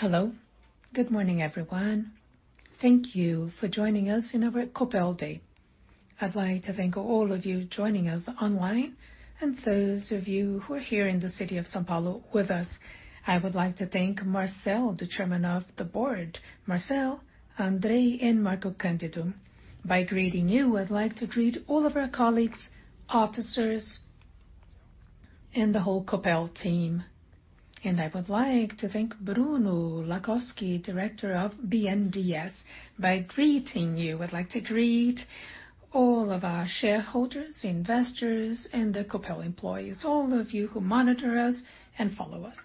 Hello. Good morning, everyone. Thank you for joining us in our Copel Day. I'd like to thank all of you joining us online and those of you who are here in the city officers, and the whole Copel team. I would like to thank Bruno Laskowsky, director of BNDES. By greeting you, I'd like to greet all of our shareholders, investors, and the Copel employees, all of you who monitor us and follow us.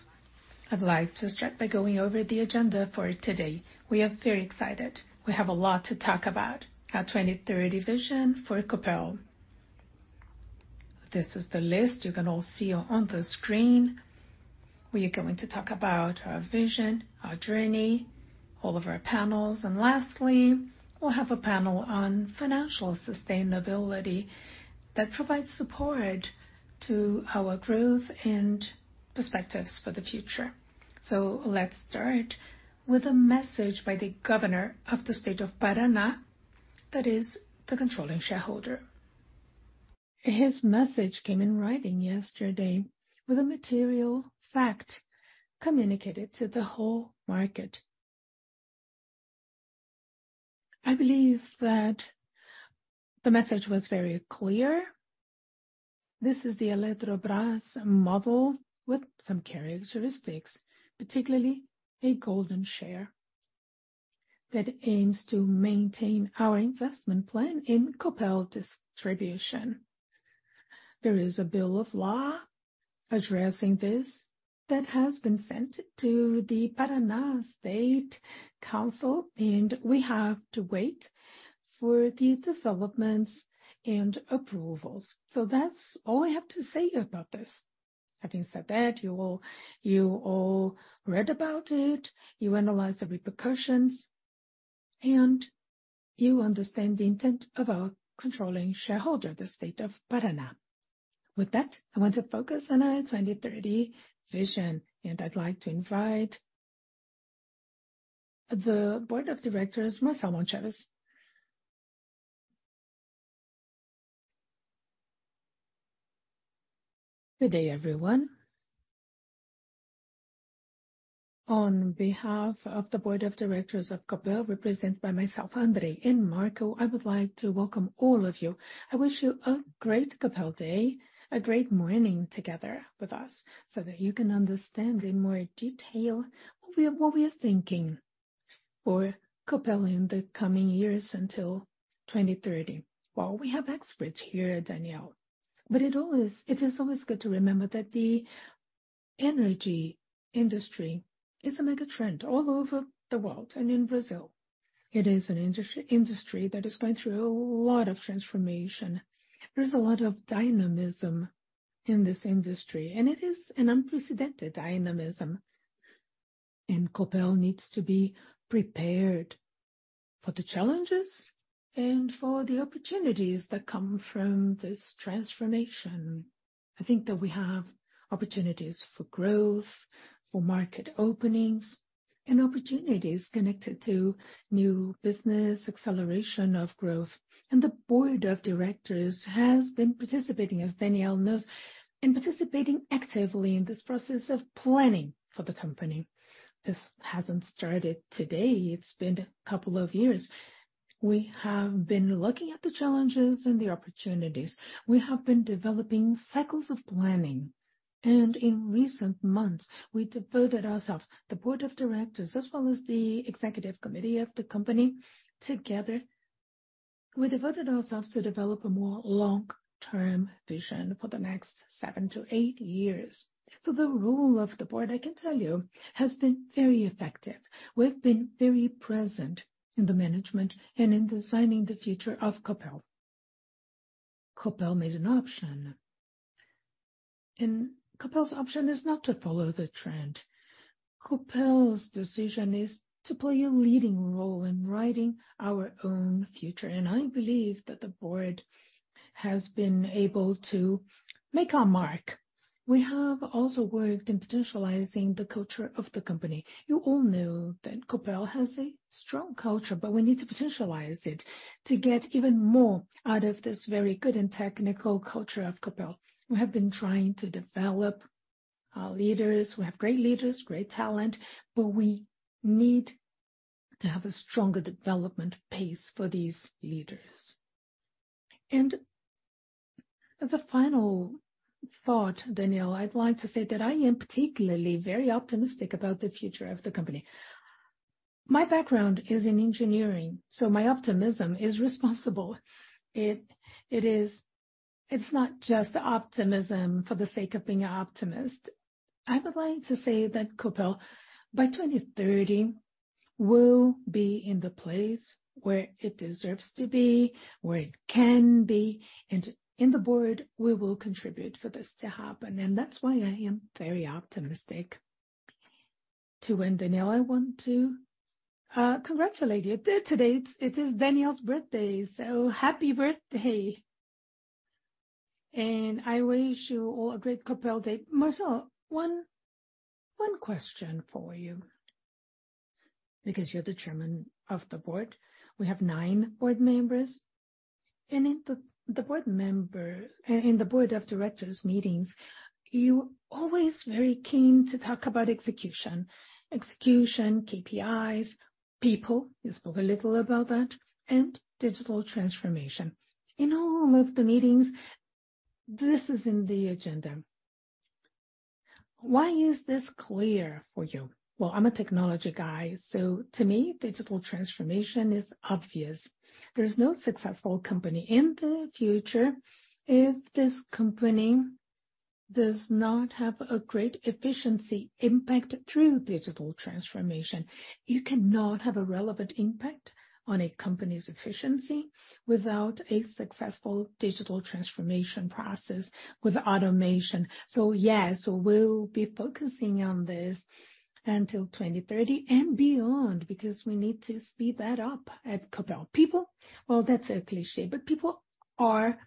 I'd like to start by going over the agenda for today. We are very excited. We have a lot to talk about. Our 2030 vision for Copel. This is the list you can all see on the screen. We are going to talk about our vision, our journey, all of our panels, and lastly, we'll have a panel on financial sustainability that provides support to our growth and perspectives for the future. Let's start with a message by the Governor of the state of Paraná, that is the controlling shareholder. His message came in writing yesterday with a material fact communicated to the whole market. I believe that the message was very clear. This is the Eletrobras model with some characteristics, particularly a golden share, that aims to maintain our investment plan in Copel Distribuição. There is a bill of law addressing this that has been sent to the Paraná State Council, and we have to wait for the developments and approvals. That's all I have to say about this. Having said that, you all read about it, you analyzed the repercussions, and you understand the intent of our controlling shareholder, the state of Paraná. With that, I want to focus on our 2030 vision, and I'd like to invite the board of directors, Marcel Malczewski. Good day, everyone. On behalf of the board of directors of Copel, represented by myself, Andre and Marco Antônio Barbosa Cândido, I would like to welcome all of you. I wish you a great Copel day, a great morning together with us, so that you can understand in more detail what we are thinking for Copel in the coming years until 2030. We have experts here, Daniel, but it is always good to remember that the energy industry is a mega trend all over the world and in Brazil. It is an industry that is going through a lot of transformation. There's a lot of dynamism in this industry, and it is an unprecedented dynamism. Copel needs to be prepared for the challenges and for the opportunities that come from this transformation. I think that we have opportunities for growth, for market openings and opportunities connected to new business, acceleration of growth. The board of directors has been participating, as Daniel knows, and participating actively in this process of planning for the company. This hasn't started today. It's been a couple of years. We have been looking at the challenges and the opportunities. We have been developing cycles of planning. In recent months, we devoted ourselves, the board of directors as well as the executive committee of the company, together, we devoted ourselves to develop a more long-term vision for the next seven to eight years. The role of the board, I can tell you, has been very effective. We've been very present in the management and in designing the future of Copel. Copel made an option, Copel's option is not to follow the trend. Copel's decision is to play a leading role in writing our own future. I believe that the board has been able to make our mark. We have also worked in potentializing the culture of the company. You all know that Copel has a strong culture, but we need to potentialize it to get even more out of this very good and technical culture of Copel. We have been trying to develop our leaders. We have great leaders, great talent, we need to have a stronger development pace for these leaders. As a final thought, Daniel, I'd like to say that I am particularly very optimistic about the future of the company. My background is in engineering, my optimism is responsible. It's not just optimism for the sake of being an optimist. I would like to say that Copel, by 2030, will be in the place where it deserves to be, where it can be. In the board, we will contribute for this to happen. That's why I am very optimistic. To end, Daniel, I want to congratulate you. Today, it is Daniel's birthday. Happy birthday. And I wish you all a great Copel day. Marcel, one question for you because you're the chairman of the board. We have nine board members. In the board of directors meetings, you always very keen to talk about execution. Execution, KPIs, people, you spoke a little about that, and digital transformation. In all of the meetings, this is in the agenda. Why is this clear for you? Well, I'm a technology guy, so to me, digital transformation is obvious. There's no successful company in the future if this company does not have a great efficiency impact through digital transformation. You cannot have a relevant impact on a company's efficiency without a successful digital transformation process with automation. Yes, we'll be focusing on this until 2030 and beyond, because we need to speed that up at Copel. People, well, that's a cliché, but people are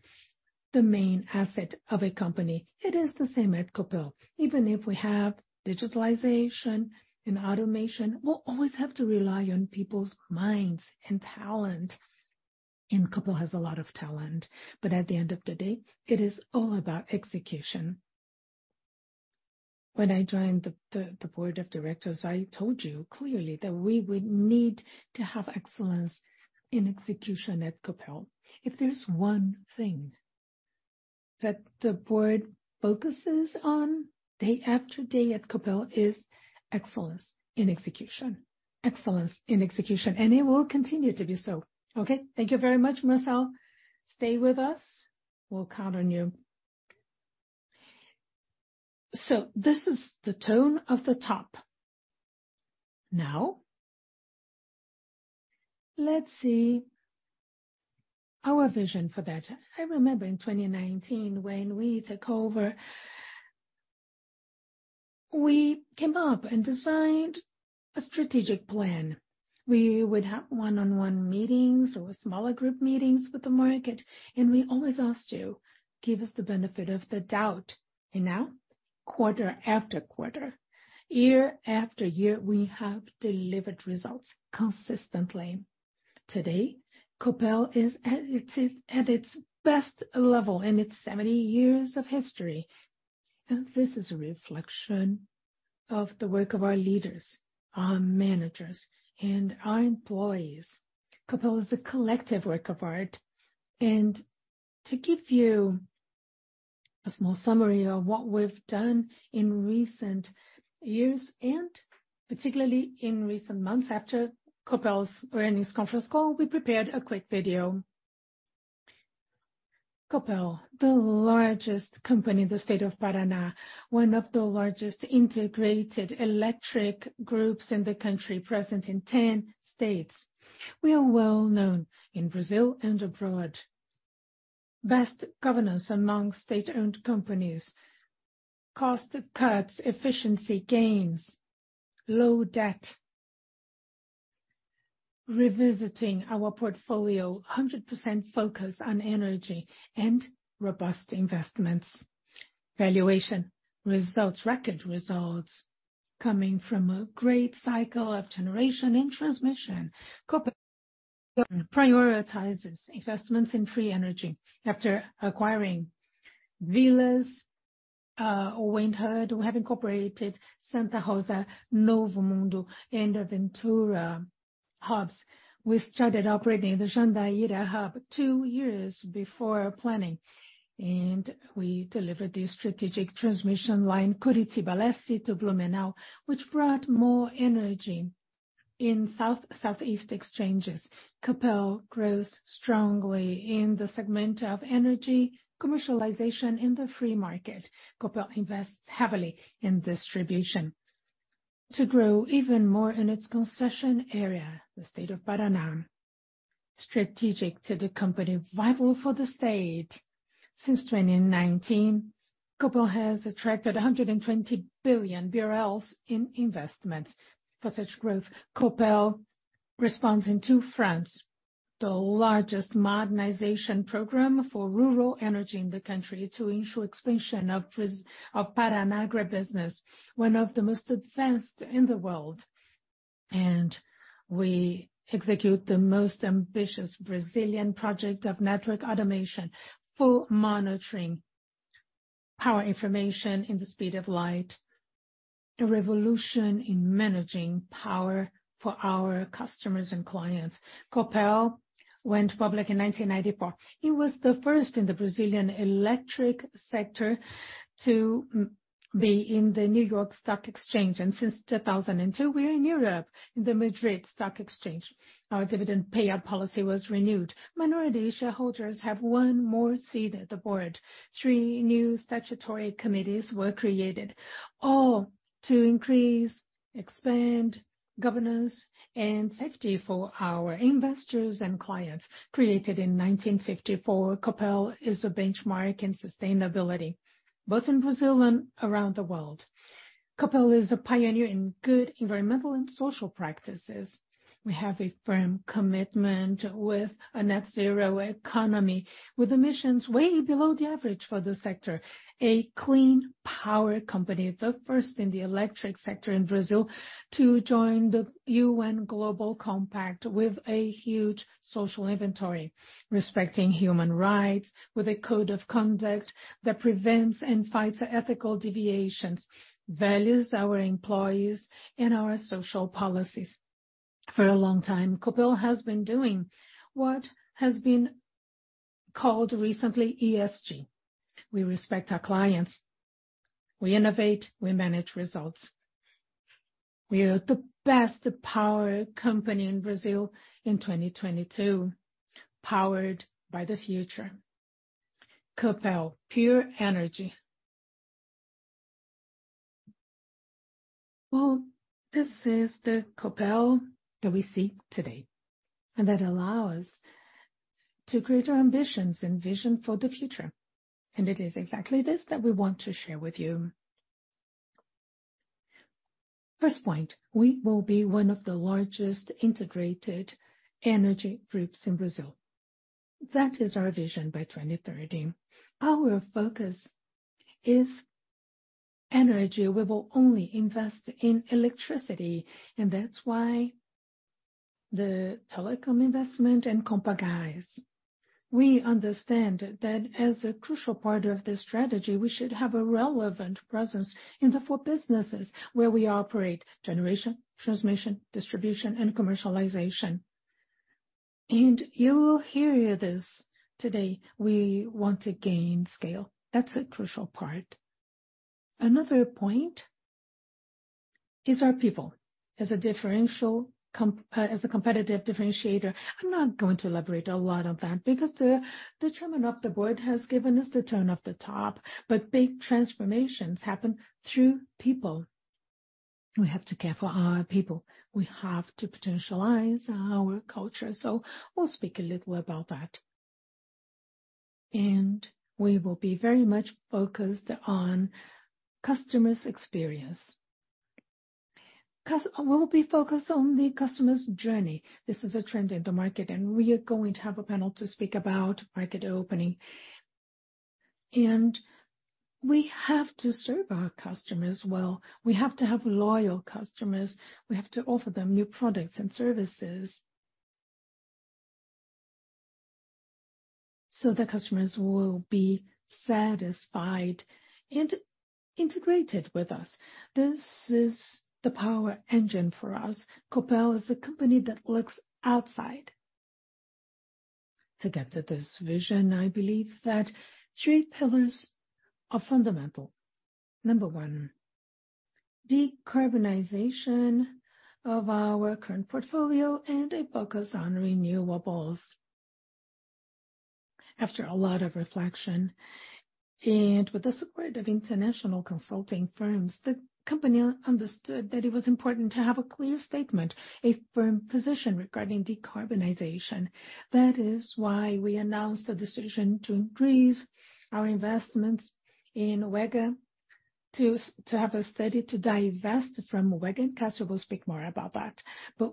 the main asset of a company. It is the same at Copel. Even if we have digitalization and automation, we'll always have to rely on people's minds and talent. Copel has a lot of talent. At the end of the day, it is all about execution. When I joined the board of directors, I told you clearly that we would need to have excellence in execution at Copel. If there's one thing that the board focuses on day after day at Copel is excellence in execution. Excellence in execution. It will continue to do so. Okay. Thank you very much, Marcel. Stay with us. We'll count on you. This is the tone of the top. Let's see our vision for that. I remember in 2019 when we took over, we came up and designed a strategic plan. We would have one-on-one meetings or smaller group meetings with the market, and we always asked you, "Give us the benefit of the doubt." Now, quarter after quarter, year after year, we have delivered results consistently. Today, Copel is at its best level in its 70 years of history. This is a reflection of the work of our leaders, our managers, and our employees. Copel is a collective work of art. To give you a small summary of what we've done in recent years, and particularly in recent months after Copel's earnings conference call, we prepared a quick video. Copel, the largest company in the state of Paraná, one of the largest integrated electric groups in the country, present in 10 states. We are well-known in Brazil and abroad. Best governance among state-owned companies. Cost cuts, efficiency gains, low debt. Revisiting our portfolio, 100% focus on energy and robust investments. Valuation results, record results coming from a great cycle of generation in transmission. Copel prioritizes investments in free energy. After acquiring Vilas wind hub, we have incorporated Santa Rosa, Mundo Novo, and Aventura hubs. We started operating the Jandaíra hub two years before planning, and we delivered the strategic transmission line, Curitiba Leste to Blumenau, which brought more energy in South-Southeast exchanges. Copel grows strongly in the segment of energy commercialization in the free market. Copel invests heavily in distribution to grow even more in its concession area, the state of Paraná. Strategic to the company, vital for the state. Since 2019, Copel has attracted 120 billion BRL in investments. For such growth, Copel responds in two fronts. The largest modernization program for rural energy in the country to ensure expansion of Paraná agribusiness, one of the most advanced in the world. We execute the most ambitious Brazilian project of network automation, full monitoring, power information in the speed of light, a revolution in managing power for our customers and clients. Copel went public in 1994. It was the first in the Brazilian electric sector to be in the New York Stock Exchange. Since 2002, we're in Europe, in the Madrid Stock Exchange. Our dividend payout policy was renewed. Minority shareholders have one more seat at the board. Three new statutory committees were created, all to increase, expand governance and safety for our investors and clients. Created in 1954, Copel is a benchmark in sustainability, both in Brazil and around the world. Copel is a pioneer in good environmental and social practices. We have a firm commitment with a net zero economy, with emissions way below the average for the sector. A clean power company, the first in the electric sector in Brazil to join the UN Global Compact with a huge social inventory, respecting human rights with a code of conduct that prevents and fights ethical deviations, values our employees and our social policies. For a long time, Copel has been doing what has been called recently ESG. We respect our clients. We innovate, we manage results. We are the best power company in Brazil in 2022, powered by the future. Copel, pure energy. Well, this is the Copel that we see today, that allow us to greater ambitions and vision for the future. It is exactly this that we want to share with you. First point, we will be one of the largest integrated energy groups in Brazil. That is our vision by 2030. Our focus is energy. We will only invest in electricity, and that's why the telecom investment and Comgás. We understand that as a crucial part of this strategy, we should have a relevant presence in the four businesses where we operate: generation, transmission, distribution, and commercialization. You will hear this today, we want to gain scale. That's a crucial part. Another point is our people. As a competitive differentiator, I'm not going to elaborate a lot on that because the Chairman of the Board has given us the tone of the top. Big transformations happen through people. We have to care for our people. We have to potentialize our culture. We'll speak a little about that. We will be very much focused on customers' experience. We'll be focused on the customer's journey. This is a trend in the market, we are going to have a panel to speak about market opening. We have to serve our customers well. We have to have loyal customers. We have to offer them new products and services. The customers will be satisfied and integrated with us. This is the power engine for us. Copel is a company that looks outside. To get to this vision, I believe that three pillars are fundamental. Number one, decarbonization of our current portfolio and a focus on renewables. After a lot of reflection and with the support of international consulting firms, the company understood that it was important to have a clear statement, a firm position regarding decarbonization. That is why we announced the decision to increase our investments in UEGA to have a study to divest from UEGA. Cassio will speak more about that.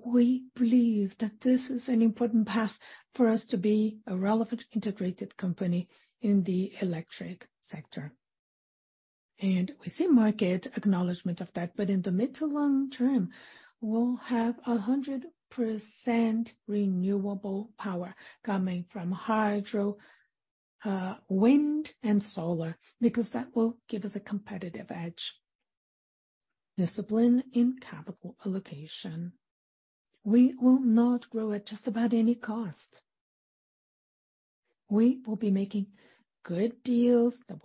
We believe that this is an important path for us to be a relevant integrated company in the electric sector. We see market acknowledgment of that. In the mid to long term, we'll have 100% renewable power coming from hydro, wind and solar, because that will give us a competitive edge. Discipline in capital allocation. We will not grow at just about any cost. We will be making good deals that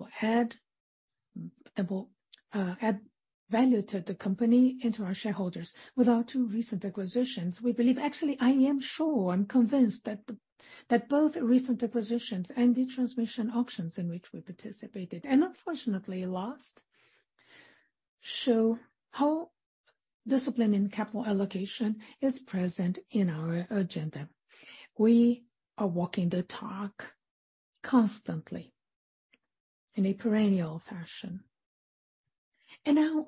will add value to the company and to our shareholders. With our two recent acquisitions, we believe, actually, I am sure, I'm convinced that both recent acquisitions and the transmission auctions in which we participated, and unfortunately lost, show how discipline in capital allocation is present in our agenda. We are walking the talk constantly in a perennial fashion.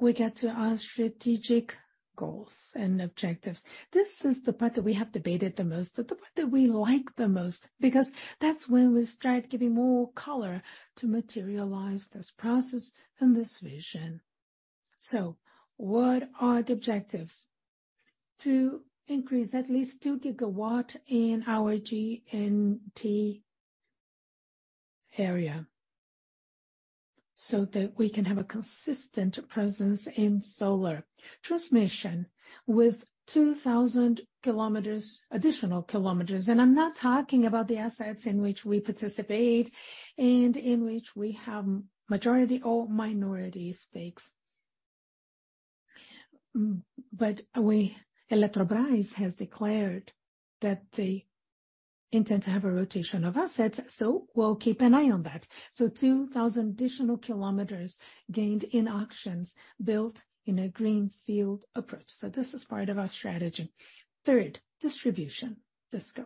We get to our strategic goals and objectives. This is the part that we have debated the most, the part that we like the most, because that's when we start giving more color to materialize this process and this vision. What are the objectives? To increase at least 2 GW in our G&T area, so that we can have a consistent presence in solar. Transmission with 2,000 km, additional kilometers. I'm not talking about the assets in which we participate and in which we have majority or minority stakes. Eletrobras has declared that they intend to have a rotation of assets, we'll keep an eye on that. 2,000 additional kilometers gained in auctions built in a greenfield approach. This is part of our strategy. Third, distribution, Disco.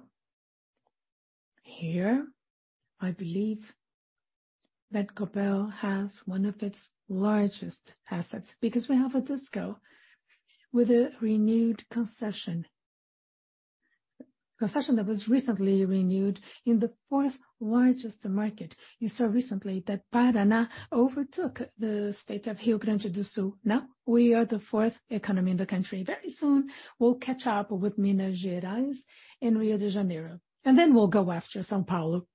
Here, I believe that Copel has one of its largest assets, because we have a Disco with a renewed concession. Concession that was recently renewed in the fourth largest market. You saw recently that Paraná overtook the state of Rio Grande do Sul. Now we are the fourth economy in the country. Very soon we'll catch up with Minas Gerais and Rio de Janeiro, we'll go after São Paulo.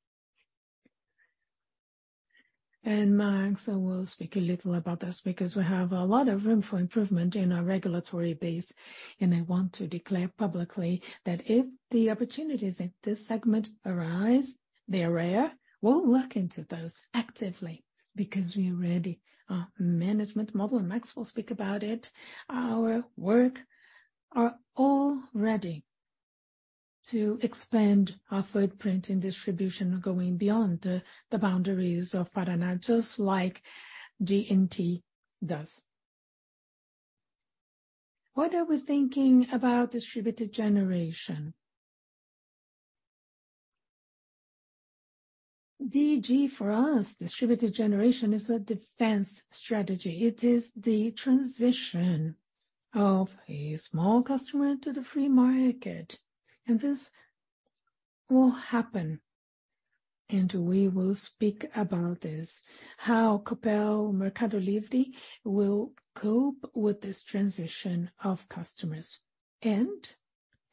Max will speak a little about this because we have a lot of room for improvement in our regulatory base. I want to declare publicly that if the opportunities in this segment arise, they're rare, we'll look into those actively because we're ready. Our management model, Max will speak about it. Our work are all ready to expand our footprint in distribution, going beyond the boundaries of Paraná, just like GNT does. What are we thinking about distributed generation? DG for us, distributed generation, is a defense strategy. It is the transition of a small customer to the free market. This will happen, and we will speak about this, how Copel Mercado Livre will cope with this transition of customers.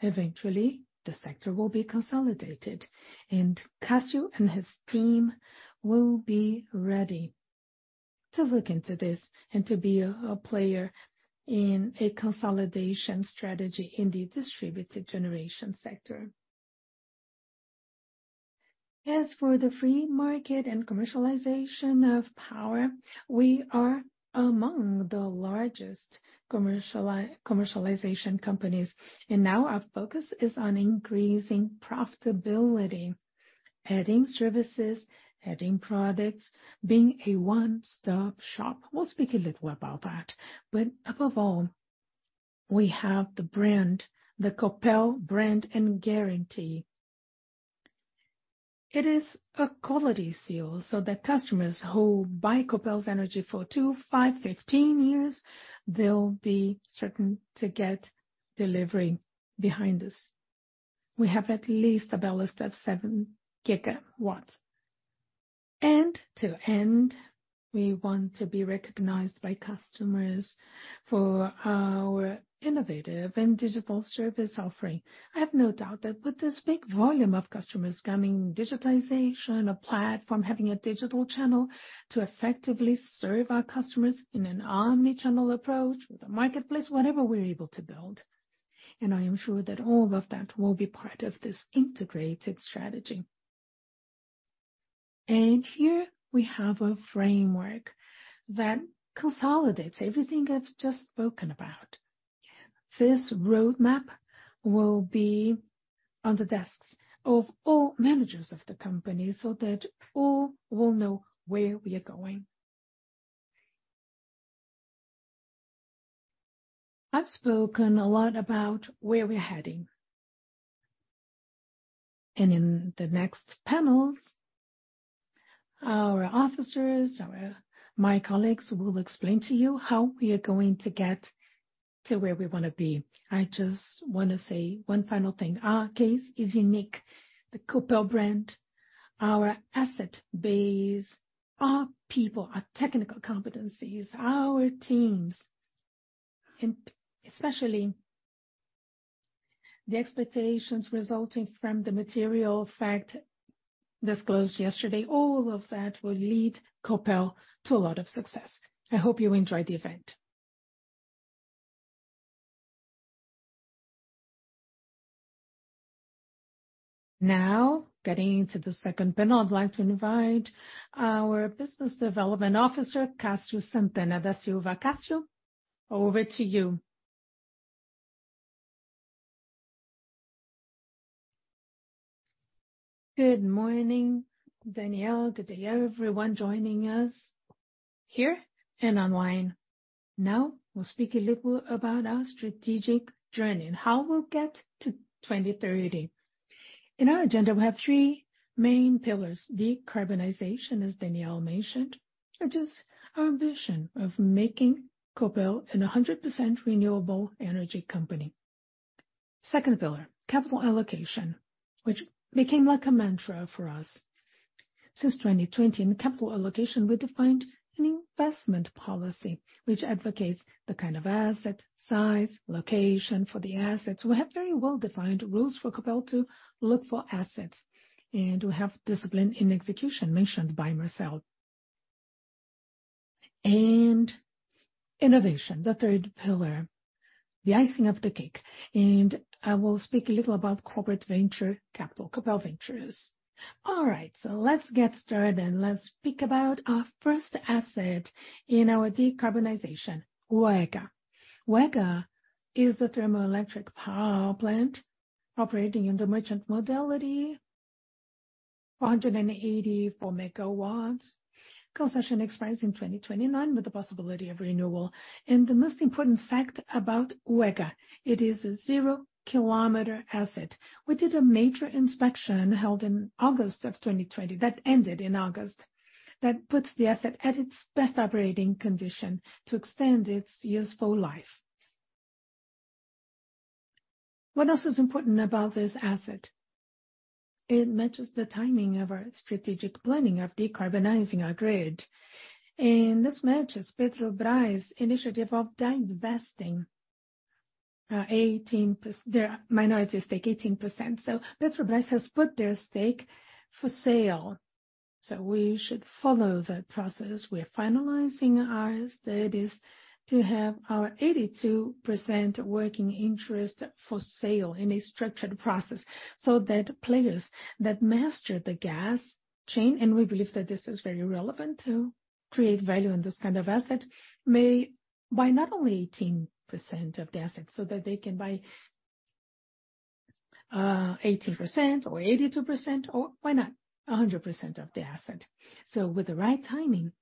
Eventually the sector will be consolidated, and Cassio and his team will be ready to look into this and to be a player in a consolidation strategy in the distributed generation sector. As for the free market and commercialization of power, we are among the largest commercialization companies, and now our focus is on increasing profitability, adding services, adding products, being a one-stop shop. We'll speak a little about that. Above all, we have the brand, the Copel brand and guarantee. It is a quality seal, so that customers who buy Copel's energy for two, five, 15 years, they'll be certain to get delivery behind us. We have at least a ballast of 7 GW. To end, we want to be recognized by customers for our innovative and digital service offering. I have no doubt that with this big volume of customers coming, digitization, a platform, having a digital channel to effectively serve our customers in an omnichannel approach with the marketplace, whatever we're able to build, I am sure that all of that will be part of this integrated strategy. Here we have a framework that consolidates everything I've just spoken about. This roadmap will be on the desks of all managers of the company so that all will know where we are going. I've spoken a lot about where we're heading. In the next panels, our officers, my colleagues will explain to you how we are going to get to where we wanna be. I just wanna say one final thing. Our case is unique. The Copel brand, our asset base, our people, our technical competencies, our teams, and especially the expectations resulting from the material fact disclosed yesterday, all of that will lead Copel to a lot of success. I hope you enjoy the event. Getting into the second panel, I'd like to invite our Business Development Officer, Cassio Santana da Silva. Cassio, over to you. Good morning, Daniel. Good day everyone joining us here and online. We'll speak a little about our strategic journey and how we'll get to 2030. In our agenda, we have three main pillars. Decarbonization, as Daniel mentioned, which is our vision of making Copel a 100% renewable energy company. Second pillar, capital allocation, which became like a mantra for us. Since 2020, in capital allocation, we defined an investment policy which advocates the kind of asset, size, location for the assets. We have very well-defined rules for Copel to look for assets, and we have discipline in execution mentioned by Marcel. Innovation, the third pillar, the icing of the cake. I will speak a little about corporate venture capital, Copel Ventures. Let's get started and let's speak about our first asset in our decarbonization, UEGA. UEGA is the thermoelectric power plant operating in the merchant modality. 484 MW. Concession expires in 2029 with the possibility of renewal. The most important fact about UEGA, it is a 0 km asset. We did a major inspection held in August of 2020, that ended in August, that puts the asset at its best operating condition to extend its useful life. What else is important about this asset? It matches the timing of our strategic planning of decarbonizing our grid. This matches Petrobras' initiative of divesting their minority stake, 18%. Petrobras has put their stake for sale. We should follow that process. We're finalizing our studies to have our 82% working interest for sale in a structured process, so that players that master the gas chain, and we believe that this is very relevant to create value in this kind of asset, may buy not only 18% of the asset, so that they can buy 18% or 82% or why not, 100% of the asset. With the right timing,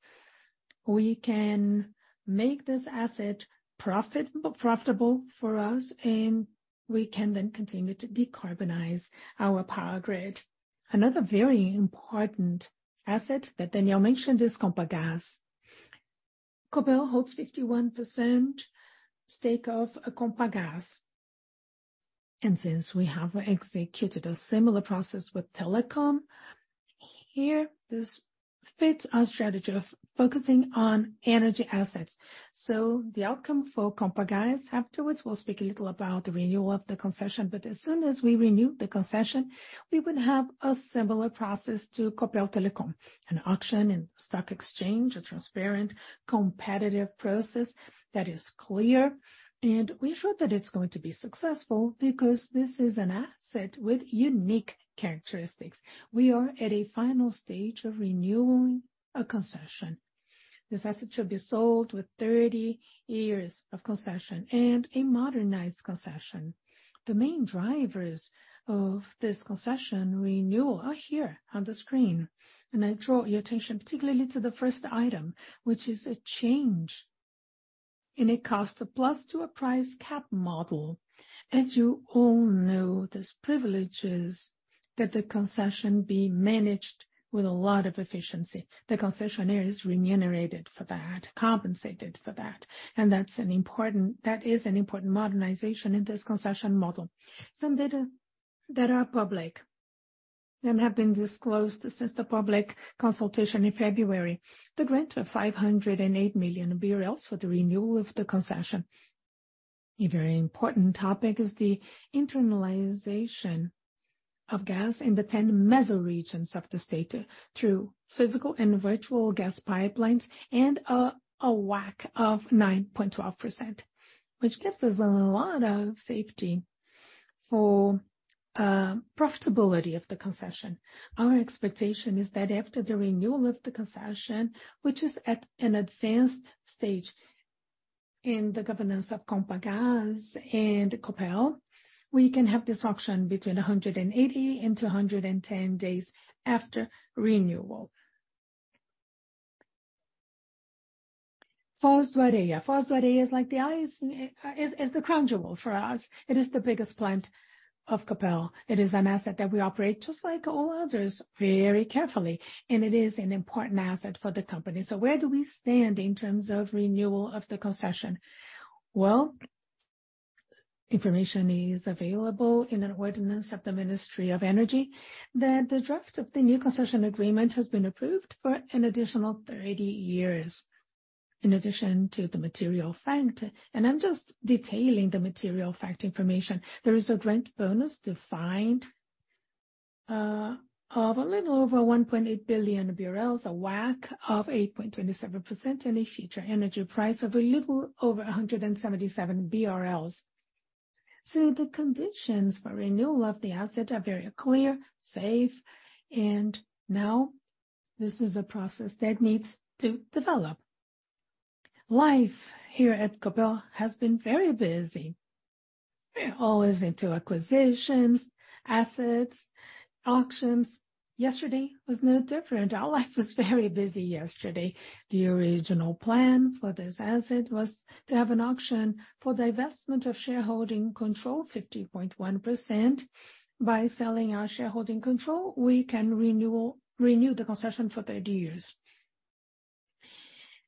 we can make this asset profitable for us, and we can then continue to decarbonize our power grid. Another very important asset that Daniel mentioned is Compagas. Copel Holds 51% stake of Compagas. Since we have executed a similar process with Telecom, here this fits our strategy of focusing on energy assets. The outcome for Compagas, afterwards, we'll speak a little about the renewal of the concession, but as soon as we renew the concession, we will have a similar process to Copel Telecom, an auction and stock exchange, a transparent, competitive process that is clear. We're sure that it's going to be successful because this is an asset with unique characteristics. We are at a final stage of renewing a concession. This asset should be sold with 30 years of concession and a modernized concession. The main drivers of this concession renewal are here on the screen. I draw your attention particularly to the first item, which is a change in a cost-plus to a price cap model. As you all know, this privileges that the concession be managed with a lot of efficiency. The concessionaire is remunerated for that, compensated for that. That is an important modernization in this concession model. Some data that are public and have been disclosed since the public consultation in February. The grant of 508 million BRL for the renewal of the concession. A very important topic is the internalization of gas in the 10 meso regions of the state through physical and virtual gas pipelines and a WACC of 9.12%, which gives us a lot of safety for profitability of the concession. Our expectation is that after the renewal of the concession, which is at an advanced stage in the governance of Compagas and Copel, we can have this auction between 180 and 210 days after renewal. Foz do Areia. Foz do Areia is like the crown jewel for us. It is the biggest plant of Copel. It is an asset that we operate, just like all others, very carefully. It is an important asset for the company. Where do we stand in terms of renewal of the concession? Well, information is available in an ordinance of the Ministry of Energy that the draft of the new concession agreement has been approved for an additional 30 years in addition to the material fact. I'm just detailing the material fact information. There is a grant bonus defined, of a little over 1.8 billion BRL, a WACC of 8.27%, and a future energy price of a little over 177 BRL. The conditions for renewal of the asset are very clear, safe, and now this is a process that needs to develop. Life here at Copel has been very busy. We're always into acquisitions, assets, auctions. Yesterday was no different. Our life was very busy yesterday. The original plan for this asset was to have an auction for divestment of shareholding control, 50.1%. By selling our shareholding control, we can renew the concession for 30 years.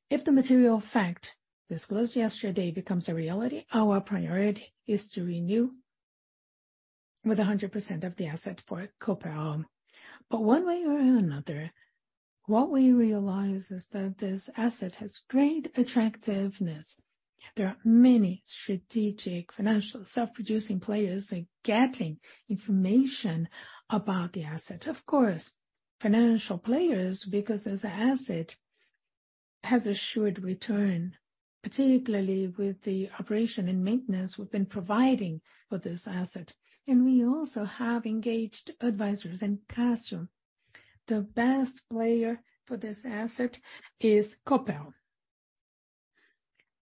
If the material fact disclosed yesterday becomes a reality, our priority is to renew with 100% of the asset for Copel. One way or another, what we realize is that this asset has great attractiveness. There are many strategic financial self-producing players getting information about the asset. Of course, financial players, because this asset has assured return, particularly with the operation and maintenance we've been providing for this asset. We also have engaged advisors in Castro. The best player for this asset is Copel.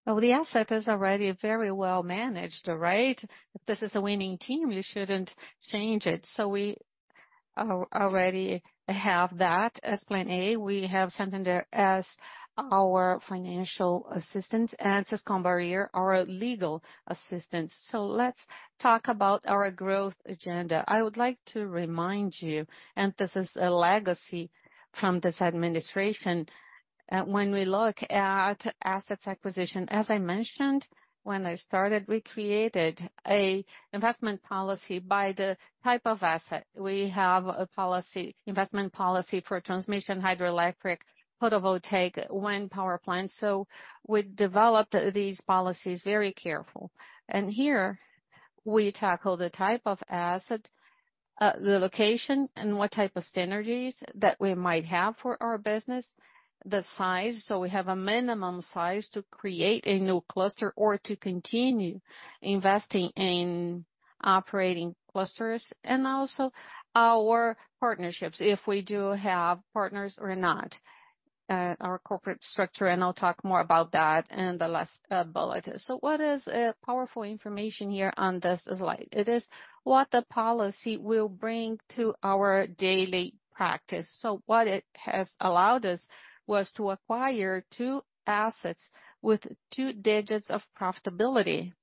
Well, the asset is already very well managed, right? If this is a winning team, you shouldn't change it. We already have that as plan A. We have Santander as our financial assistance, and Cescon Barrieu, our legal assistance. Let's talk about our growth agenda. I would like to remind you, this is a legacy from this administration, when we look at assets acquisition, as I mentioned when I started, we created a investment policy by the type of asset. We have a investment policy for transmission hydroelectric, photovoltaic, wind power plants. We developed these policies very careful. Here we tackle the type of asset, the location and what type of synergies that we might have for our business, the size. We have a minimum size to create a new cluster or to continue investing in operating clusters. Our partnerships, if we do have partners or not, our corporate structure, and I'll talk more about that in the last bullet. What is a powerful information here on this slide? It is what the policy will bring to our daily practice. What it has allowed us was to acquire two assets with two digits of profitability.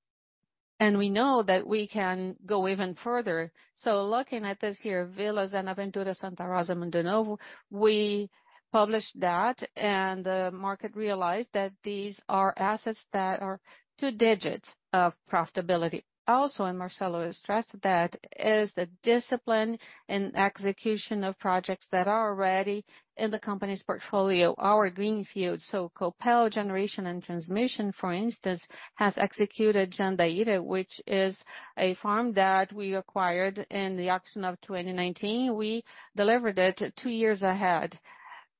We know that we can go even further. Looking at this here, Vilas, Aventura, Santa Rosa & Mundo Novo, we published that, and the market realized that these are assets that are two digits of profitability. Marcelo has stressed that, is the discipline and execution of projects that are already in the company's portfolio, our greenfield. Copel Geração e Transmissão, for instance, has executed Jandaíra, which is a farm that we acquired in the auction of 2019. We delivered it two years ahead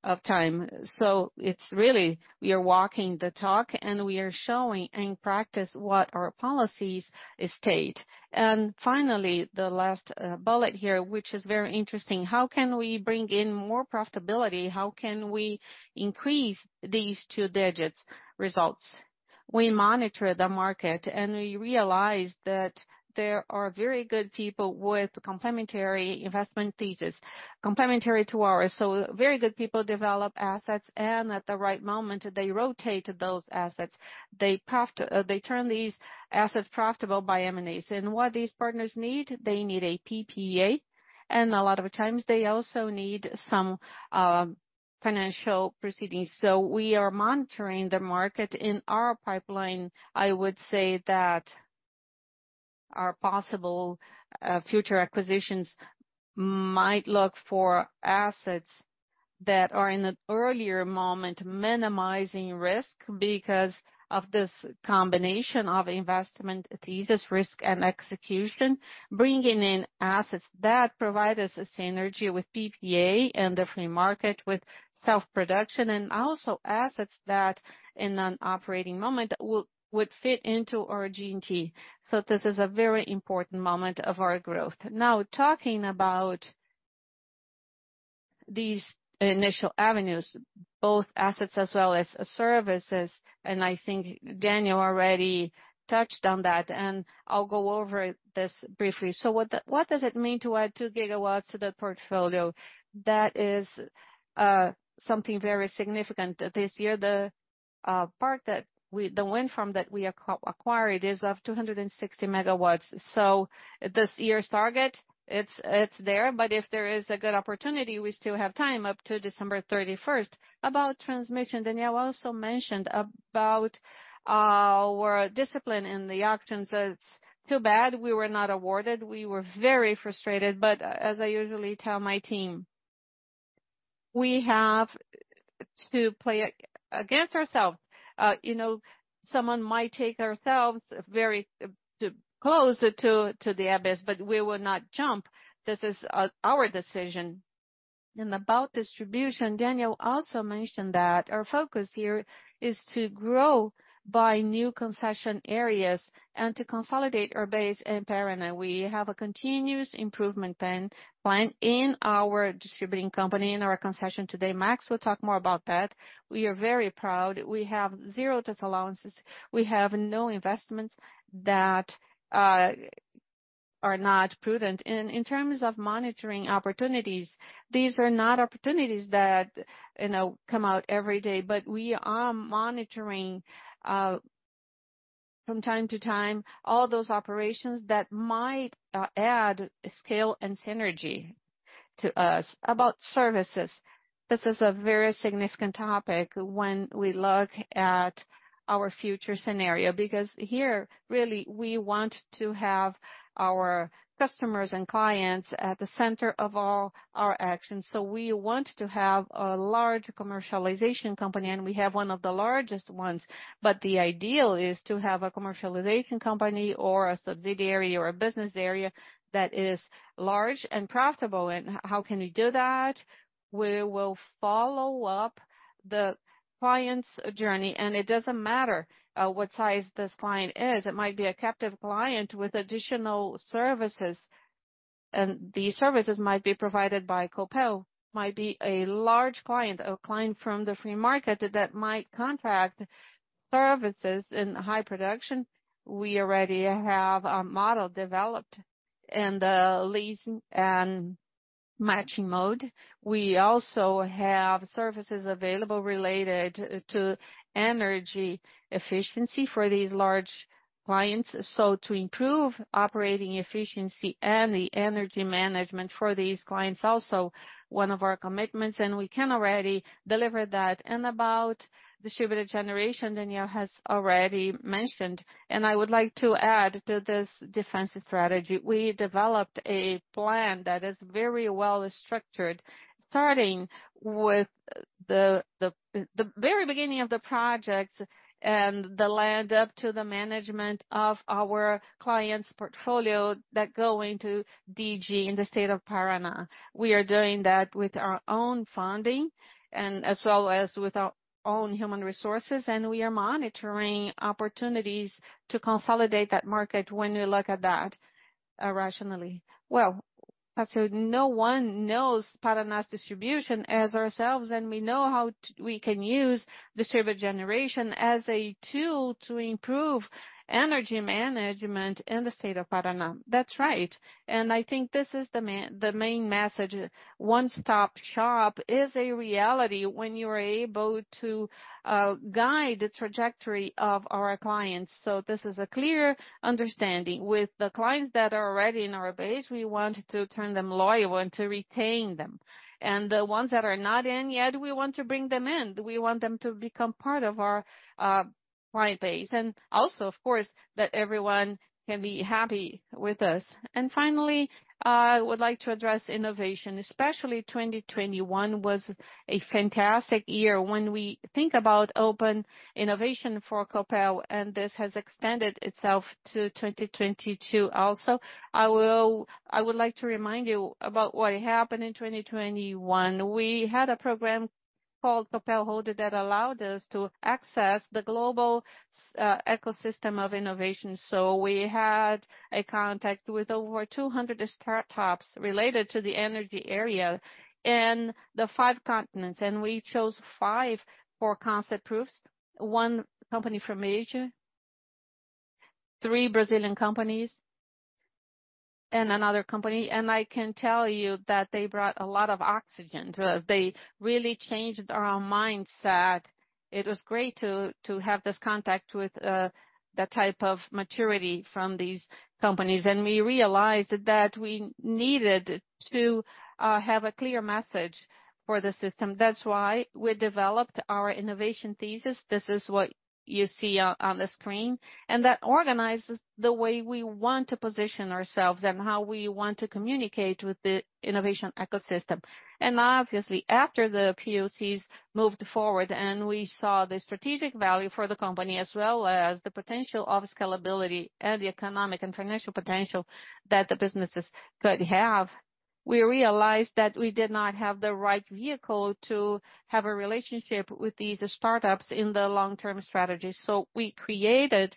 of time. It's really, we are walking the talk, and we are showing in practice what our policies state. Finally, the last bullet here, which is very interesting. How can we bring in more profitability? How can we increase these two digits results? We monitor the market, and we realized that there are very good people with complementary investment thesis, complementary to ours. Very good people develop assets, and at the right moment, they rotate those assets. They turn these assets profitable by M&As. What these partners need, they need a PPA. A lot of times they also need some financial proceedings. We are monitoring the market. In our pipeline, I would say that our possible future acquisitions might look for assets that are in an earlier moment minimizing risk because of this combination of investment thesis risk and execution, bringing in assets that provide us a synergy with PPA and the free market with self-production, and also assets that in an operating moment would fit into our G&T. This is a very important moment of our growth. Talking about these initial avenues, both assets as well as services, I think Daniel already touched on that, and I'll go over this briefly. What does it mean to add 2 GW to the portfolio? That is something very significant. This year, the wind farm that we acquired is of 260 MW. This year's target, it's there. If there is a good opportunity, we still have time up to December 31st. About transmission, Daniel also mentioned about our discipline in the auctions. It's too bad we were not awarded. We were very frustrated. As I usually tell my team, we have to play against ourselves. You know, someone might take ourselves very close to the abyss, but we will not jump. This is our decision. About distribution, Daniel also mentioned that our focus here is to grow by new concession areas and to consolidate our base in Paraná. We have a continuous improvement plan in our distributing company, in our concession today. Max will talk more about that. We are very proud. We have 0 test allowances. We have no investments that are not prudent. In terms of monitoring opportunities, these are not opportunities that, you know, come out every day. We are monitoring, from time to time, all those operations that might add scale and synergy to us. About services, this is a very significant topic when we look at our future scenario, because here, really, we want to have our customers and clients at the center of all our actions. We want to have a large commercialization company, and we have one of the largest ones. The ideal is to have a commercialization company or a subsidiary or a business area that is large and profitable. How can we do that? We will follow up the client's journey. It doesn't matter, what size this client is. It might be a captive client with additional services. These services might be provided by Copel. Might be a large client, a client from the free market that might contract services in high production. We already have a model developed in the leasing and matching mode. We also have services available related to energy efficiency for these large clients. To improve operating efficiency and the energy management for these clients also one of our commitments, we can already deliver that. About distributed generation, Daniel has already mentioned, and I would like to add to this defensive strategy. We developed a plan that is very well structured, starting with the very beginning of the project and the land up to the management of our clients portfolio that go into DG in the state of Paraná. We are doing that with our own funding as well as with our own human resources. We are monitoring opportunities to consolidate that market when you look at that rationally. No one knows Paraná's distribution as ourselves, and we know how we can use distributed generation as a tool to improve energy management in the state of Paraná. That's right. I think this is the main message. One stop shop is a reality when you're able to guide the trajectory of our clients. This is a clear understanding. With the clients that are already in our base, we want to turn them loyal and to retain them. The ones that are not in yet, we want to bring them in. We want them to become part of our client base. Also, of course, that everyone can be happy with us. Finally, I would like to address innovation. Especially 2021 was a fantastic year when we think about open innovation for Copel, and this has extended itself to 2022 also. I would like to remind you about what happened in 2021. We had a program called Copel Volt that allowed us to access the global ecosystem of innovation. We had a contact with over 200 startups related to the energy area in the five continents. We chose five for concept proofs. One company from Asia, three Brazilian companies, and another company. I can tell you that they brought a lot of oxygen to us. They really changed our mindset. It was great to have this contact with the type of maturity from these companies. We realized that we needed to have a clear message for the system. That's why we developed our innovation thesis. This is what you see on the screen. That organizes the way we want to position ourselves and how we want to communicate with the innovation ecosystem. Obviously, after the POCs moved forward and we saw the strategic value for the company, as well as the potential of scalability and the economic and financial potential that the businesses could have, we realized that we did not have the right vehicle to have a relationship with these startups in the long term strategy. We created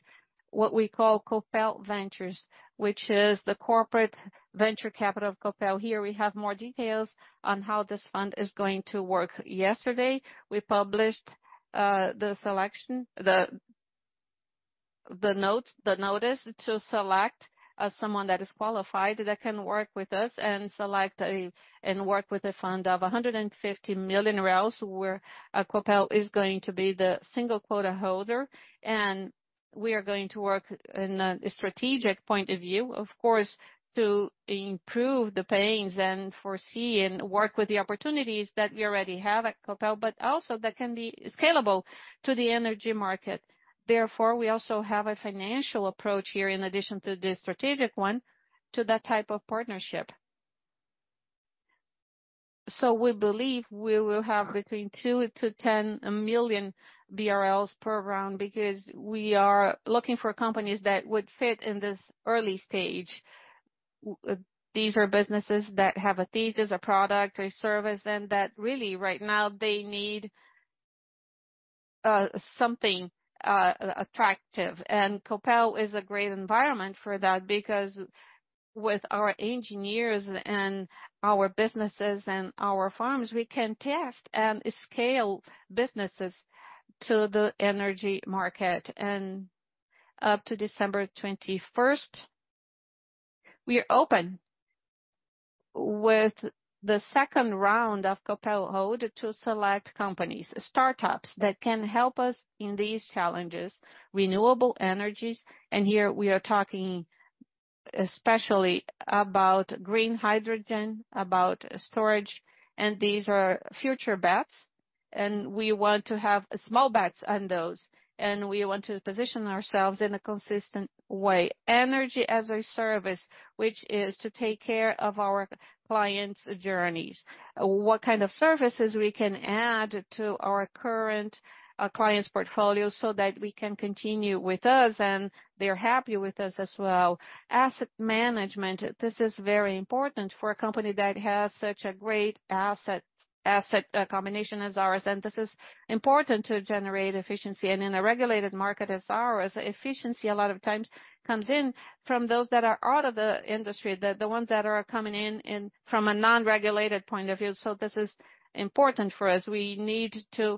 what we call Copel Ventures, which is the corporate venture capital of Copel. Here we have more details on how this fund is going to work. Yesterday, we published the notice to select someone that is qualified that can work with us and work with a fund of 150 million, where Copel is going to be the single quota holder. We are going to work in a strategic point of view, of course, to improve the pains and foresee and work with the opportunities that we already have at Copel, but also that can be scalable to the energy market. We also have a financial approach here, in addition to the strategic one, to that type of partnership. We believe we will have between 2 million-10 million BRL per round because we are looking for companies that would fit in this early stage. These are businesses that have a thesis, a product, a service, and that really right now they need something attractive. Copel is a great environment for that because with our engineers and our businesses and our farms, we can test and scale businesses to the energy market. Up to December 21st, we are open with the second round of Copel Hold to select companies, startups that can help us in these challenges. Renewable energies, here we are talking especially about green hydrogen, about storage, these are future bets, we want to have small bets on those, we want to position ourselves in a consistent way. Energy as a service, which is to take care of our clients' journeys. What kind of services we can add to our current clients' portfolio so that we can continue with us, and they're happy with us as well. Asset management, this is very important for a company that has such a great asset combination as ours, and this is important to generate efficiency. In a regulated market as ours, efficiency a lot of times comes in from those that are out of the industry, the ones that are coming in and from a non-regulated point of view. This is important for us. We need to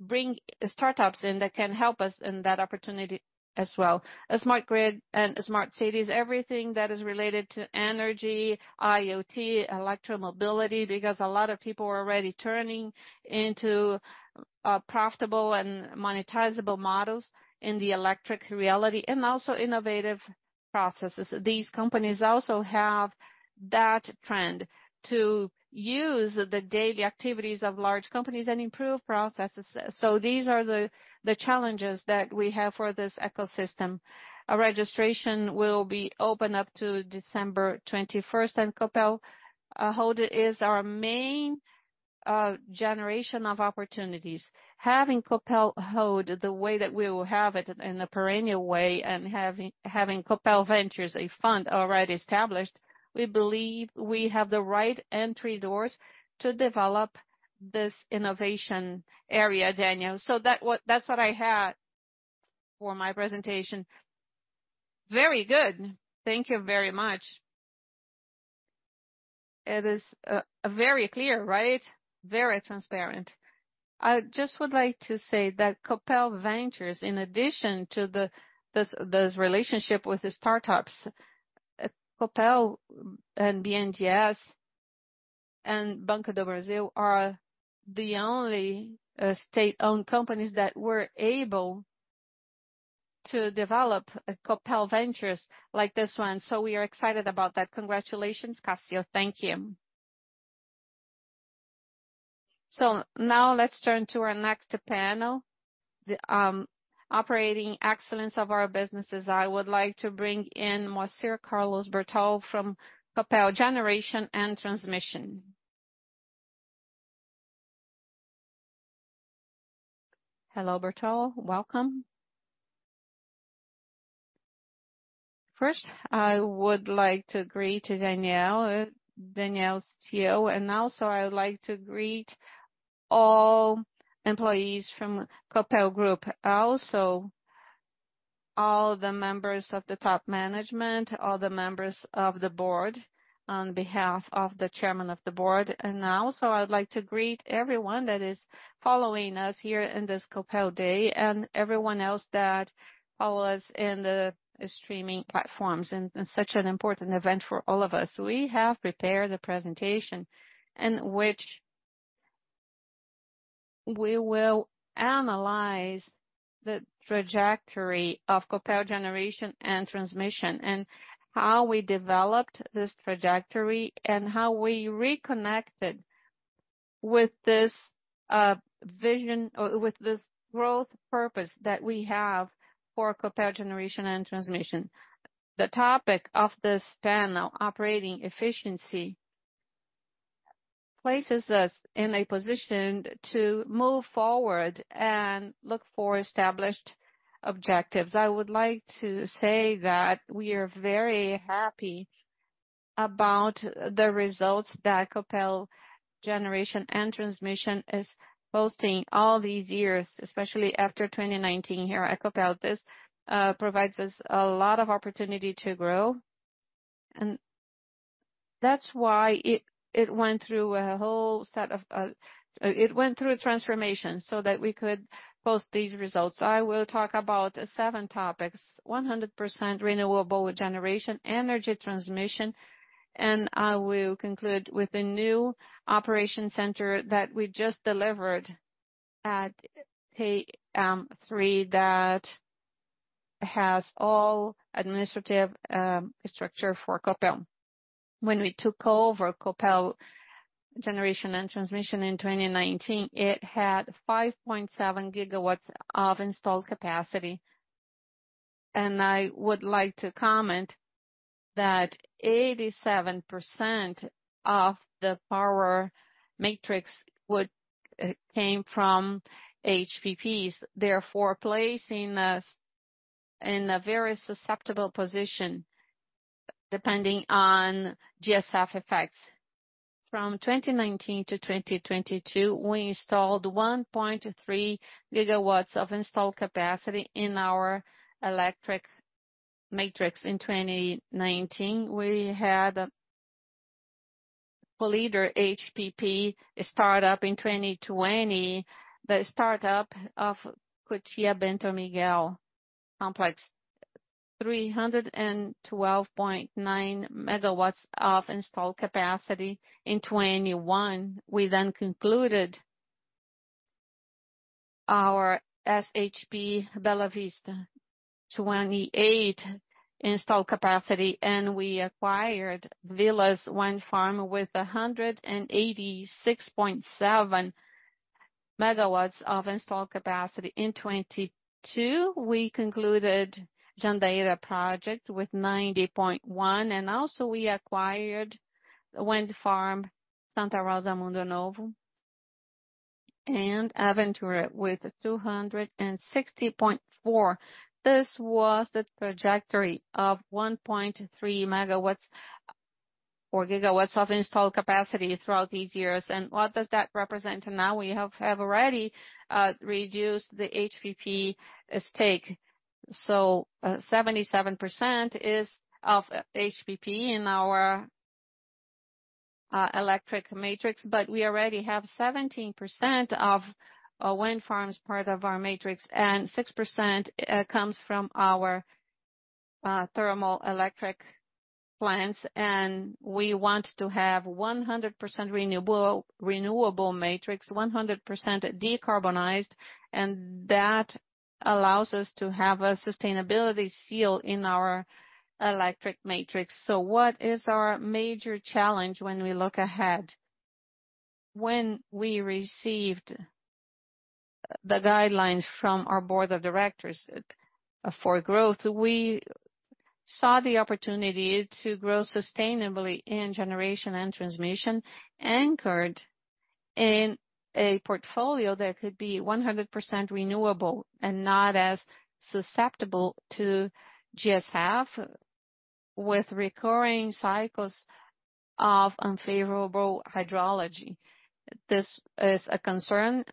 bring startups in that can help us in that opportunity as well. Smart grid and smart cities, everything that is related to energy, IoT, electro-mobility, because a lot of people are already turning into profitable and monetizable models in the electric reality and also innovative processes. These companies also have that trend to use the daily activities of large companies and improve processes. These are the challenges that we have for this ecosystem. A registration will be open up to December 21st, and Copel Hold is our main generation of opportunities. Having Copel Hold the way that we will have it in a perennial way and having Copel Ventures, a fund already established, we believe we have the right entry doors to develop this innovation area, Daniel. That's what I had for my presentation. Very good. Thank you very much. It is very clear, right? Very transparent. I just would like to say that Copel Ventures, in addition to this relationship with the startups, Copel and BNDES and Banco do Brasil are the only state-owned companies that were able to develop Copel Ventures like this one. We are excited about that. Congratulations, Cassio. Thank you. Now let's turn to our next panel, the operating excellence of our businesses. I would like to bring in Moacir Carlos Bertol from Copel Generation and Transmission. Hello, Bertol. Welcome. First, I would like to greet Daniel, CEO. Also, I would like to greet all employees from Copel Group. Also, all the members of the top management, all the members of the Board on behalf of the Chairman of the Board. Also, I would like to greet everyone that is following us here in this Copel Day and everyone else that follow us in the streaming platforms in such an important event for all of us. We have prepared a presentation in which we will analyze the trajectory of Copel Generation and Transmission and how we developed this trajectory and how we reconnected with this vision or with this growth purpose that we have for Copel Generation and Transmission. The topic of this panel, operating efficiency, places us in a position to move forward and look for established objectives. I would like to say that we are very happy about the results that Copel Generation and Transmission is boasting all these years, especially after 2019 here at Copel. This provides us a lot of opportunity to grow. That's why it went through a transformation so that we could post these results. I will talk about seven topics: 100% renewable generation, energy transmission, and I will conclude with a new operation center that we just delivered at AM3 that has all administrative structure for Copel. When we took over Copel Generation and Transmission in 2019, it had 5.7 GW of installed capacity. I would like to comment that 87% of the power matrix would came from HPPs, therefore placing us in a very susceptible position depending on GSF effects. From 2019 to 2022, we installed 1.3 GW of installed capacity in our electric matrix. In 2019, we had Colíder HPP start up. In 2020, the start up of Cutia e Bento Miguel Wind Complex, 312.9 MW of installed capacity. In 2021, we concluded our SHP Bela Vista, 28 installed capacity, and we acquired Vilas Wind Power Complex with 186.7 MW of installed capacity. In 2022, we concluded Jandaíra project with 90.1, and also we acquired wind farm Santa Rosa Mundo Novo and Aventura with 260.4. This was the trajectory of 1.3 MW or GW of installed capacity throughout these years. What does that represent now? We have already reduced the HPP stake. 77% is of HPP in our electric matrix, we already have 17% of wind farms part of our matrix, and 6% comes from our thermal electric plants. We want to have 100% renewable matrix, 100% decarbonized, and that allows us to have a sustainability seal in our electric matrix. What is our major challenge when we look ahead? When we received the guidelines from our board of directors, for growth, we saw the opportunity to grow sustainably in generation and transmission, anchored in a portfolio that could be 100% renewable and not as susceptible to GSF with recurring cycles of unfavorable hydrology. This is a concern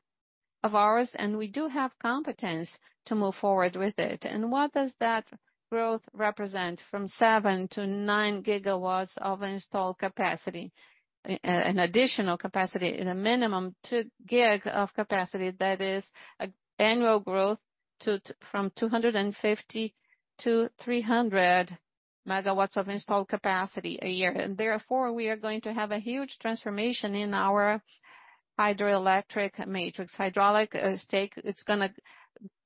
of ours, and we do have competence to move forward with it. What does that growth represent from 7 GW-9 GW of installed capacity, an additional capacity in a minimum 2 GW of capacity that is annual growth from 250 MW-300 MW of installed capacity a year. Therefore, we are going to have a huge transformation in our hydroelectric matrix. Hydraulic stake, it's going to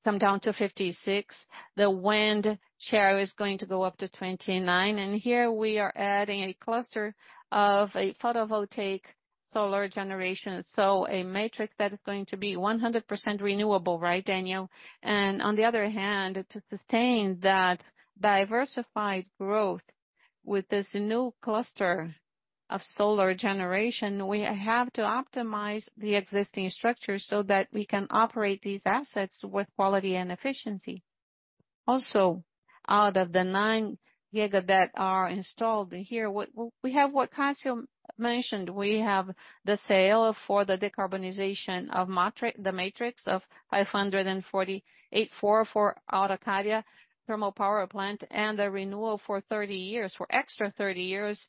come down to 56. The wind share is going to go up to 29. Here we are adding a cluster of a photovoltaic solar generation. A matrix that is going to be 100% renewable, right, Daniel? On the other hand, to sustain that diversified growth with this new cluster of solar generation, we have to optimize the existing structure so that we can operate these assets with quality and efficiency. Also, out of the 9 GW that are installed here, we have what Caio mentioned. We have the sale for the decarbonization of the matrix of 548.4 for Araucária thermal power plant and a renewal for extra 30 years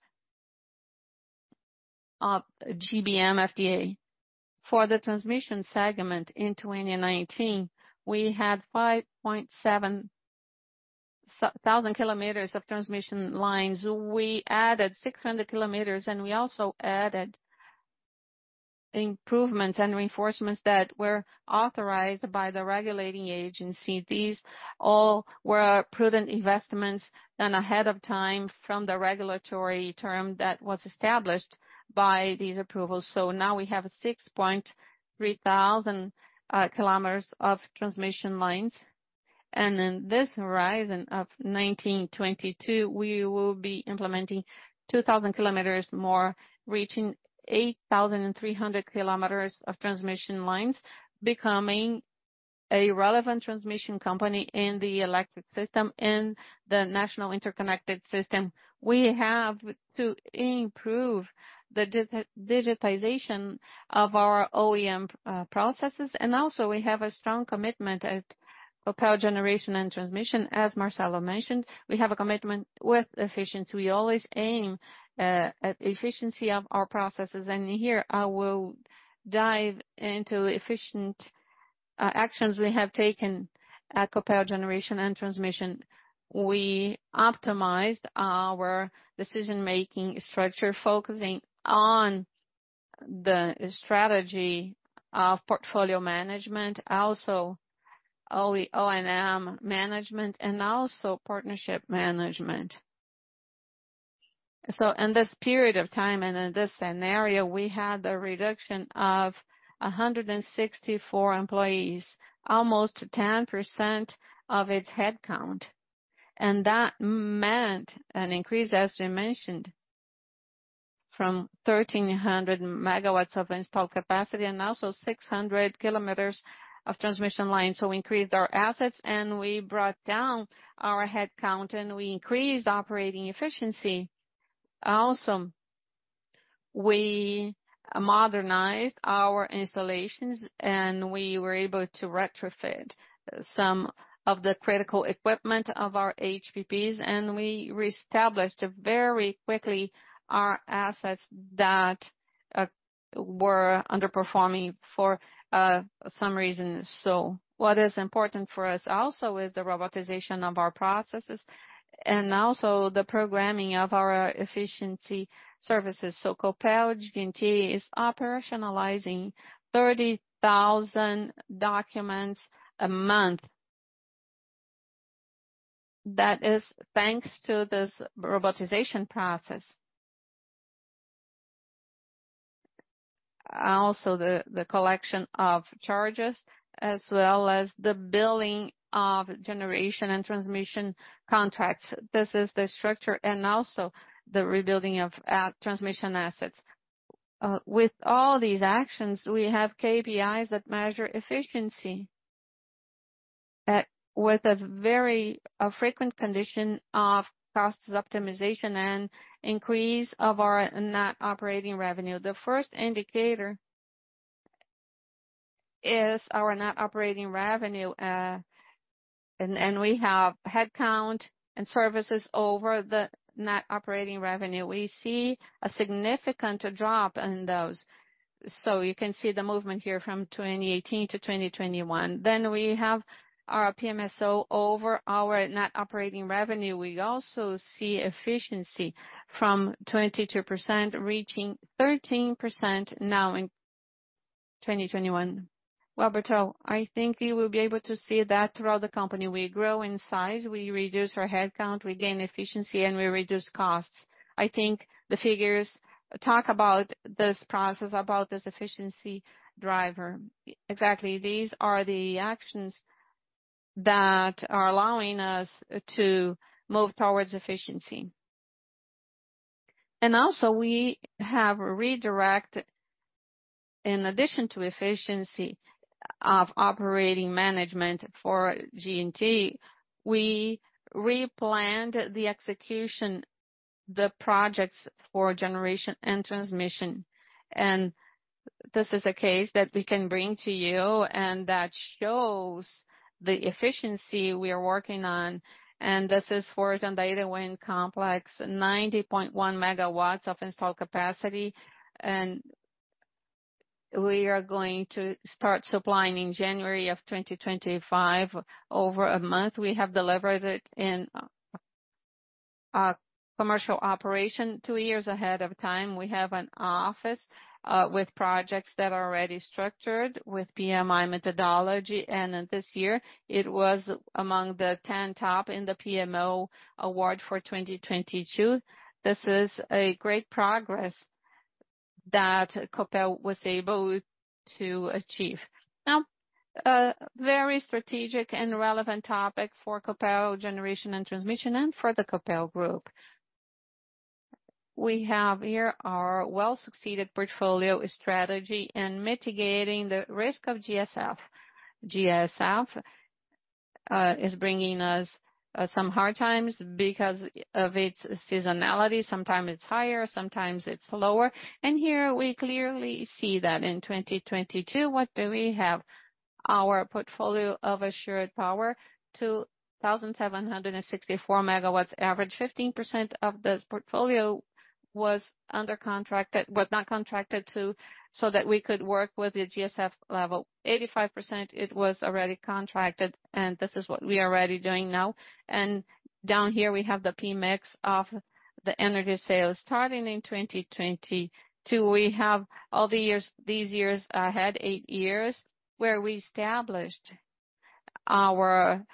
of GBM FDA. The transmission segment in 2019, we had 5,700 km of transmission lines. We added 600 km, we also added improvements and reinforcements that were authorized by the regulating agency. These all were prudent investments done ahead of time from the regulatory term that was established by these approvals. Now we have 6,300 km of transmission lines. In this horizon of 2022, we will be implementing 2,000 km more, reaching 8,300 km of transmission lines, becoming a relevant transmission company in the electric system, in the national interconnected system. We have to improve the digitization of our O&M processes, we have a strong commitment at Copel Geração e Transmissão, as Marcelo mentioned. We have a commitment with efficiency. We always aim at efficiency of our processes. Here I will dive into efficient actions we have taken at Copel Geração e Transmissão. We optimized our decision-making structure, focusing on the strategy of portfolio management, also O&M management, and also partnership management. In this period of time and in this scenario, we had a reduction of 164 employees, almost 10% of its headcount. That meant an increase, as we mentioned, from 1,300 MW of installed capacity and also 600 km of transmission lines. We increased our assets and we brought down our headcount, and we increased operating efficiency. We modernized our installations, and we were able to retrofit some of the critical equipment of our HPPs, and we reestablished very quickly our assets that were underperforming for some reason. What is important for us also is the robotization of our processes and also the programming of our efficiency services. Copel GNT is operationalizing 30,000 documents a month. That is thanks to this robotization process. The collection of charges as well as the billing of generation and transmission contracts. This is the structure and also the rebuilding of transmission assets. With all these actions, we have KPIs that measure efficiency. With a very frequent condition of cost optimization and increase of our net operating revenue. The first indicator is our net operating revenue. We have headcount and services over the net operating revenue. We see a significant drop in those. You can see the movement here from 2018 to 2021. We have our PMSO over our net operating revenue. We also see efficiency from 22% reaching 13% now in 2021. Well, Bertol, I think you will be able to see that throughout the company, we grow in size, we reduce our headcount, we gain efficiency, and we reduce costs. I think the figures talk about this process, about this efficiency driver. Exactly, these are the actions that are allowing us to move towards efficiency. Also we have redirect, in addition to efficiency of operating management for G&T, we replanned the execution, the projects for generation and transmission. This is a case that we can bring to you and that shows the efficiency we are working on. This is for the Itaim wind complex, 90.1 MW of installed capacity. We are going to start supplying in January of 2025. Over a month, we have delivered it in commercial operation two years ahead of time. We have an office with projects that are already structured with PMI methodology. This year it was among the 10 top in the PMO award for 2022. This is a great progress that Copel was able to achieve. Very strategic and relevant topic for Copel Generation and Transmission and for the Copel Group. We have here our well-succeeded portfolio strategy and mitigating the risk of GSF. GSF is bringing us some hard times because of its seasonality. Sometimes it's higher, sometimes it's lower. Here we clearly see that in 2022, what do we have? Our portfolio of assured power, 2,764 MW average. 15% of this portfolio was not contracted to so that we could work with the GSF level. 85%, it was already contracted, this is what we are already doing now. Down here we have the Pmix of the energy sales starting in 2022. We have all the years, these years ahead, eight years, where we established our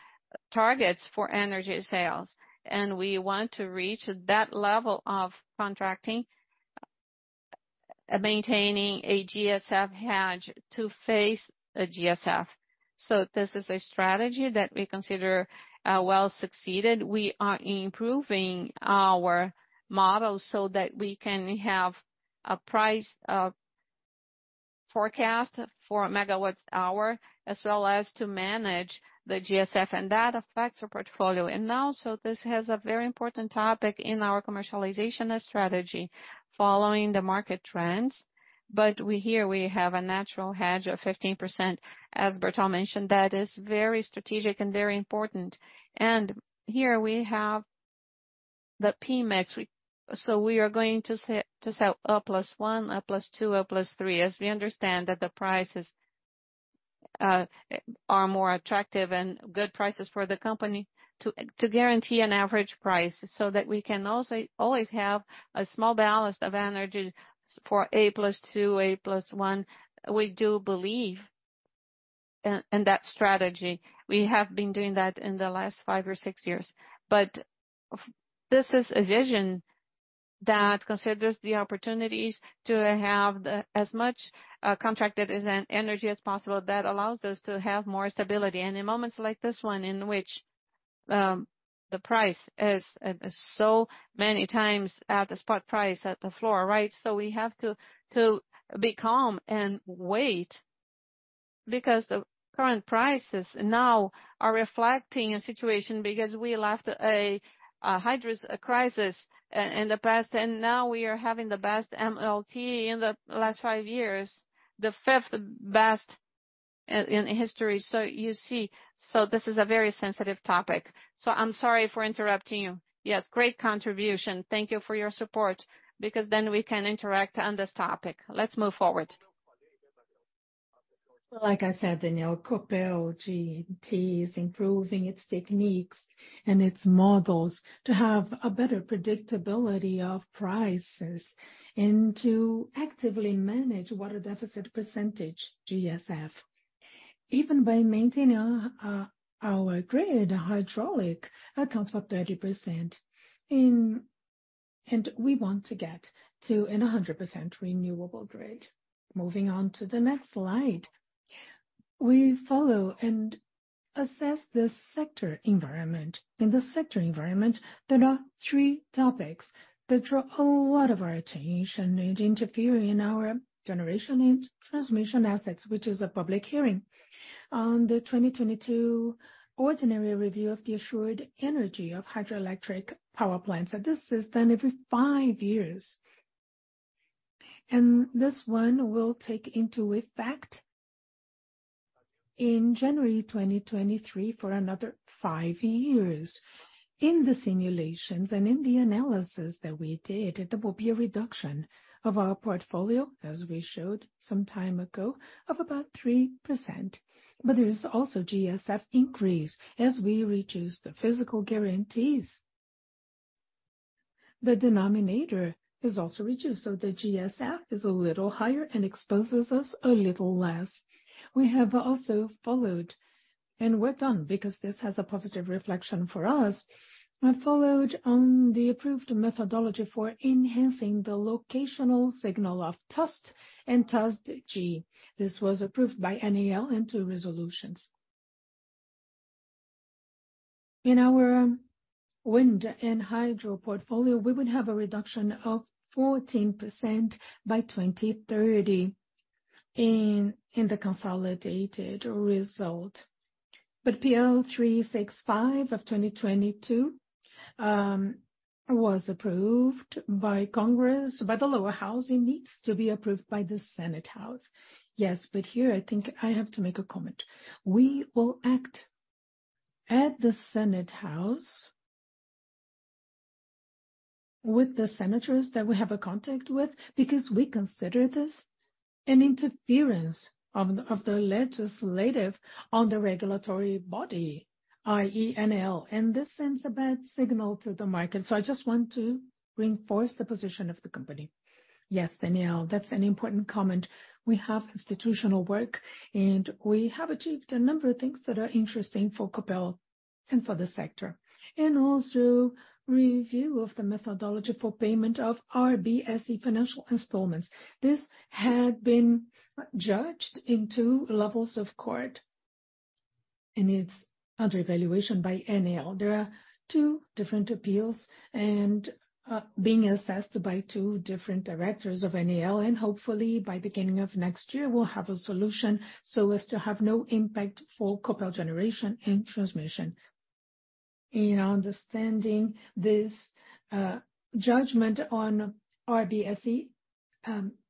targets for energy sales, and we want to reach that level of contracting, maintaining a GSF hedge to face a GSF. This is a strategy that we consider well-succeeded. We are improving our models so that we can have a price forecast for megawatt-hour, as well as to manage the GSF and data flex portfolio. Also, this has a very important topic in our commercialization strategy, following the market trends. We here have a natural hedge of 15%, as Bertol mentioned, that is very strategic and very important. Here we have the Pmix. We are going to sell A +1, A +2, A +3, as we understand that the prices are more attractive and good prices for the company to guarantee an average price so that we can also always have a small balance of energy for A +2, A plus one. We do believe in that strategy. We have been doing that in the last five or six years. This is a vision that considers the opportunities to have as much contracted as an energy as possible that allows us to have more stability. In moments like this one, in which the price is so many times at the spot price, at the floor, right? We have to be calm and wait, because the current prices now are reflecting a situation because we left a hydrous crisis in the past, and now we are having the best MLT in the last five years, the 5th best in history. You see. This is a very sensitive topic. I'm sorry for interrupting you. Yes, great contribution. Thank you for your support, because then we can interact on this topic. Let's move forward. Like I said, Daniel, Copel G&T is improving its techniques and its models to have a better predictability of prices and to actively manage water deficit percentage GSF, even by maintaining our grid hydraulic accounts for 30% and we want to get to an 100% renewable grid. Moving on to the next slide. We follow and assess the sector environment. In the sector environment, there are three topics that draw a lot of our attention and interfere in our generation and transmission assets, which is a public hearing on the 2022 ordinary review of the assured energy of hydroelectric power plants. This is done every five years. This one will take into effect in January 2023 for another five years. In the simulations and in the analysis that we did, there will be a reduction of our portfolio, as we showed some time ago, of about 3%. There is also GSF increase as we reduce the physical guarantees. The denominator is also reduced, the GSF is a little higher and exposes us a little less. We have also followed, and we're done because this has a positive reflection for us. We followed on the approved methodology for enhancing the locational signal of TUST and TUST-G. This was approved by ANEEL and two resolutions. In our wind and hydro portfolio, we would have a reduction of 14% by 2030 in the consolidated result. PL 365 of 2022 was approved by Congress, by the Lower House. It needs to be approved by the Senate House. Yes, here I think I have to make a comment. We will act at the Senate house with the senators that we have a contact with because we consider this an interference of the legislative on the regulatory body, i.e., ANEEL, this sends a bad signal to the market. I just want to reinforce the position of the company. Yes, Daniel, that's an important comment. We have institutional work, we have achieved a number of things that are interesting for Copel and for the sector. Also review of the methodology for payment of RBSE financial installments. This had been judged in two levels of court, it's under evaluation by ANEEL. There are two different appeals, being assessed by two different directors of ANEEL. Hopefully by beginning of next year, we'll have a solution so as to have no impact for Copel Geração e Transmissão. In understanding this, judgment on RBSE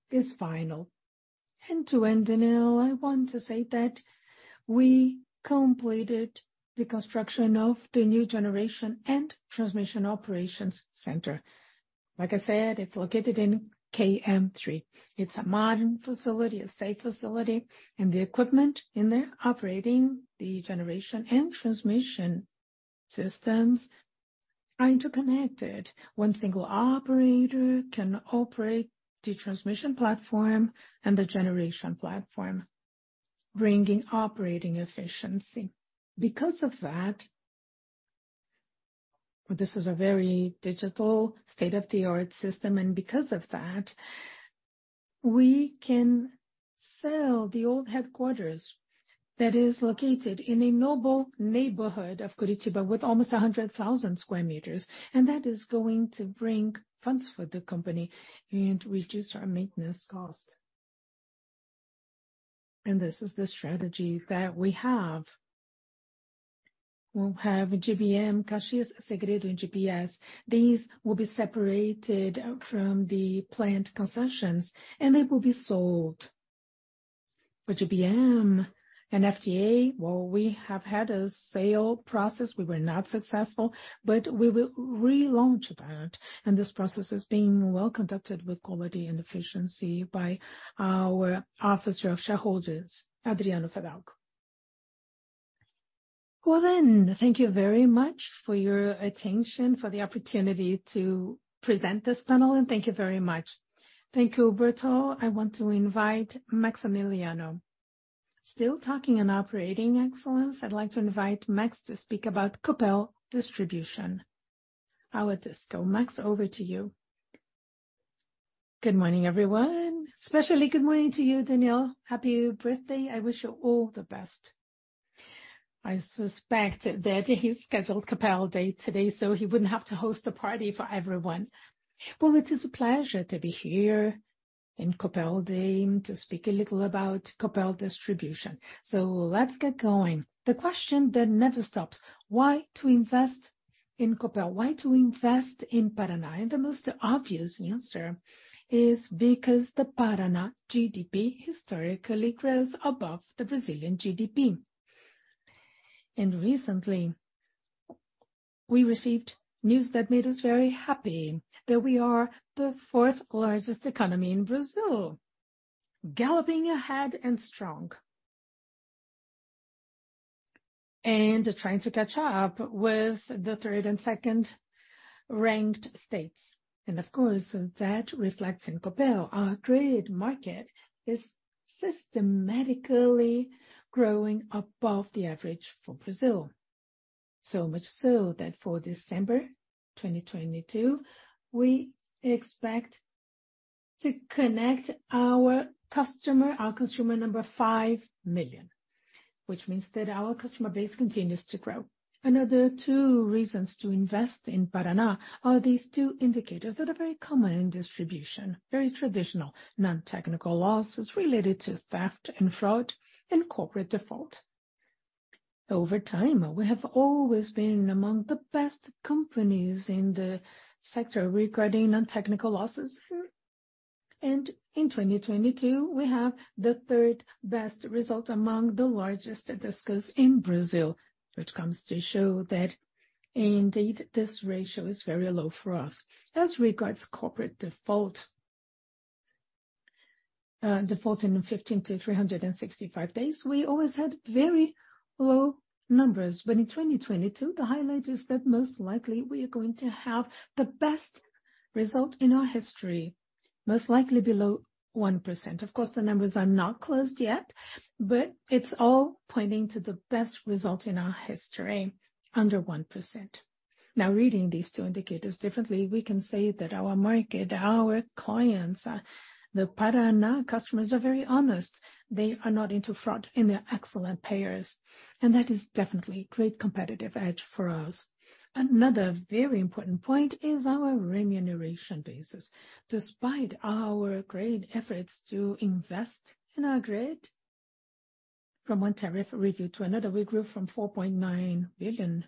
is final. To end, Daniel, I want to say that we completed the construction of the new generation and transmission operations center. Like I said, it's located in km 3. It's a modern facility, a safe facility, and the equipment in there operating the generation and transmission systems are interconnected. One single operator can operate the transmission platform and the generation platform, bringing operating efficiency. Because of that, this is a very digital state-of-the-art system. Because of that, we can sell the old headquarters that is located in a noble neighborhood of Curitiba with almost 100,000 square meters, and that is going to bring funds for the company and reduce our maintenance cost. This is the strategy that we have. We'll have GBM, Caxias, Segredo, and GPS. These will be separated from the plant concessions and they will be sold. For GBM and FDA, well, we have had a sale process. We were not successful, but we will relaunch that, and this process is being well conducted with quality and efficiency by our officer of shareholders, Adriano Fidalgo. Thank you very much for your attention, for the opportunity to present this panel, and thank you very much. Thank you, Bertol. I want to invite Maximiliano. Still talking on operating excellence, I'd like to invite Max to speak about Copel Distribution. I will just go, Max, over to you. Good morning, everyone. Especially good morning to you, Daniel. Happy birthday. I wish you all the best. I suspect that he scheduled Copel Day today, so he wouldn't have to host the party for everyone. Well, it is a pleasure to be here in Copel Day and to speak a little about Copel Distribution. Let's get going. The question that never stops, why to invest in Copel? Why to invest in Paraná? The most obvious answer is because the Paraná GDP historically grows above the Brazilian GDP. Recently, we received news that made us very happy, that we are the fourth largest economy in Brazil, galloping ahead and strong. Trying to catch up with the third and second ranked states. Of course, that reflects in Copel. Our trade market is systematically growing above the average for Brazil. Much so that for December 2022, we expectTo connect our customer, our consumer number 5 million. Which means that our customer base continues to grow. Another two reasons to invest in Paraná are these two indicators that are very common in distribution, very traditional, non-technical losses related to theft and fraud and corporate default. Over time, we have always been among the best companies in the sector regarding non-technical losses. In 2022, we have the 3rd best result among the largest distributors in Brazil, which comes to show that indeed this ratio is very low for us. As regards corporate default in 15-365 days, we always had very low numbers. In 2022, the highlight is that most likely we are going to have the best result in our history, most likely below 1%. Of course, the numbers are not closed yet, but it's all pointing to the best result in our history, under 1%. Reading these two indicators differently, we can say that our market, our clients, the Paraná customers are very honest. They are not into fraud and they're excellent payers. That is definitely great competitive edge for us. Another very important point is our remuneration basis. Despite our great efforts to invest in our grid, from one tariff review to another, we grew from 4.9 billion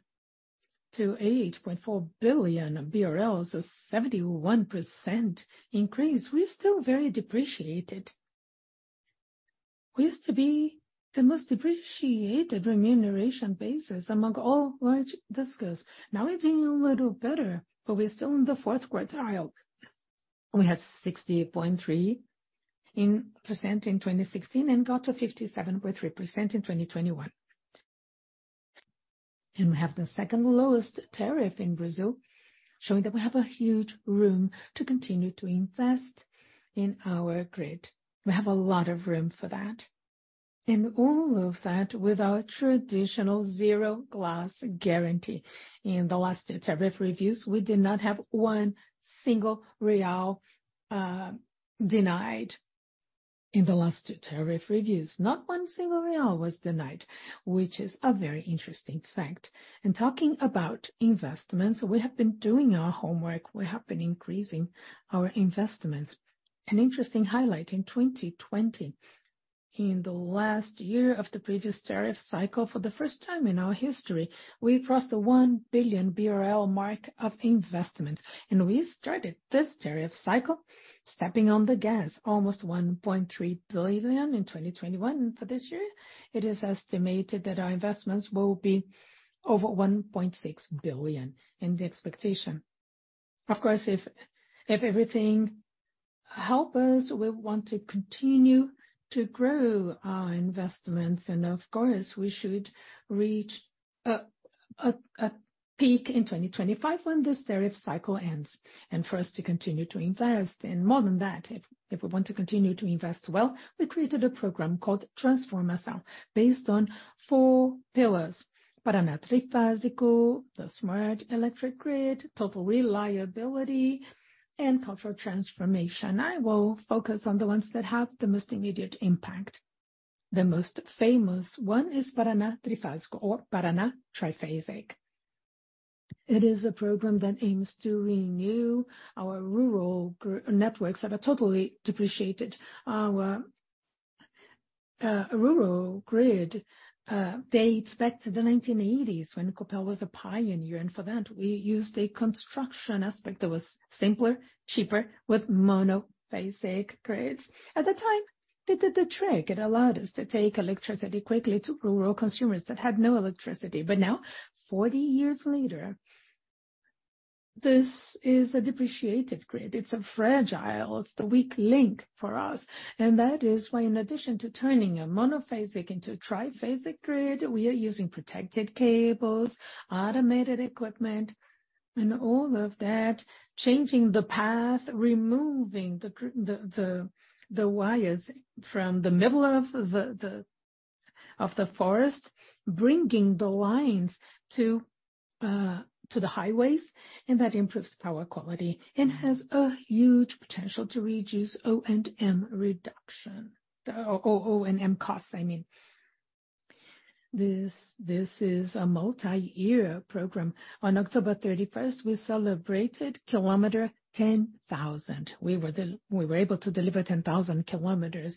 to 8.4 billion BRL, so 71% increase. We're still very depreciated. We used to be the most depreciated remuneration basis among all large distributors. Now we're doing a little better, but we're still in the fourth quartile. We had 60.3% in 2016 and got to 57.3% in 2021. We have the second lowest tariff in Brazil, showing that we have a huge room to continue to invest in our grid. We have a lot of room for that. All of that with our traditional zero glass guarantee. In the last two tariff reviews, we did not have one single BRL denied. In the last two tariff reviews, not one single BRL was denied, which is a very interesting fact. Talking about investments, we have been doing our homework. We have been increasing our investments. An interesting highlight, in 2020, in the last year of the previous tariff cycle, for the first time in our history, we crossed the 1 billion BRL mark of investments. We started this tariff cycle stepping on the gas, almost 1.3 billion in 2021. For this year, it is estimated that our investments will be over 1.6 billion in the expectation. Of course, if everything help us, we want to continue to grow our investments. Of course, we should reach a peak in 2025 when this tariff cycle ends. For us to continue to invest and more than that, if we want to continue to invest well, we created a program called Programa de Transformação, based on four pillars. Paraná Trifásico, the Smart Electric Grid, Total Reliability, and Cultural Transformation. I will focus on the ones that have the most immediate impact. The most famous one is Paraná Trifásico or Paraná Triphasic. It is a program that aims to renew our rural networks that are totally depreciated. Our rural grid dates back to the 1980s when Copel was a pioneer. For that we used a construction aspect that was simpler, cheaper, with monophasic grids. At the time, it did the trick. It allowed us to take electricity quickly to rural consumers that had no electricity. Now, 40 years later, this is a depreciated grid. It's a fragile, it's the weak link for us. That is why in addition to turning a monophasic into a triphasic grid, we are using protected cables, automated equipment and all of that, changing the path, removing the wires from the middle of the forest, bringing the lines to the highways, and that improves power quality and has a huge potential to reduce O&M reduction. O&M costs, I mean. This is a multi-year program. On October 31st, we celebrated 10,000 km. We were able to deliver 10,000 km.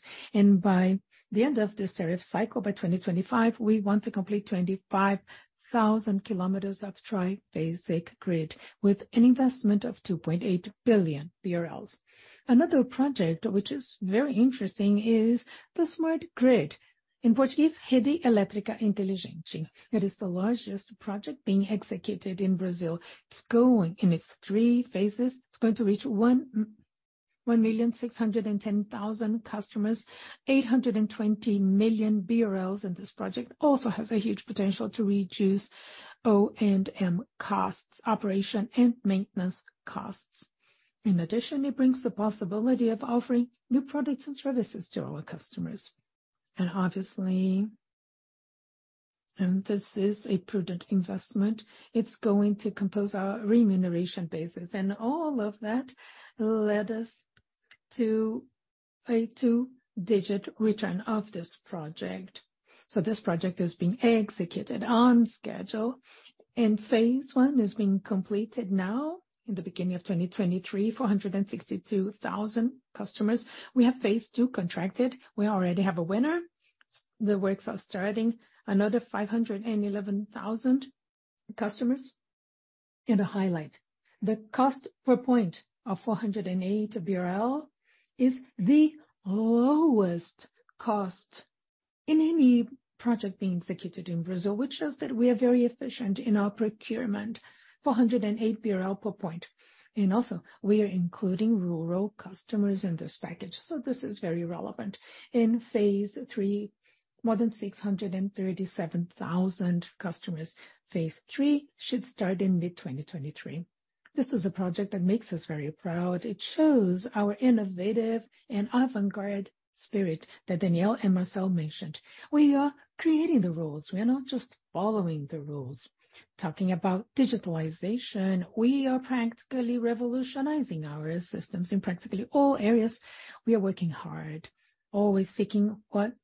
By the end of this tariff cycle, by 2025, we want to complete 25,000 km of triphasic grid with an investment of BRL 2.8 billion. Another project which is very interesting is the smart grid. In Portuguese, Rede Elétrica Inteligente. It is the largest project being executed in Brazil. In its three phases, it's going to reach 1,610,000 customers, 820 million BRL. This project also has a huge potential to reduce O&M costs, operation and maintenance costs. In addition, it brings the possibility of offering new products and services to our customers. This is a prudent investment. It's going to compose our remuneration basis. All of that led us to a two-digit return of this project. This project is being executed on schedule, and phase I is being completed now in the beginning of 2023, 462,000 customers. We have phase II contracted. We already have a winner. The works are starting. Another 511,000 customers. A highlight, the cost per point of 408 BRL is the lowest cost in any project being executed in Brazil, which shows that we are very efficient in our procurement. 408 BRL per point. Also we are including rural customers in this package, so this is very relevant. In phase III, more than 637,000 customers. Phase III should start in mid-2023. This is a project that makes us very proud. It shows our innovative and avant-garde spirit that Daniel and Marcel mentioned. We are creating the rules. We are not just following the rules. Talking about digitalization, we are practically revolutionizing our systems in practically all areas. We are working hard, always seeking what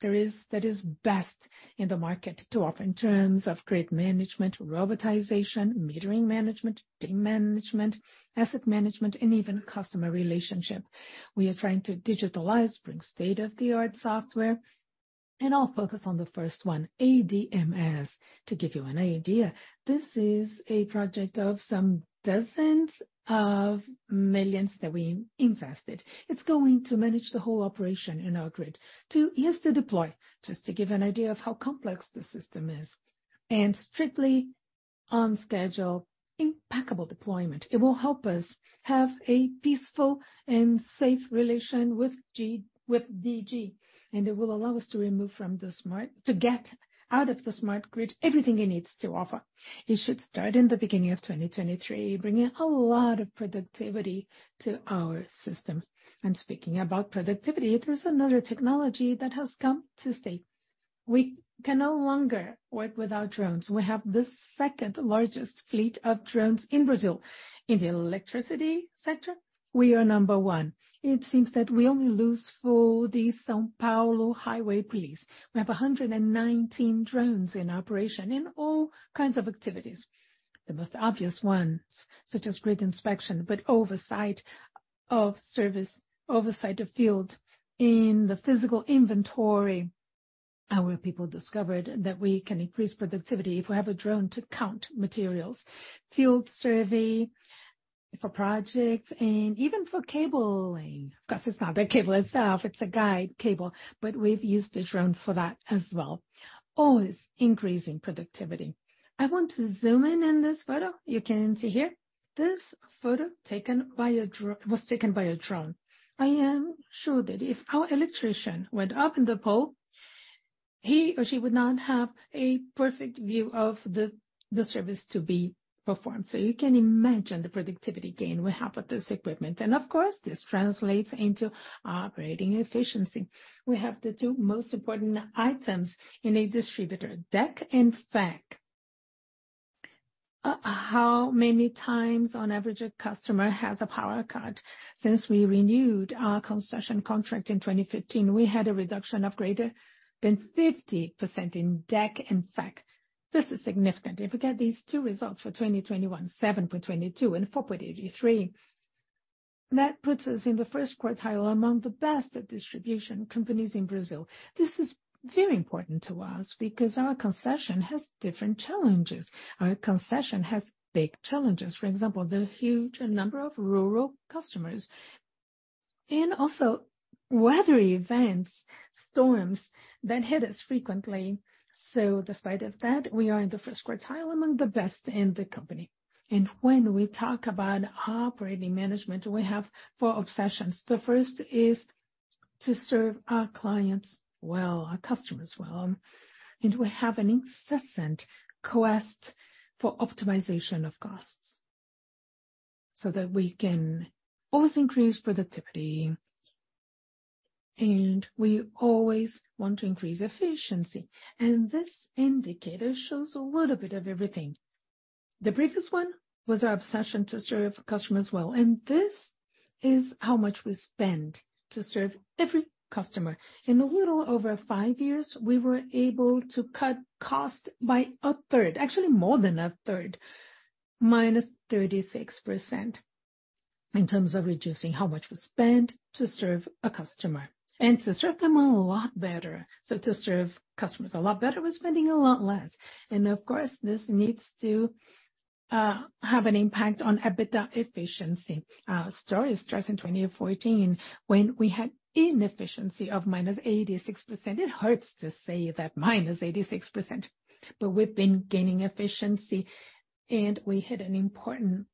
there is that is best in the market to offer in terms of grid management, robotization, metering management, data management, asset management, and even customer relationship. We are trying to digitalize, bring state-of-the-art software. I'll focus on the first one, ADMS. To give you an idea, this is a project of some dozens of millions that we invested. It's going to manage the whole operation in our grid. Two years to deploy, just to give an idea of how complex the system is. Strictly on schedule, impeccable deployment. It will help us have a peaceful and safe relation with DG, it will allow us to remove from the smart grid everything it needs to offer. It should start in the beginning of 2023, bringing a lot of productivity to our system. Speaking about productivity, there's another technology that has come to stay. We can no longer work without drones. We have the second-largest fleet of drones in Brazil. In the electricity sector, we are number 1. It seems that we only lose for the São Paulo Highway Police. We have 119 drones in operation in all kinds of activities. The most obvious ones, such as grid inspection, but oversight of service, oversight of field. In the physical inventory, our people discovered that we can increase productivity if we have a drone to count materials. Field survey for projects and even for cabling. Of course, it's not the cable itself, it's a guide cable, but we've used the drone for that as well. Always increasing productivity. I want to zoom in on this photo. You can see here. This photo taken by a drone. I am sure that if our electrician went up in the pole, he or she would not have a perfect view of the service to be performed. You can imagine the productivity gain we have with this equipment. Of course, this translates into operating efficiency. We have the two most important items in a distributor, DEC and FEC. How many times on average a customer has a power cut? Since we renewed our concession contract in 2015, we had a reduction of greater than 50% in DEC and FEC. This is significant. If you get these two results for 2021, 7.22 and 4.83, that puts us in the first quartile among the best distribution companies in Brazil. This is very important to us because our concession has different challenges. Our concession has big challenges. For example, the huge number of rural customers. Also weather events, storms that hit us frequently. Despite of that, we are in the first quartile among the best in the company. When we talk about operating management, we have four obsessions. The first is to serve our clients well, our customers well, and we have an incessant quest for optimization of costs so that we can always increase productivity, and we always want to increase efficiency. This indicator shows a little bit of everything. The briefest one was our obsession to serve customers well, and this is how much we spend to serve every customer. In a little over five years, we were able to cut cost by a third. Actually more than a third, minus 36% in terms of reducing how much we spend to serve a customer. To serve them a lot better. To serve customers a lot better, we're spending a lot less. Of course, this needs to have an impact on EBITDA efficiency. Our story starts in 2014 when we had inefficiency of minus 86%. It hurts to say that, minus 86%. We've been gaining efficiency, and we hit an important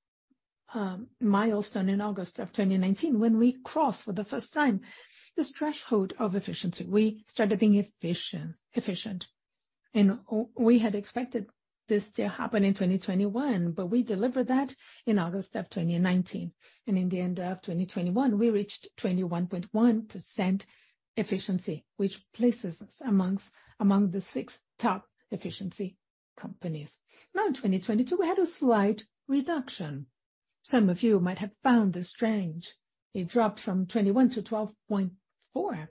milestone in August of 2019 when we crossed for the first time this threshold of efficiency. We started being efficient. We had expected. This still happened in 2021, but we delivered that in August of 2019. In the end of 2021, we reached 21.1% efficiency, which places us among the six top efficiency companies. Now, in 2022, we had a slight reduction. Some of you might have found this strange. It dropped from 21 to 12.4.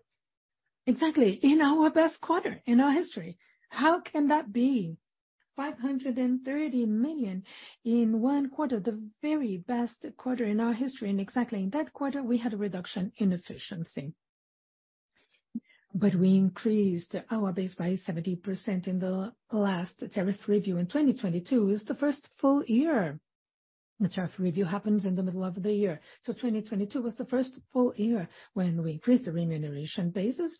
Exactly. In our best quarter in our history. How can that be? 530 million in 1 quarter, the very best quarter in our history, and exactly in that quarter, we had a reduction in efficiency. We increased our base by 70% in the last tariff review, and 2022 is the 1st full year. The tariff review happens in the middle of the year. 2022 was the 1st full year when we increased the remuneration basis.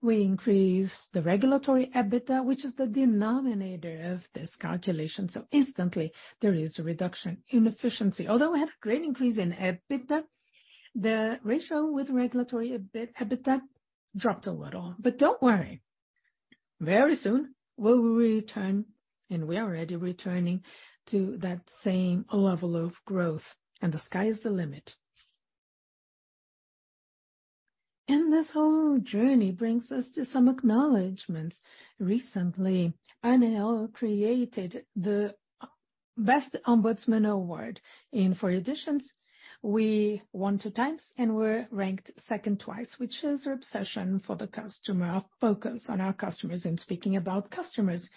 We increased the regulatory EBITDA, which is the denominator of this calculation. Instantly there is a reduction in efficiency. Although we had a great increase in EBITDA, the ratio with regulatory EBITDA dropped a little. Don't worry, very soon we will return, and we are already returning to that same level of growth, and the sky is the limit. This whole journey brings us to some acknowledgments. Recently, ANEEL created the Best Ombudsman Award. In four editions, we won 2 times and were ranked second twice, which shows our obsession for the customer, our focus on our customers. Speaking about customers,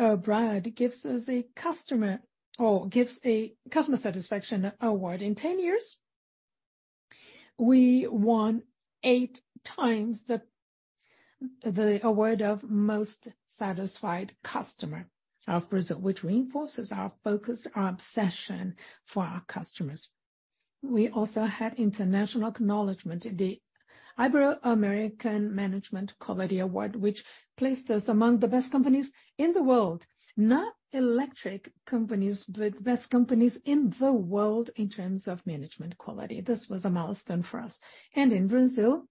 we have ABRAD. ABRAD gives a customer satisfaction award. In 10 years, we won 8 times the award of Most Satisfied Customer of Brazil, which reinforces our focus, our obsession for our customers. We also had international acknowledgement, the Ibero-American Management Quality Award, which placed us among the best companies in the world. Not electric companies, but best companies in the world in terms of management quality. This was a milestone for us. In Brazil,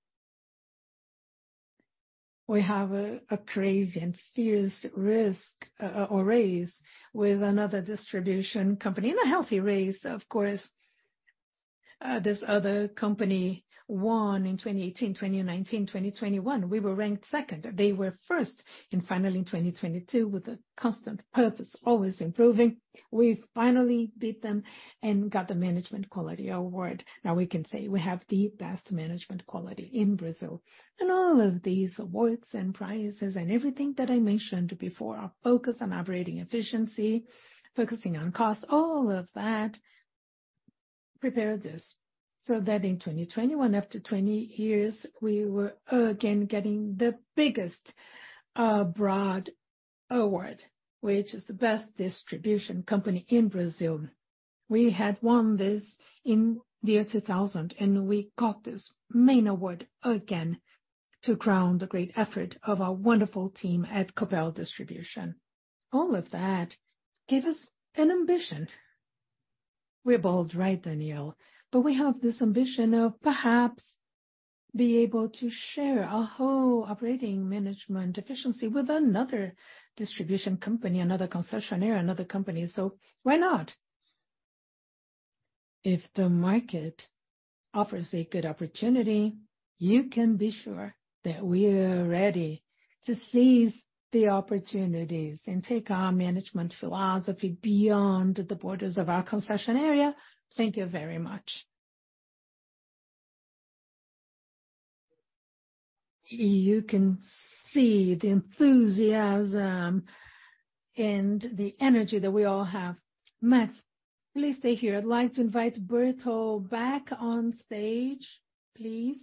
we have a crazy and fierce race with another distribution company. A healthy race, of course. This other company won in 2018, 2019, 2021. We were ranked second. They were first. Finally in 2022, with a constant purpose, always improving, we finally beat them and got the Management Quality Award. Now we can say we have the best management quality in Brazil. All of these awards and prizes and everything that I mentioned before, our focus on operating efficiency, focusing on cost, all of that prepared us, so that in 2021, after 20 years, we were again getting the biggest broad award, which is the best distribution company in Brazil. We had won this in the year 2000, and we got this main award again to crown the great effort of our wonderful team at Copel Distribuição. All of that gave us an ambition. We're bold, right, Daniel? We have this ambition of perhaps be able to share our whole operating management efficiency with another distribution company, another concessionaire, another company. Why not? If the market offers a good opportunity, you can be sure that we're ready to seize the opportunities and take our management philosophy beyond the borders of our concession area. Thank you very much. You can see the enthusiasm and the energy that we all have. Max, please stay here. I'd like to invite Bertol back on stage, please.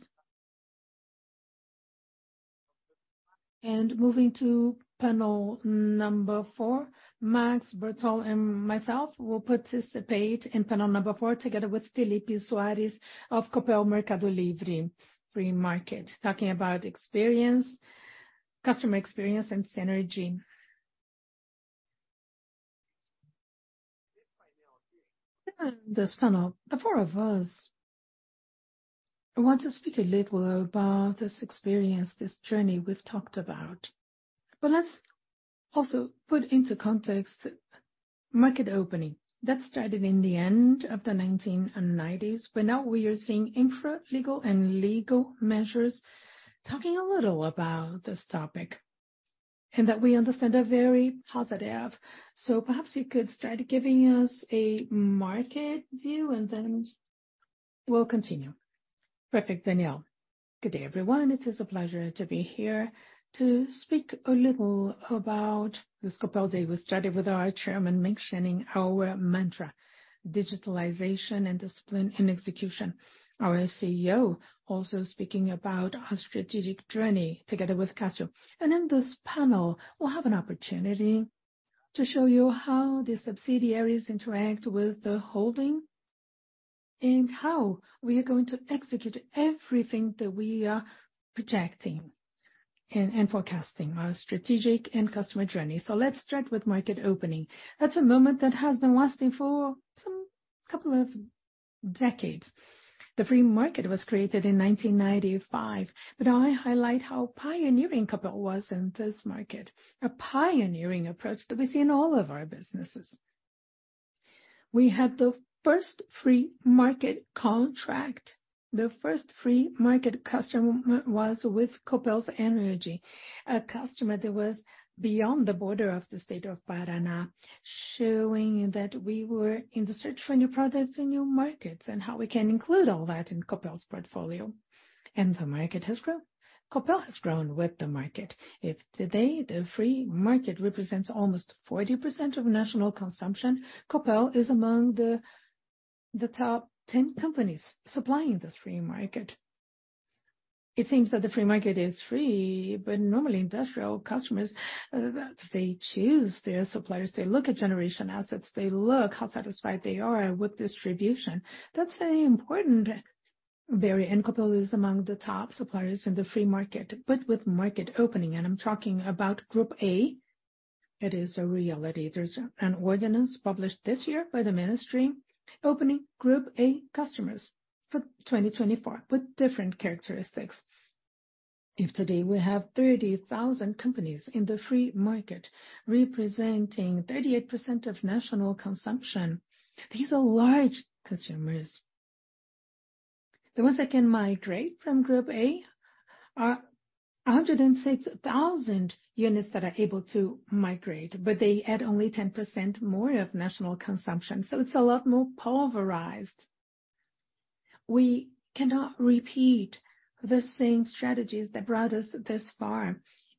Moving to panel number four. Max, Bertol and myself will participate in panel number four, together with Felipe Soares of Copel Mercado Livre, free market, talking about experience, customer experience and synergy. In this panel, the four of us want to speak a little about this experience, this journey we've talked about. Let's also put into context market opening. That started in the end of the 1990s, but now we are seeing infra-legal and legal measures. Talking a little about this topic and that we understand are very positive. Perhaps you could start giving us a market view and then we'll continue. Perfect, Daniel. Good day, everyone. It is a pleasure to be here to speak a little about this Copel Day. We started with our chairman mentioning our mantra, digitalization and discipline in execution. Our CEO also speaking about our strategic journey together with Cassio. In this panel, we'll have an opportunity to show you how the subsidiaries interact with the holding. How we are going to execute everything that we are projecting and forecasting our strategic and customer journey. Let's start with market opening. That's a moment that has been lasting for some a couple of decades. The free market was created in 1995. I highlight how pioneering Copel was in this market. A pioneering approach that we see in all of our businesses. We had the first free market contract. The first free market customer was with Copel's Energy, a customer that was beyond the border of the state of Paraná, showing that we were in the search for new products and new markets, and how we can include all that in Copel's portfolio. The market has grown. Copel has grown with the market. If today the free market represents almost 40% of national consumption, Copel is among the top 10 companies supplying this free market. It seems that the free market is free, but normally industrial customers that they choose their suppliers. They look at generation assets, they look how satisfied they are with distribution. That's very important. Very. Copel is among the top suppliers in the free market. With market opening, and I'm talking about Group A, it is a reality. There's an ordinance published this year by the ministry opening Group A customers for 2024 with different characteristics. If today we have 30,000 companies in the free market, representing 38% of national consumption, these are large consumers. The ones that can migrate from Group A are 106,000 units that are able to migrate, but they add only 10% more of national consumption, so it's a lot more pulverized. We cannot repeat the same strategies that brought us this far.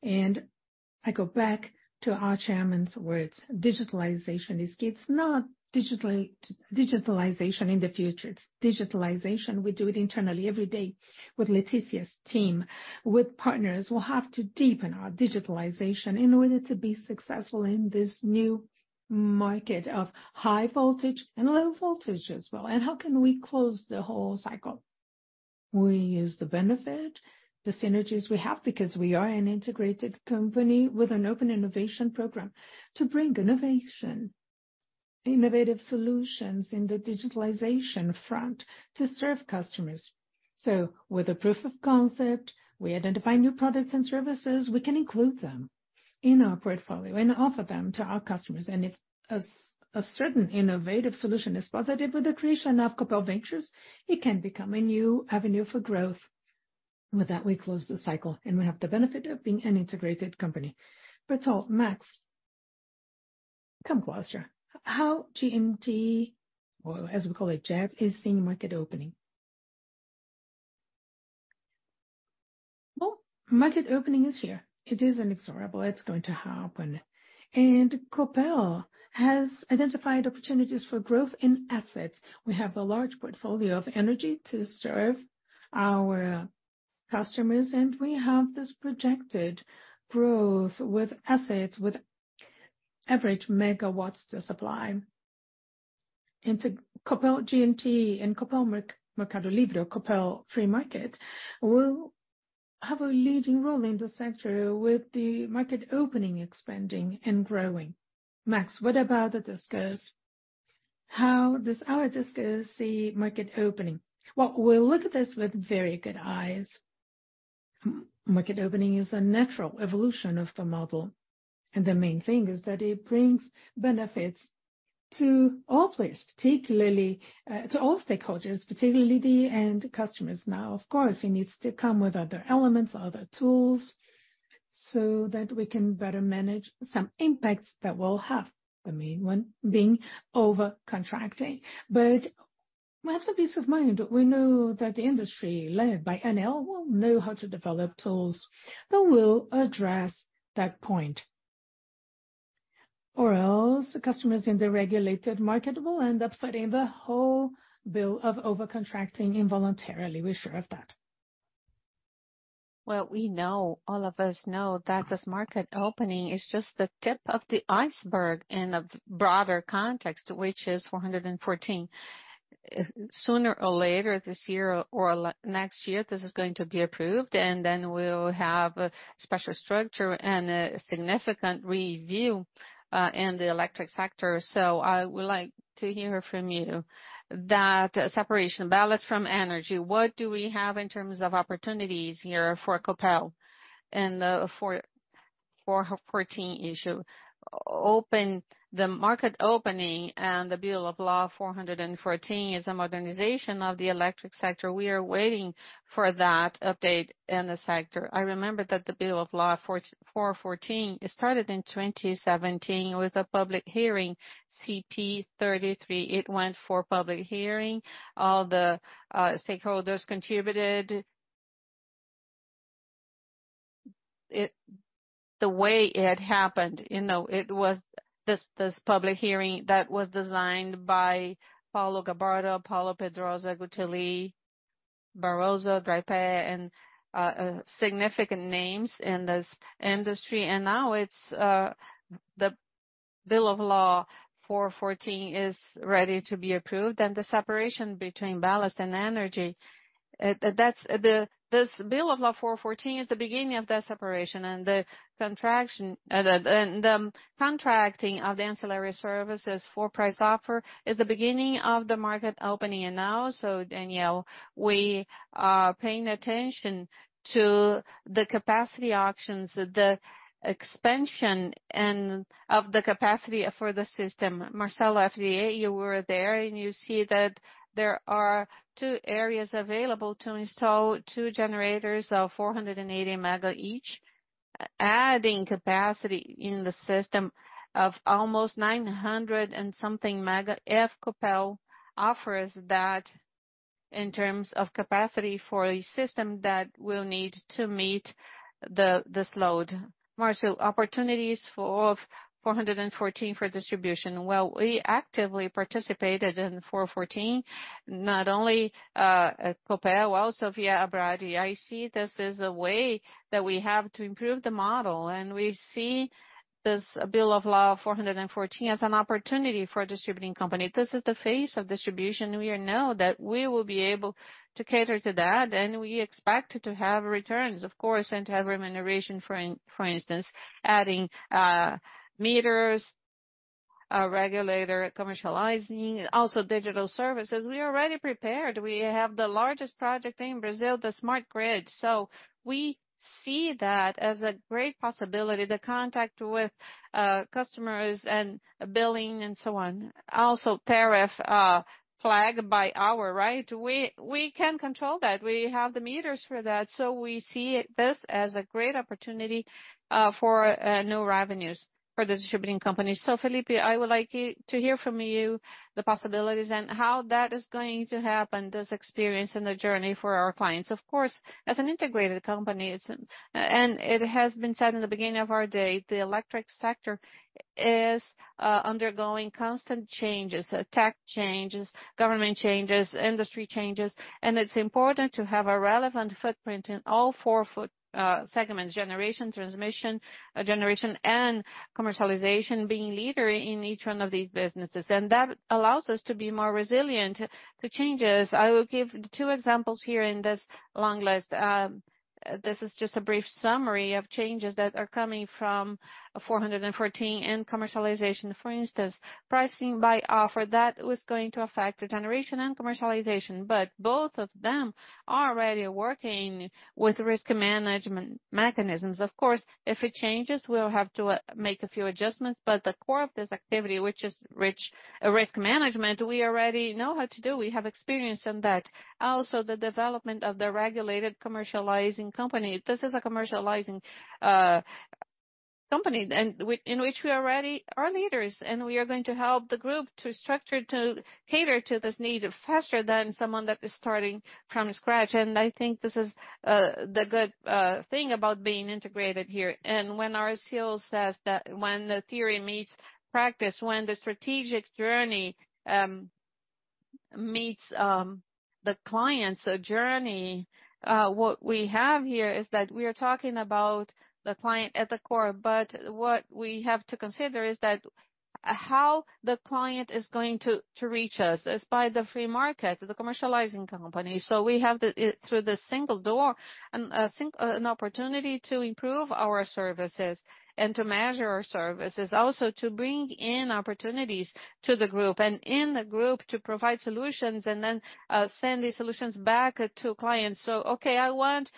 I go back to our chairman's words: Digitalization in the future, it's digitalization. We do it internally every day with Leticia's team, with partners. We'll have to deepen our digitalization in order to be successful in this new market of high voltage and low voltage as well. How can we close the whole cycle? We use the benefit, the synergies we have, because we are an integrated company with an open innovation program to bring innovation, innovative solutions in the digitalization front to serve customers. With a proof of concept, we identify new products and services. We can include them in our portfolio and offer them to our customers. If a certain innovative solution is positive with the creation of Copel Ventures, it can become a new avenue for growth. With that, we close the cycle, and we have the benefit of being an integrated company. Max, come closer. How G&T, or as we call it, GEB, is seeing market opening? Well, market opening is here. It is inexorable. It's going to happen. Copel has identified opportunities for growth in assets. We have a large portfolio of energy to serve our customers. We have this projected growth with assets, with average megawatts to supply into Copel G&T and Copel Mercado Livre, or Copel Free Market, will have a leading role in this century with the market opening, expanding and growing. Max, what about the discos? How does our discos see market opening? Well, we look at this with very good eyes. Market opening is a natural evolution of the model. The main thing is that it brings benefits to all players, particularly to all stakeholders, particularly the end customers. Of course, it needs to come with other elements, other tools, so that we can better manage some impacts that we'll have, the main one being over-contracting. We have some peace of mind. We know that the industry, led by Enel, will know how to develop tools that will address that point. Customers in the regulated market will end up footing the whole bill of over-contracting involuntarily. We're sure of that. We know, all of us know, that this market opening is just the tip of the iceberg in a broader context, which is 414. Sooner or later this year or next year, this is going to be approved, and then we'll have a special structure and a significant review in the electric sector. I would like to hear from you that separation ballast from energy. What do we have in terms of opportunities here for Copel and for 414 issue? The market opening and the Bill of Law 414 is a modernization of the electric sector. We are waiting for that update in the sector. I remember that the Bill of Law 414, it started in 2017 with a public hearing, CP 33. It went for public hearing. All the stakeholders contributed. The way it had happened, you know, it was this public hearing that was designed by Paulo Gabarra, Paulo Pedroso, Guteli, Barroso, Drepe, and significant names in this industry. Now it's the Bill of Law 414 is ready to be approved. The separation between ballast and energy, this Bill of Law 414 is the beginning of that separation and the contraction, and the contracting of the ancillary services for price offer is the beginning of the market opening. Daniel, we are paying attention to the capacity auctions, the expansion of the capacity for the system. Marcelo, FDA, you were there, and you see that there are two areas available to install two generators of 480 MW each. Adding capacity in the system of almost 900 and something mega, if Copel offers that in terms of capacity for a system that will need to meet this load. Marcelo, opportunities for 414 for distribution. We actively participated in 414, not only at Copel, also via Abradee. I see this as a way that we have to improve the model, and we see this Bill of Law 414 as an opportunity for a distributing company. This is the phase of distribution. We know that we will be able to cater to that, and we expect to have returns, of course, and to have remuneration, for instance, adding meters, a regulator, commercializing, also digital services. We are already prepared. We have the largest project in Brazil, the Smart Grid. We see that as a great possibility. The contact with customers and billing and so on. Tariff flag by hour, right? We can control that. We have the meters for that. We see this as a great opportunity for new revenues for the distributing company. Felipe, I would like to hear from you the possibilities and how that is going to happen, this experience and the journey for our clients. Of course, as an integrated company, it's. And it has been said in the beginning of our day, the electric sector is undergoing constant changes, tech changes, government changes, industry changes, and it's important to have a relevant footprint in all four segments: generation, transmission, generation, and commercialization, being leader in each one of these businesses. That allows us to be more resilient to changes. I will give two examples here in this long list. This is just a brief summary of changes that are coming from 414 and commercialization. For instance, pricing by offer, that was going to affect the generation and commercialization. Both of them are already working with risk management mechanisms. Of course, if it changes, we'll have to make a few adjustments. The core of this activity, which is rich risk management, we already know how to do. We have experience in that. Also, the development of the regulated commercializing company. This is a commercializing company in which we already are leaders, and we are going to help the group to structure, to cater to this need faster than someone that is starting from scratch. I think this is the good thing about being integrated here. When Arcél says that when the theory meets practice, when the strategic journey meets the client's journey, what we have here is that we are talking about the client at the core. What we have to consider is that how the client is going to reach us is by the free market, the commercializing company. We have the through the single door, an opportunity to improve our services and to measure our services. Also to bring in opportunities to the group, and in the group to provide solutions and then send these solutions back to clients. Okay, I want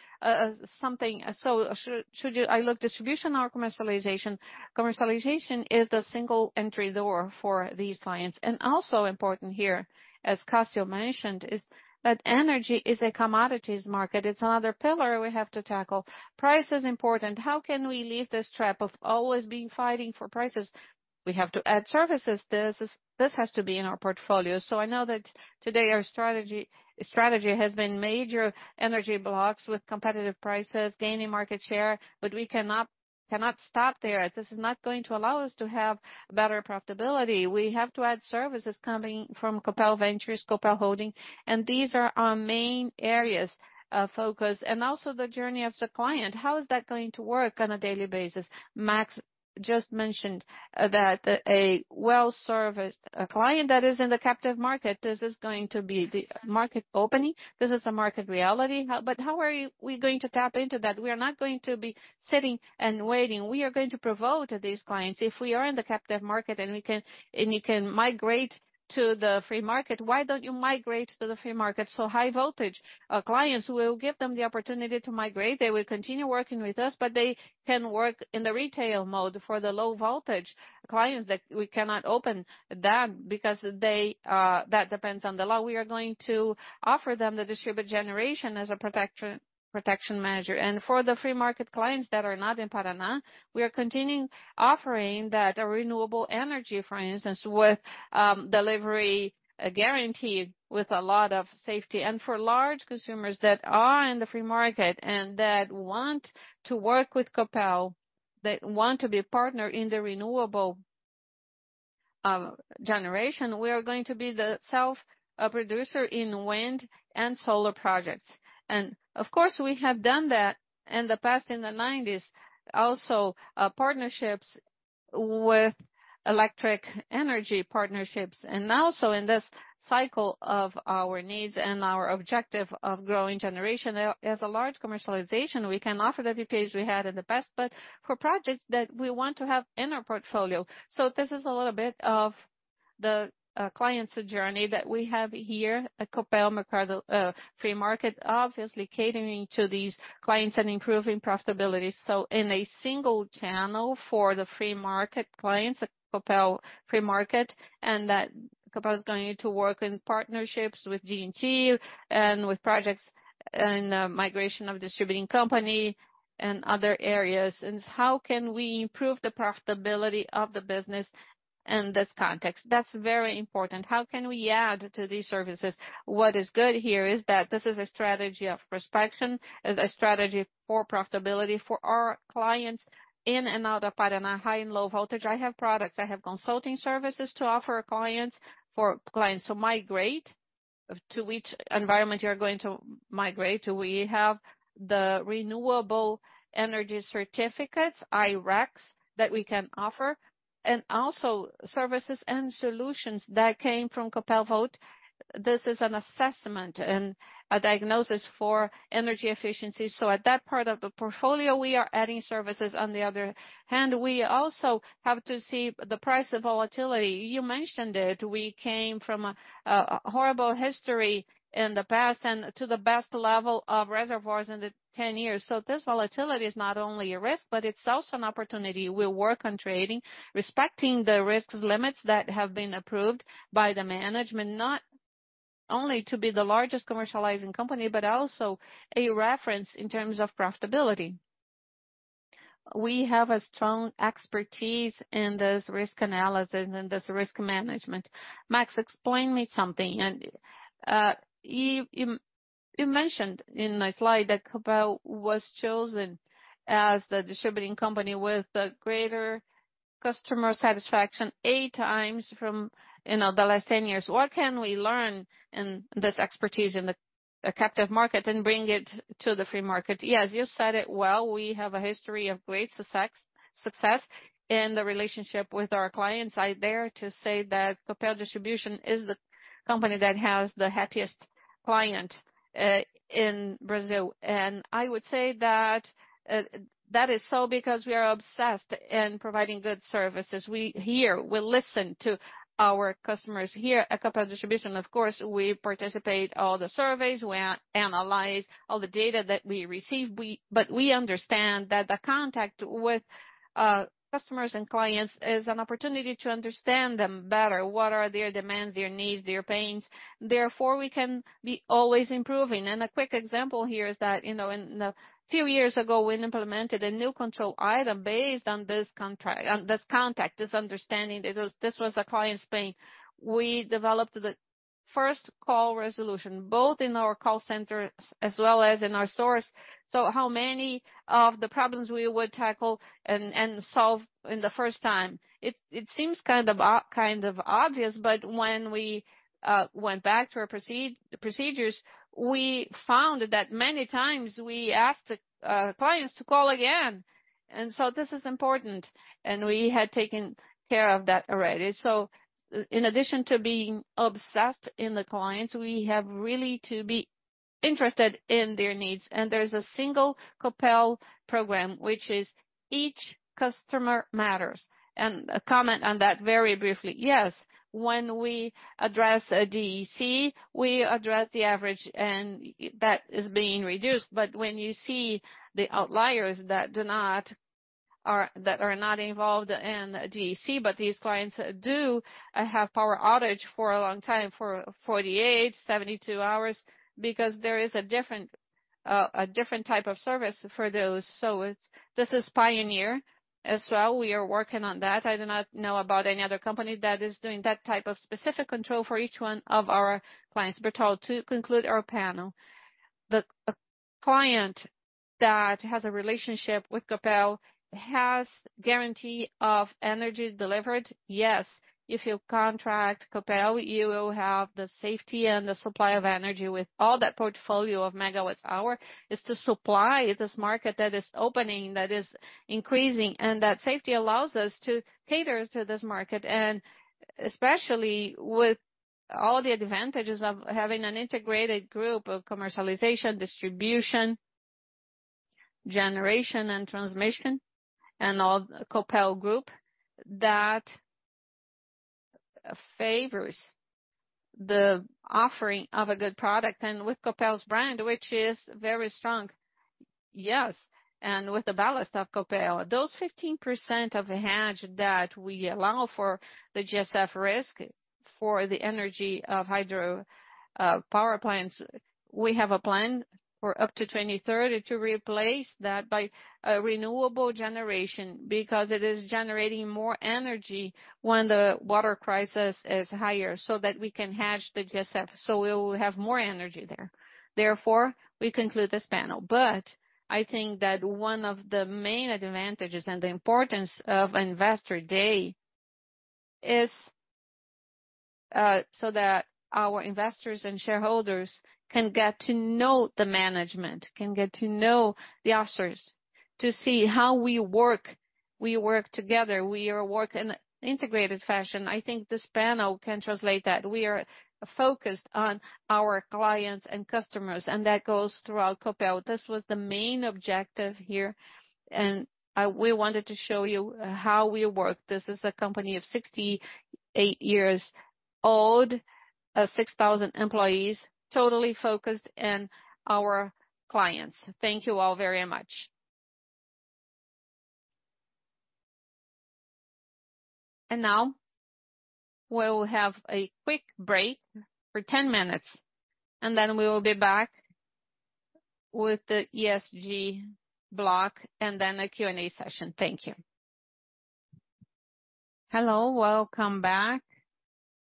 something. I look distribution or commercialization? Commercialization is the single entry door for these clients. Also important here, as Castillo mentioned, is that energy is a commodities market. It's another pillar we have to tackle. Price is important. How can we leave this trap of always being fighting for prices? We have to add services. This has to be in our portfolio. I know that today our strategy has been major energy blocks with competitive prices, gaining market share, but we cannot stop there. This is not going to allow us to have better profitability. We have to add services coming from Copel Ventures, Copel Holding, and these are our main areas of focus. Also the journey of the client. How is that going to work on a daily basis? Max just mentioned that a well-serviced client that is in the captive market, this is going to be the market opening. This is a market reality. How are we going to tap into that? We are not going to be sitting and waiting. We are going to provoke these clients. If we are in the captive market and we can, and you can migrate to the free market, why don't you migrate to the free market? High voltage clients will give them the opportunity to migrate. They will continue working with us, but they can work in the retail mode for the low voltage clients that we cannot open them because that depends on the law. We are going to offer them the distributed generation as a protection manager. For the free market clients that are not in Paraná, we are continuing offering that renewable energy, for instance, with delivery guaranteed with a lot of safety. For large consumers that are in the free market and that want to work with Copel, that want to be a partner in the renewable generation, we are going to be the self-producer in wind and solar projects. Of course, we have done that in the 1990s, also, electric energy partnerships. Now, in this cycle of our needs and our objective of growing generation, as a large commercialization, we can offer the BPAs we had in the past, but for projects that we want to have in our portfolio. This is a little bit of the client's journey that we have here at Copel Mercado, free market, obviously catering to these clients and improving profitability. In a single channel for the free market clients at Copel free market, and that Copel is going to work in partnerships with G&T and with projects and migration of distributing company and other areas. How can we improve the profitability of the business in this context? That's very important. How can we add to these services? What is good here is that this is a strategy of perspective, is a strategy for profitability for our clients in another part in a high and low voltage. I have products, I have consulting services to offer for clients to migrate to which environment you're going to migrate to. We have the renewable energy certificates, I-RECs, that we can offer, also services and solutions that came from Copel Volt. This is an assessment and a diagnosis for energy efficiency. At that part of the portfolio, we are adding services. On the other hand, we also have to see the price volatility. You mentioned it, we came from a horrible history in the past and to the best level of reservoirs in the 10 years. This volatility is not only a risk, but it's also an opportunity. We'll work on trading, respecting the risks limits that have been approved by the management, not only to be the largest commercializing company, but also a reference in terms of profitability. We have a strong expertise in this risk analysis and this risk management. Max, explain me something. You mentioned in a slide that Copel was chosen as the distributing company with the greater customer satisfaction eight times from, you know, the last 10 years. What can we learn in this expertise in the captive market and bring it to the free market? Yes, you said it well. We have a history of great success in the relationship with our clients. I dare to say that Copel Distribuição is the company that has the happiest client in Brazil. I would say that that is so because we are obsessed in providing good services. We hear, we listen to our customers here at Copel Distribuição. Of course, we participate all the surveys. We analyze all the data that we receive. We understand that the contact with customers and clients is an opportunity to understand them better, what are their demands, their needs, their pains. Therefore, we can be always improving. A quick example here is that, you know, in a few years ago, we implemented a new control item based on this contact, this understanding. This was a client's pain. We developed the first call resolution, both in our call center as well as in our stores. How many of the problems we would tackle and solve in the first time? It seems kind of obvious, but when we went back to our procedures, we found that many times we asked clients to call again. This is important, and we had taken care of that already. In addition to being obsessed in the clients, we have really to be interested in their needs. There's a single Copel program, which is each customer matters. A comment on that very briefly. Yes. When we address a DEC, we address the average and that is being reduced. When you see the outliers that do not or that are not involved in DEC, but these clients do have power outage for a long time, for 48, 72 hours because there is a different, a different type of service for those. This is pioneer as well. We are working on that. I do not know about any other company that is doing that type of specific control for each one of our clients. Bertol, to conclude our panel. The client that has a relationship with Copel has guarantee of energy delivered. Yes. If you contract Copel, you will have the safety and the supply of energy with all that portfolio of megawatts hour. It's the supply, this market that is opening, that is increasing, and that safety allows us to cater to this market, especially with all the advantages of having an integrated group of commercialization, distribution, generation and transmission and all Copel Group that favors the offering of a good product. With Copel's brand, which is very strong. Yes. With the ballast of Copel, those 15% of the hedge that we allow for the GSF risk for the energy of hydro power plants, we have a plan for up to 2030 to replace that by a renewable generation because it is generating more energy when the water crisis is higher so that we can hedge the GSF. We will have more energy there. Therefore, we conclude this panel. I think that one of the main advantages and the importance of Investor Day is so that our investors and shareholders can get to know the management, can get to know the officers, to see how we work together. We work in integrated fashion. I think this panel can translate that. We are focused on our clients and customers, and that goes throughout Copel. This was the main objective here, and we wanted to show you how we work. This is a company of 68 years old, of 6,000 employees, totally focused in our clients. Thank you all very much. Now we'll have a quick break for 10 minutes, and then we will be back with the ESG block and then a Q&A session. Thank you. Hello, welcome back.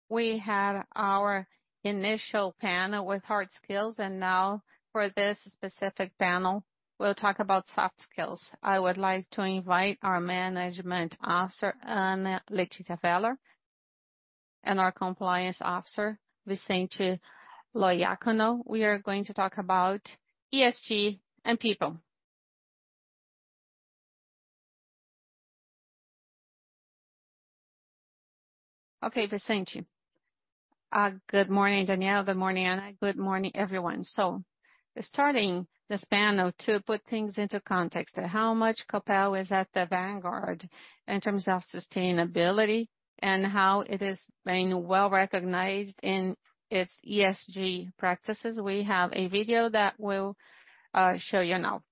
We had our initial panel with hard skills. Now for this specific panel, we'll talk about soft skills. I would like to invite our Management Officer, Ana Letícia Feller, and our Compliance Officer, Vicente Loiacono. We are going to talk about ESG and people. Okay, Vicente. Good morning, Daniel. Good morning, Ana. Good morning, everyone. Starting this panel, to put things into context of how much Copel is at the vanguard in terms of sustainability and how it is being well-recognized in its ESG practices, we have a video that we'll show you now.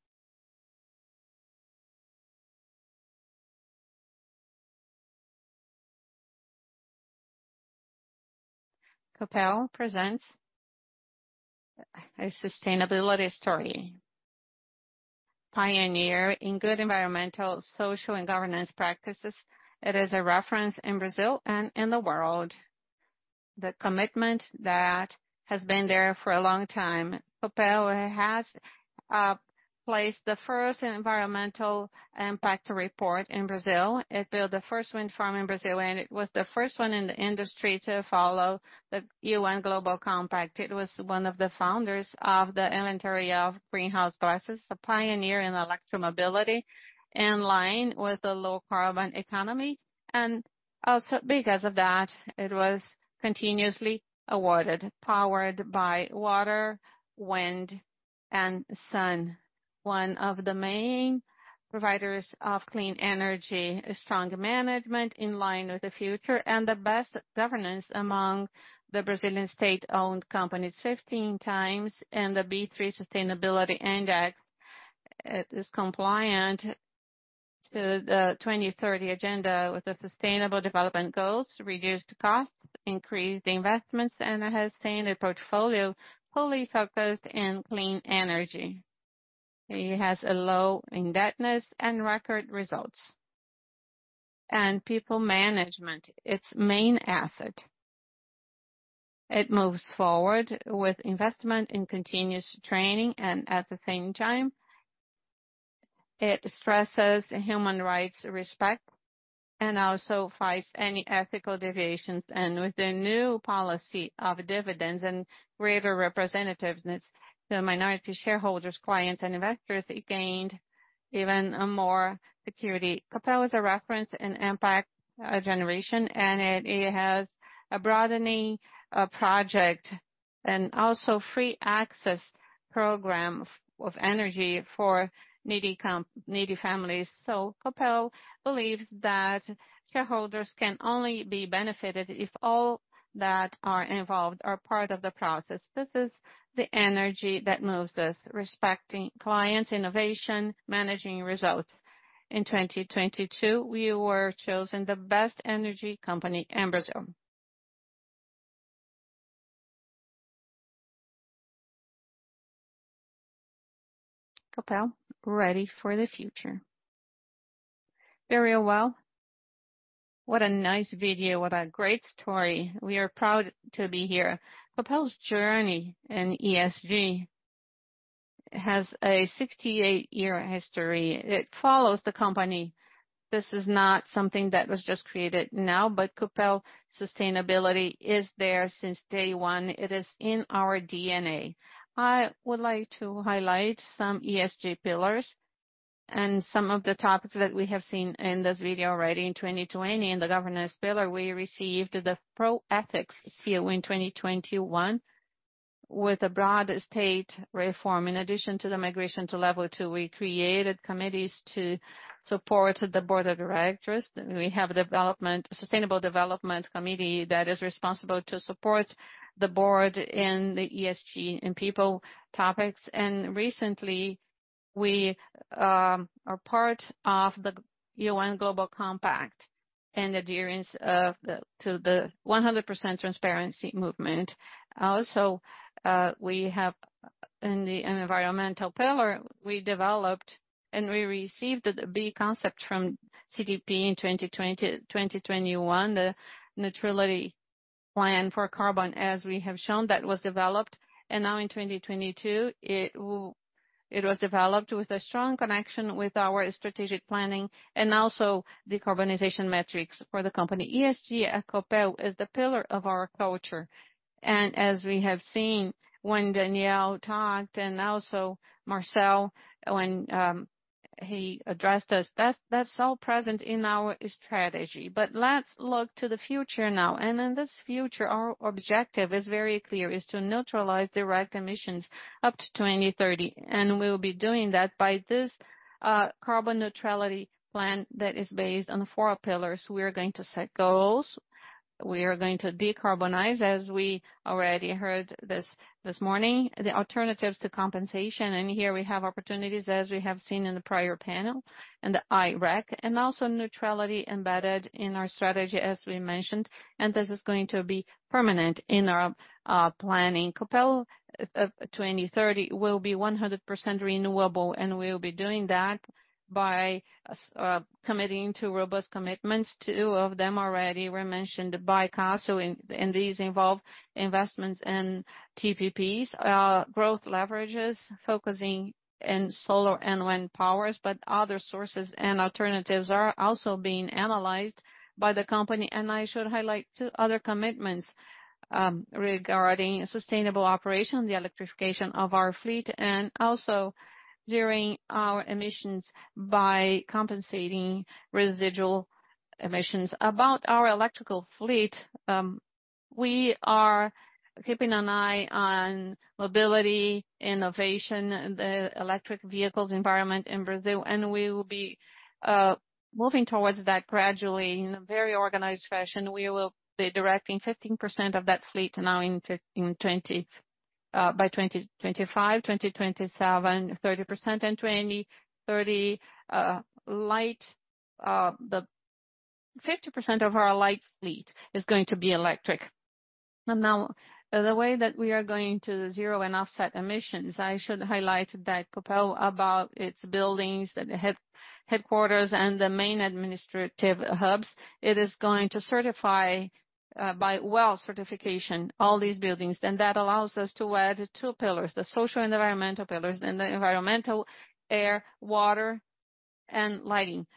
Copel presents a sustainability story. Pioneer in good environmental, social, and governance practices. It is a reference in Brazil and in the world. The commitment that has been there for a long time. Copel has placed the first environmental impact report in Brazil. It built the first wind farm in Brazil, it was the first one in the industry to follow the UN Global Compact. It was one of the founders of the Inventory of Greenhouse Gases, a pioneer in electromobility in line with the low carbon economy. Also because of that, it was continuously awarded. Powered by water, wind, and sun. One of the main providers of clean energy. A strong management in line with the future and the best governance among the Brazilian state-owned companies. 15 times in the B3 Sustainability Index. It is compliant to the 2030 agenda with the sustainable development goals, reduced costs, increased investments, it has a standard portfolio fully focused in clean energy. It has a low indebtedness and record results. People management, its main asset. It moves forward with investment in continuous training, at the same time, it stresses human rights respect and also fights any ethical deviations. With the new policy of dividends and greater representativeness to minority shareholders, clients and investors, it gained even more security. Copel is a reference in impact generation, and it has a broadening project and also free access program of energy for needy families. Copel believes that shareholders can only be benefited if all that are involved are part of the process. This is the energy that moves us. Respecting clients, innovation, managing results. In 2022, we were chosen the best energy company in Brazil. Copel, ready for the future. Very well. What a nice video. What a great story. We are proud to be here. Copel's journey in ESG has a 68-year history. It follows the company. This is not something that was just created now, but Copel sustainability is there since day one. It is in our DNA. I would like to highlight some ESG pillars and some of the topics that we have seen in this video already. In 2020, in the governance pillar, we received the Pró-Ética seal. In 2021, with a broad state reform, in addition to the migration to level 2, we created committees to support the board of directors. We have a sustainable development committee that is responsible to support the board in the ESG and people topics. Recently, we are part of the UN Global Compact and adherence of the, to the 100% transparency movement. We have in the environmental pillar, we developed and we received the B Concept from CDP in 2021. The neutrality plan for carbon, as we have shown, that was developed. Now in 2022, it was developed with a strong connection with our strategic planning and also decarbonization metrics for the company. ESG at Copel is the pillar of our culture. As we have seen when Daniel talked, and also Marcel when he addressed us, that's all present in our strategy. Let's look to the future now. In this future, our objective is very clear, is to neutralize direct emissions up to 2030. We'll be doing that by this carbon neutrality plan that is based on four pillars. We are going to set goals. We are going to decarbonize, as we already heard this morning. The alternatives to compensation, and here we have opportunities as we have seen in the prior panel. The I-REC, and also neutrality embedded in our strategy, as we mentioned, and this is going to be permanent in our planning. Copel 2030 will be 100% renewable, and we'll be doing that by committing to robust commitments. Two of them already were mentioned by Cassio, and these involve investments and TPPs, growth leverages focusing in solar and wind powers, but other sources and alternatives are also being analyzed by the company. I should highlight two other commitments regarding sustainable operation, the electrification of our fleet, and also zeroing our emissions by compensating residual emissions. About our electrical fleet, we are keeping an eye on mobility, innovation, the electric vehicles environment in Brazil, and we will be moving towards that gradually in a very organized fashion. We will be directing 15% of that fleet now by 2025, 2027, 30% in 2030. Light, the 50% of our light fleet is going to be electric. Now, the way that we are going to zero and offset emissions, I should highlight that Copel, about its buildings and headquarters and the main administrative hubs, it is going to certify by WELL certification all these buildings. That allows us to add two pillars: the social and environmental pillars and the environmental air, water, and lighting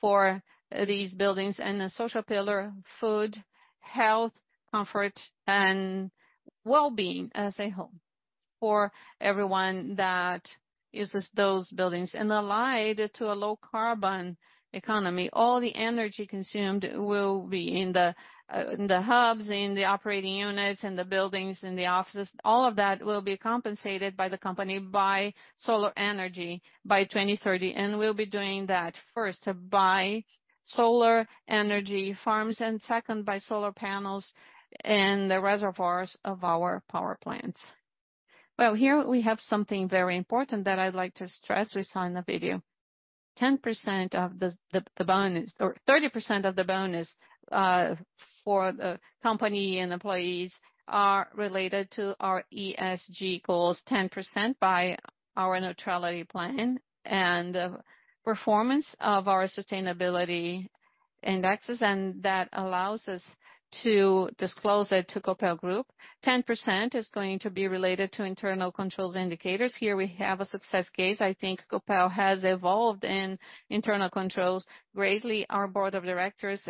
for these buildings. The social pillar, food, health, comfort, and well-being as a whole for everyone that uses those buildings. Allied to a low carbon economy, all the energy consumed will be in the hubs, in the operating units, in the buildings, in the offices. All of that will be compensated by the company by solar energy by 2030. We'll be doing that first by solar energy farms, and second by solar panels and the reservoirs of our power plants. Well, here we have something very important that I'd like to stress we saw in the video. 30% of the bonus for the company and employees are related to our ESG goals. 10% by our neutrality plan and the performance of our sustainability indexes, that allows us to disclose it to Copel Group. 10% is going to be related to internal controls indicators. Here we have a success case. I think Copel has evolved in internal controls greatly. Our board of directors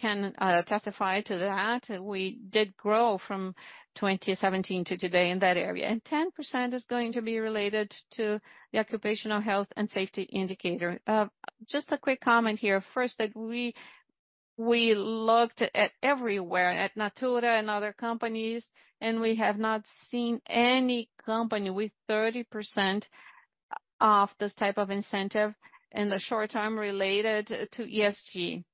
can testify to that. We did grow from 2017 to today in that area. Ten percent is going to be related to the occupational health and safety indicator. Just a quick comment here first, that we looked at everywhere, at Natura and other companies, and we have not seen any company with 30% of this type of incentive in the short term related to ESG.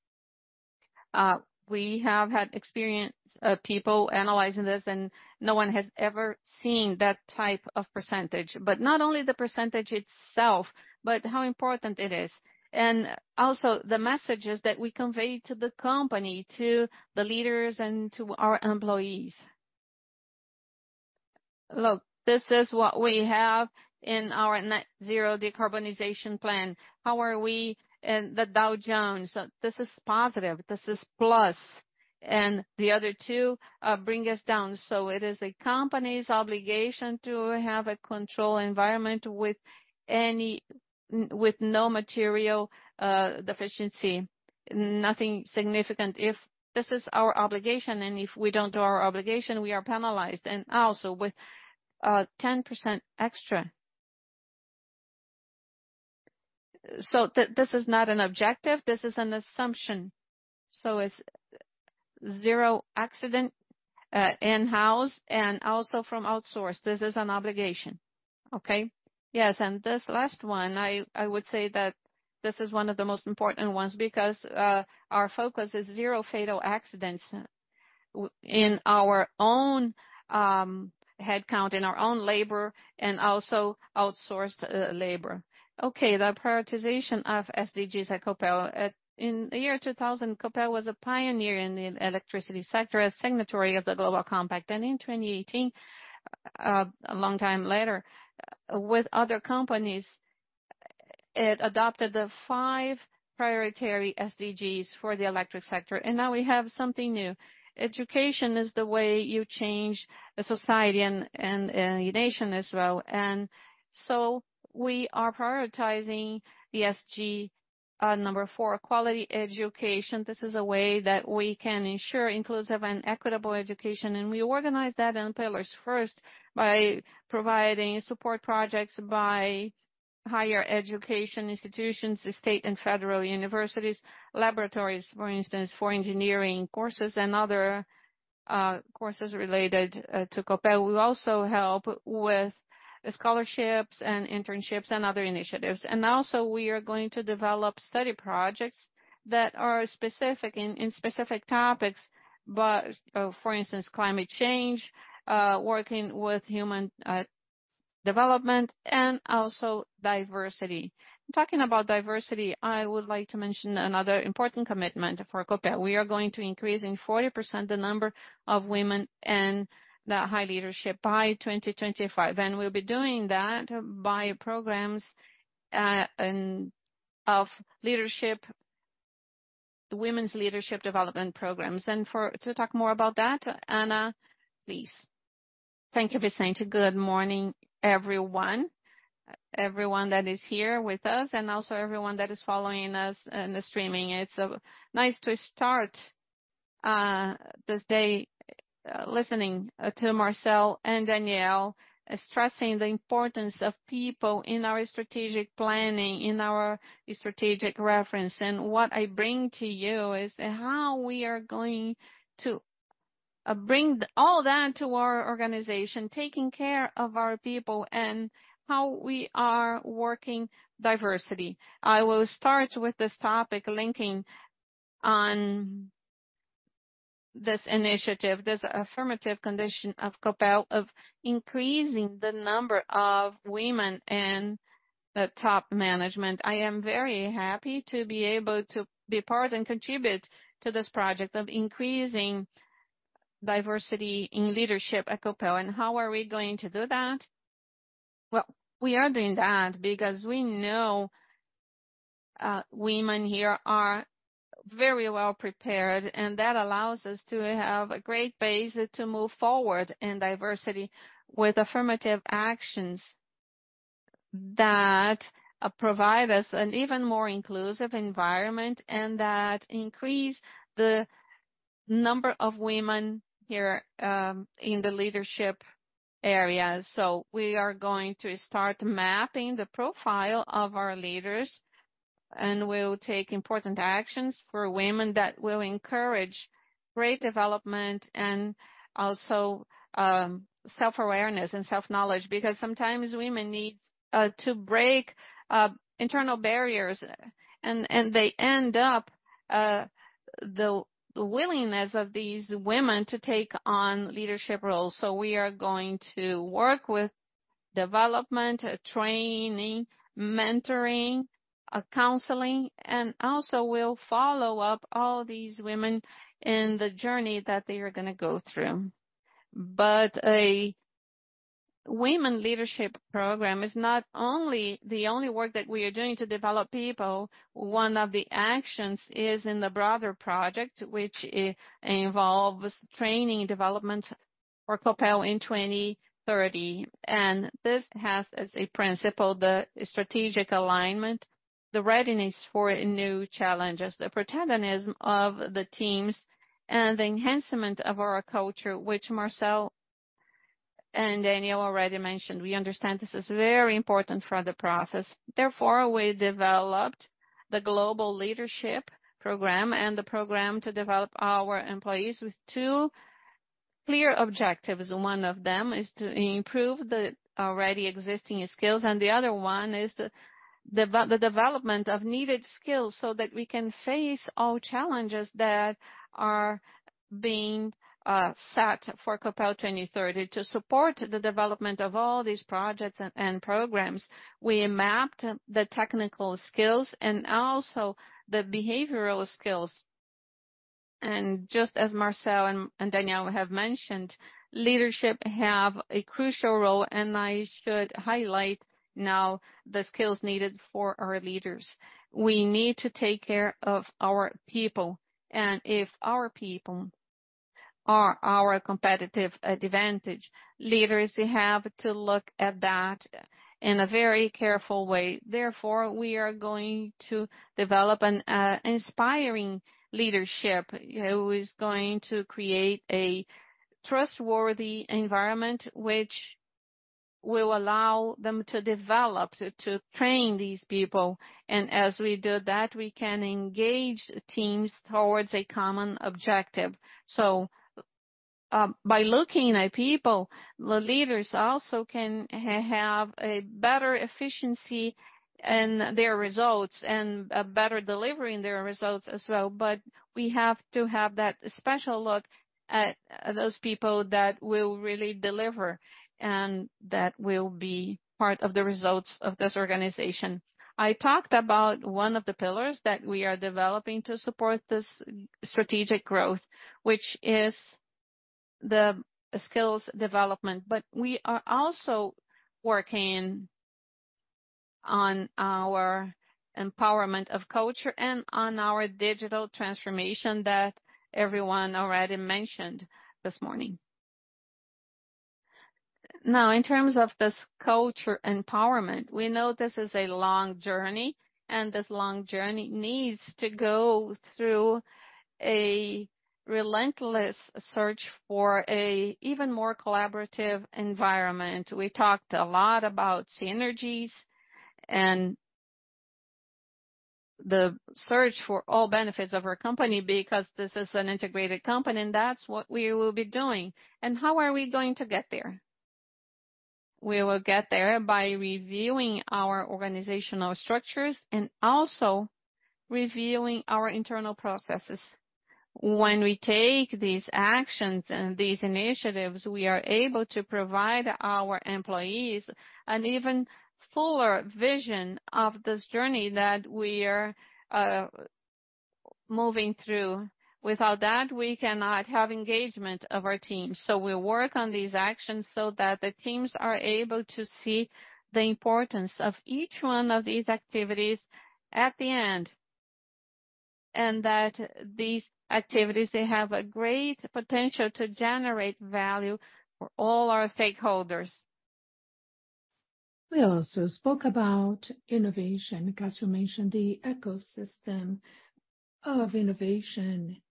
We have had experienced people analyzing this, and no one has ever seen that type of percentage. Not only the percentage itself, but how important it is, and also the messages that we convey to the company, to the leaders and to our employees. Look, this is what we have in our net zero decarbonization plan. How are we in the Dow Jones? This is positive. This is plus. The other two bring us down. It is a company's obligation to have a control environment with no material deficiency, nothing significant. If this is our obligation, and if we don't do our obligation, we are penalized, and also with 10% extra. This is not an objective, this is an assumption. It's zero accident in-house and also from outsource. This is an obligation. Yes, this last one, I would say that this is one of the most important ones because our focus is zero fatal accidents in our own headcount, in our own labor and also outsourced labor. The prioritization of SDGs at Copel. In the year 2000, Copel was a pioneer in the electricity sector, a signatory of the Global Compact. In 2018, a long time later, with other companies, it adopted the five priority SDGs for the electric sector. Now we have something new. Education is the way you change a society and a nation as well. We are prioritizing the SG, number 4, quality education. This is a way that we can ensure inclusive and equitable education. We organize that in pillars. First, by providing support projects by higher education institutions, the state and federal universities, laboratories, for instance, for engineering courses and other courses related to Copel. We also help with scholarships and internships and other initiatives. Also we are going to develop study projects that are specific in specific topics, but, for instance, climate change, working with human development and also diversity. Talking about diversity, I would like to mention another important commitment for Copel. We are going to increase in 40% the number of women in the high leadership by 2025. We'll be doing that by programs of leadership, women's leadership development programs. For to talk more about that, Ana, please. Thank you, Vicente. Good morning, everyone. Everyone that is here with us and also everyone that is following us in the streaming. It's nice to start this day listening to Marcel and Daniel, stressing the importance of people in our strategic planning, in our strategic reference. What I bring to you is how we are going to bring all that to our organization, taking care of our people and how we are working diversity. I will start with this topic linking on this initiative, this affirmative condition of Copel, of increasing the number of women in the top management. I am very happy to be able to be a part and contribute to this project of increasing diversity in leadership at Copel. How are we going to do that? Well, we are doing that because we know, women here are very well prepared, and that allows us to have a great base to move forward in diversity with affirmative actions that provide us an even more inclusive environment and that increase the number of women here, in the leadership areas. We are going to start mapping the profile of our leaders, and we'll take important actions for women that will encourage great development and also self-awareness and self-knowledge, because sometimes women need to break internal barriers, and they end up the willingness of these women to take on leadership roles. We are going to work with development, training, mentoring, counseling, and also we'll follow up all these women in the journey that they are gonna go through. A women leadership program is not only the only work that we are doing to develop people. One of the actions is in the broader project, which involves training and development for Copel in 2030. This has as a principle the strategic alignment, the readiness for new challenges, the protagonism of the teams, and the enhancement of our culture, which Marcel and Daniel already mentioned. We understand this is very important for the process. Therefore, we developed the global leadership program and the program to develop our employees with two clear objectives. One of them is to improve the already existing skills, and the other one is the development of needed skills so that we can face all challenges that are being set for Copel 2030. To support the development of all these projects and programs, we mapped the technical skills and also the behavioral skills. Just as Marcel and Daniel have mentioned, leadership have a crucial role, and I should highlight now the skills needed for our leaders. We need to take care of our people. If our people are our competitive advantage, leaders have to look at that in a very careful way. Therefore, we are going to develop an inspiring leadership who is going to create a trustworthy environment which will allow them to develop, to train these people. As we do that, we can engage teams towards a common objective. By looking at people, the leaders also can have a better efficiency in their results and a better delivery in their results as well. We have to have that special look at those people that will really deliver and that will be part of the results of this organization. I talked about one of the pillars that we are developing to support this strategic growth, which is the skills development. We are also working on our empowerment of culture and on our digital transformation that everyone already mentioned this morning. In terms of this culture empowerment, we know this is a long journey, and this long journey needs to go through a relentless search for a even more collaborative environment. We talked a lot about synergies and the search for all benefits of our company, because this is an integrated company, and that's what we will be doing. How are we going to get there? We will get there by reviewing our organizational structures and also reviewing our internal processes. When we take these actions and these initiatives, we are able to provide our employees an even fuller vision of this journey that we are moving through. Without that, we cannot have engagement of our team. We work on these actions so that the teams are able to see the importance of each one of these activities at the end, and that these activities, they have a great potential to generate value for all our stakeholders. We also spoke about innovation. Cassio mentioned the ecosystem of innovation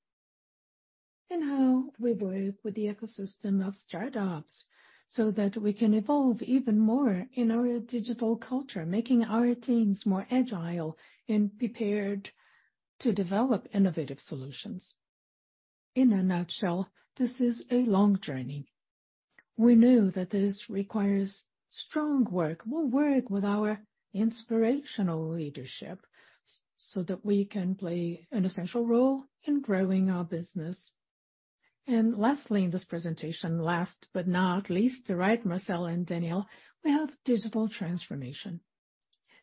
and how we work with the ecosystem of startups so that we can evolve even more in our digital culture, making our teams more agile and prepared to develop innovative solutions. In a nutshell, this is a long journey. We know that this requires strong work. We'll work with our inspirational leadership so that we can play an essential role in growing our business. Lastly, in this presentation, last but not least, right, Marcel and Daniel, we have digital transformation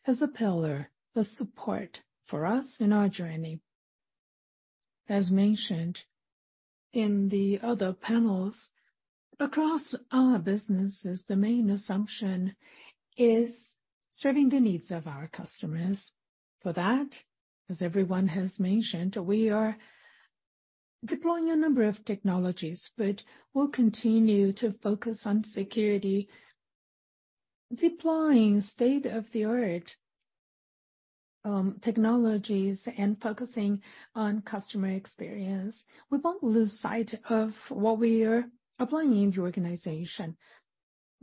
as a pillar, the support for us in our journey. As mentioned in the other panels, across our businesses, the main assumption is serving the needs of our customers. For that, as everyone has mentioned, we are deploying a number of technologies, but we'll continue to focus on security, deploying state-of-the-art technologies and focusing on customer experience. We won't lose sight of what we are applying in the organization.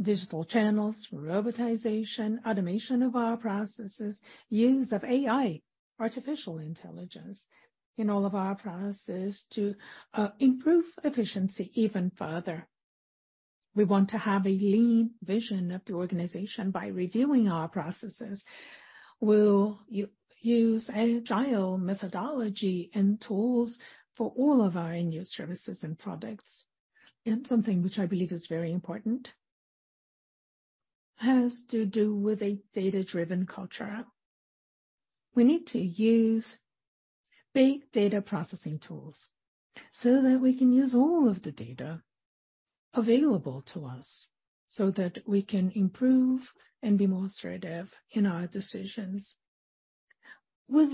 Digital channels, robotization, automation of our processes, use of AI, artificial intelligence, in all of our processes to improve efficiency even further. We want to have a lean vision of the organization by reviewing our processes. We'll use agile methodology and tools for all of our new services and products. Something which I believe is very important has to do with a data-driven culture. We need to use big data processing tools so that we can use all of the data available to us, so that we can improve and be more assertive in our decisions. With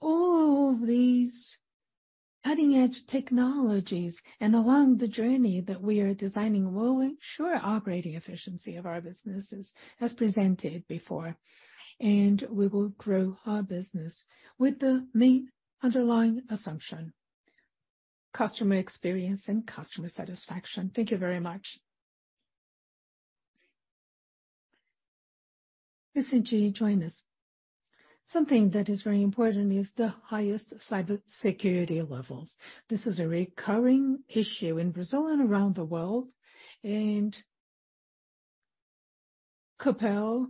all these cutting-edge technologies and along the journey that we are designing, we'll ensure operating efficiency of our businesses as presented before. We will grow our business with the main underlying assumption: customer experience and customer satisfaction. Thank you very much. Listen to you join us. Something that is very important is the highest cybersecurity levels. This is a recurring issue in Brazil and around the world, Copel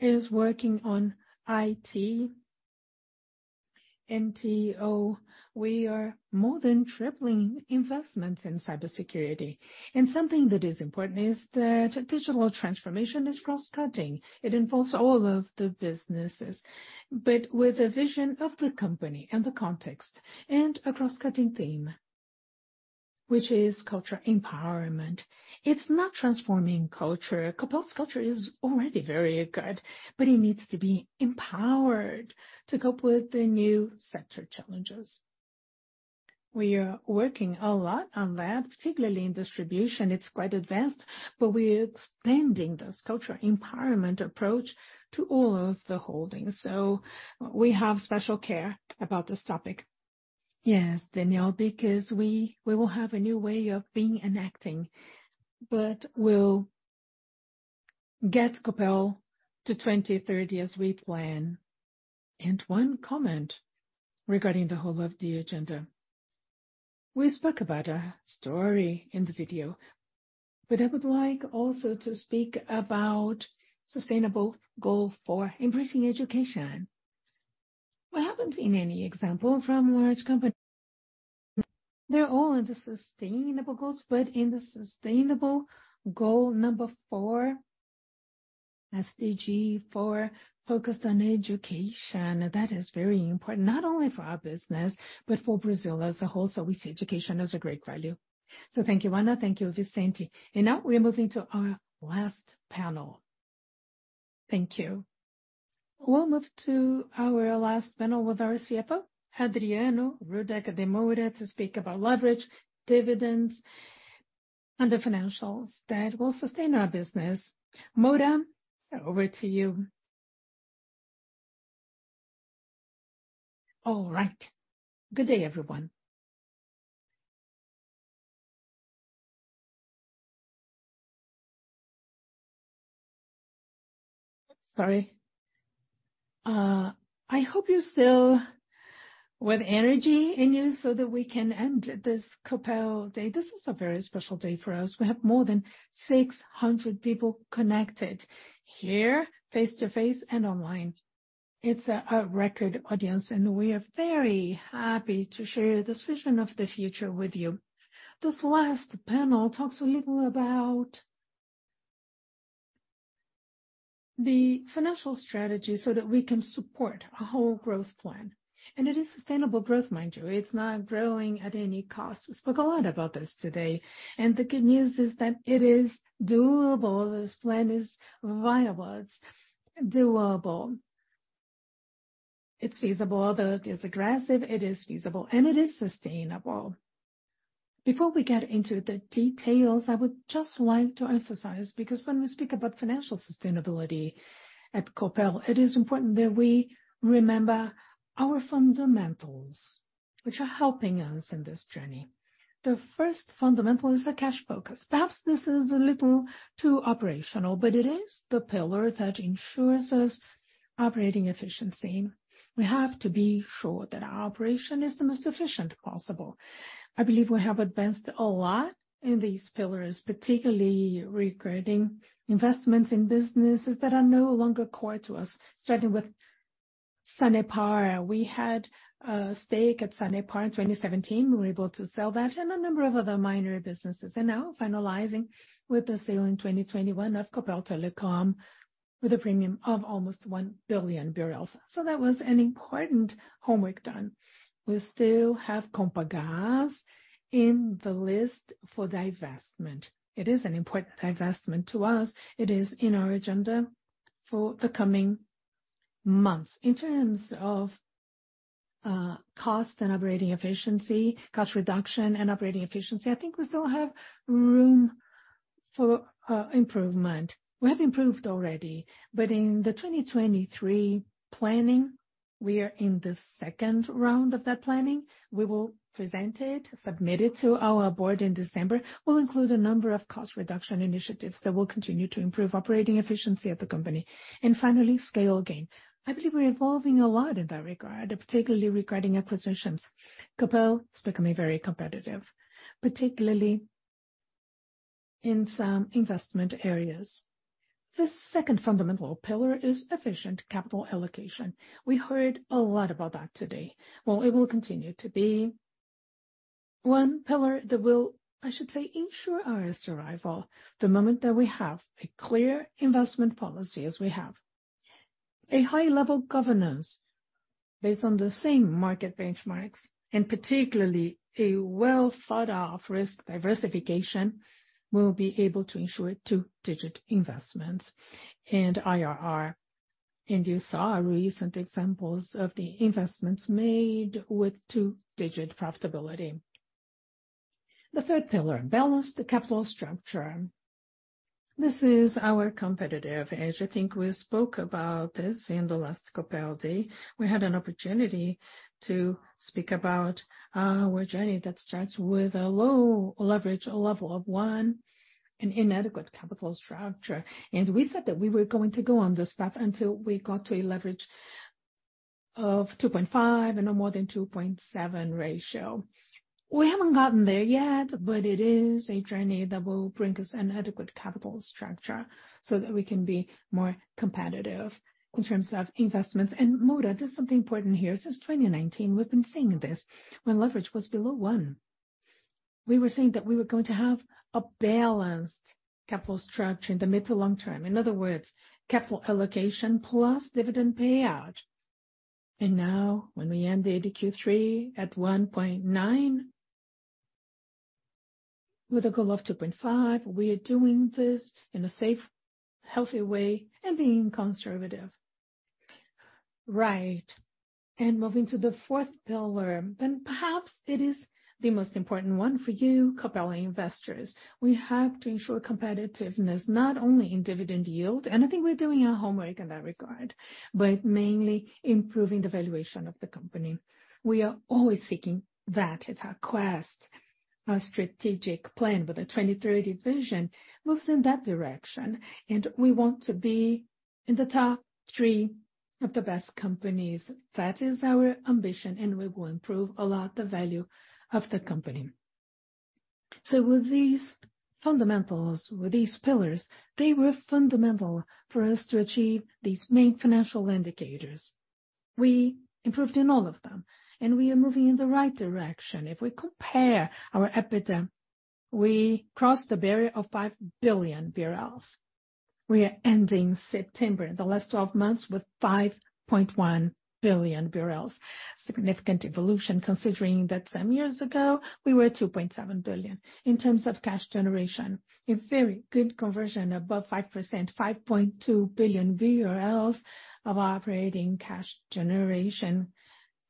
is working on IT and TO. We are more than tripling investments in cybersecurity. Something that is important is that digital transformation is cross-cutting. It involves all of the businesses, but with a vision of the company and the context and a cross-cutting theme, which is culture empowerment. It's not transforming culture. Copel's culture is already very good, but it needs to be empowered to cope with the new sector challenges. We are working a lot on that, particularly in distribution. It's quite advanced, but we're expanding this culture empowerment approach to all of the holdings. We have special care about this topic. Because we will have a new way of being and acting, but we'll get Copel to 2030 as we plan. One comment regarding the whole of the agenda. We spoke about a story in the video, I would like also to speak about sustainable goal for embracing education. What happens in any example from large company, they're all in the sustainable goals, in the sustainable goal number four SDG 4 focused on education. That is very important, not only for our business, but for Brazil as a whole. We see education as a great value. Thank you, Ana. Thank you, Vicente. Now we're moving to our last panel. Thank you. We'll move to our last panel with our CFO, Adriano Rudek de Moura, to speak about leverage, dividends, and the financials that will sustain our business. Moura, over to you. All right. Good day, everyone. Sorry. I hope you're still with energy in you so that we can end this Copel day. This is a very special day for us. We have more than 600 people connected here face-to-face and online. It's a record audience. We are very happy to share this vision of the future with you. This last panel talks a little about the financial strategy so that we can support a whole growth plan. It is sustainable growth, mind you. It's not growing at any cost. We spoke a lot about this today. The good news is that it is doable. This plan is viable. It's doable. It's feasible. Although it is aggressive, it is feasible, it is sustainable. Before we get into the details, I would just like to emphasize, because when we speak about financial sustainability at Copel, it is important that we remember our fundamentals which are helping us in this journey. The first fundamental is a cash focus. Perhaps this is a little too operational, but it is the pillar that ensures us operating efficiency. We have to be sure that our operation is the most efficient possible. I believe we have advanced a lot in these pillars, particularly regarding investments in businesses that are no longer core to us, starting with Sanepar. We had a stake at Sanepar in 2017. We were able to sell that and a number of other minor businesses. Now finalizing with the sale in 2021 of Copel Telecom with a premium of almost 1 billion BRL. That was an important homework done. We still have Comgás in the list for divestment. It is an important divestment to us. It is in our agenda for the coming months. In terms of cost and operating efficiency, cost reduction and operating efficiency, I think we still have room for improvement. We have improved already, but in the 2023 planning, we are in the second round of that planning. We will present it, submit it to our board in December. We'll include a number of cost reduction initiatives that will continue to improve operating efficiency at the company. Finally, scale gain. I believe we're evolving a lot in that regard, particularly regarding acquisitions. Copel is becoming very competitive, particularly in some investment areas. The second fundamental pillar is efficient capital allocation. We heard a lot about that today. Well, it will continue to be one pillar that will, I should say, ensure our survival. The moment that we have a clear investment policy, as we have, a high-level governance based on the same market benchmarks, and particularly a well-thought-out risk diversification, we'll be able to ensure two-digit investments and IRR. You saw recent examples of the investments made with two-digit profitability. The third pillar balanced the capital structure. This is our competitive edge. I think we spoke about this in the last Copel Day. We had an opportunity to speak about our journey that starts with a low leverage, a level of one, an inadequate capital structure. We said that we were going to go on this path until we got to a leverage of 2.5 and no more than 2.7 ratio. We haven't gotten there yet, but it is a journey that will bring us an adequate capital structure so that we can be more competitive in terms of investments. Moura, there's something important here. Since 2019, we've been saying this when leverage was below 1. We were saying that we were going to have a balanced capital structure in the mid to long term. In other words, capital allocation plus dividend payout. Now when we end the Q3 at 1.9, with a goal of 2.5, we are doing this in a safe, healthy way and being conservative. Right. Moving to the fourth pillar, and perhaps it is the most important one for you Copel investors. We have to ensure competitiveness not only in dividend yield, and I think we're doing our homework in that regard, but mainly improving the valuation of the company. We are always seeking that. It's our quest, our strategic plan. The 2030 vision moves in that direction. We want to be in the top three of the best companies. That is our ambition. We will improve a lot the value of the company. With these fundamentals, with these pillars, they were fundamental for us to achieve these main financial indicators. We improved in all of them. We are moving in the right direction. If we compare our EBITDA, we crossed the barrier of 5 billion. We are ending September, the last 12 months, with 5.1 billion. Significant evolution, considering that some years ago we were 2.7 billion. In terms of cash generation, a very good conversion above 5%, 5.2 billion of operating cash generation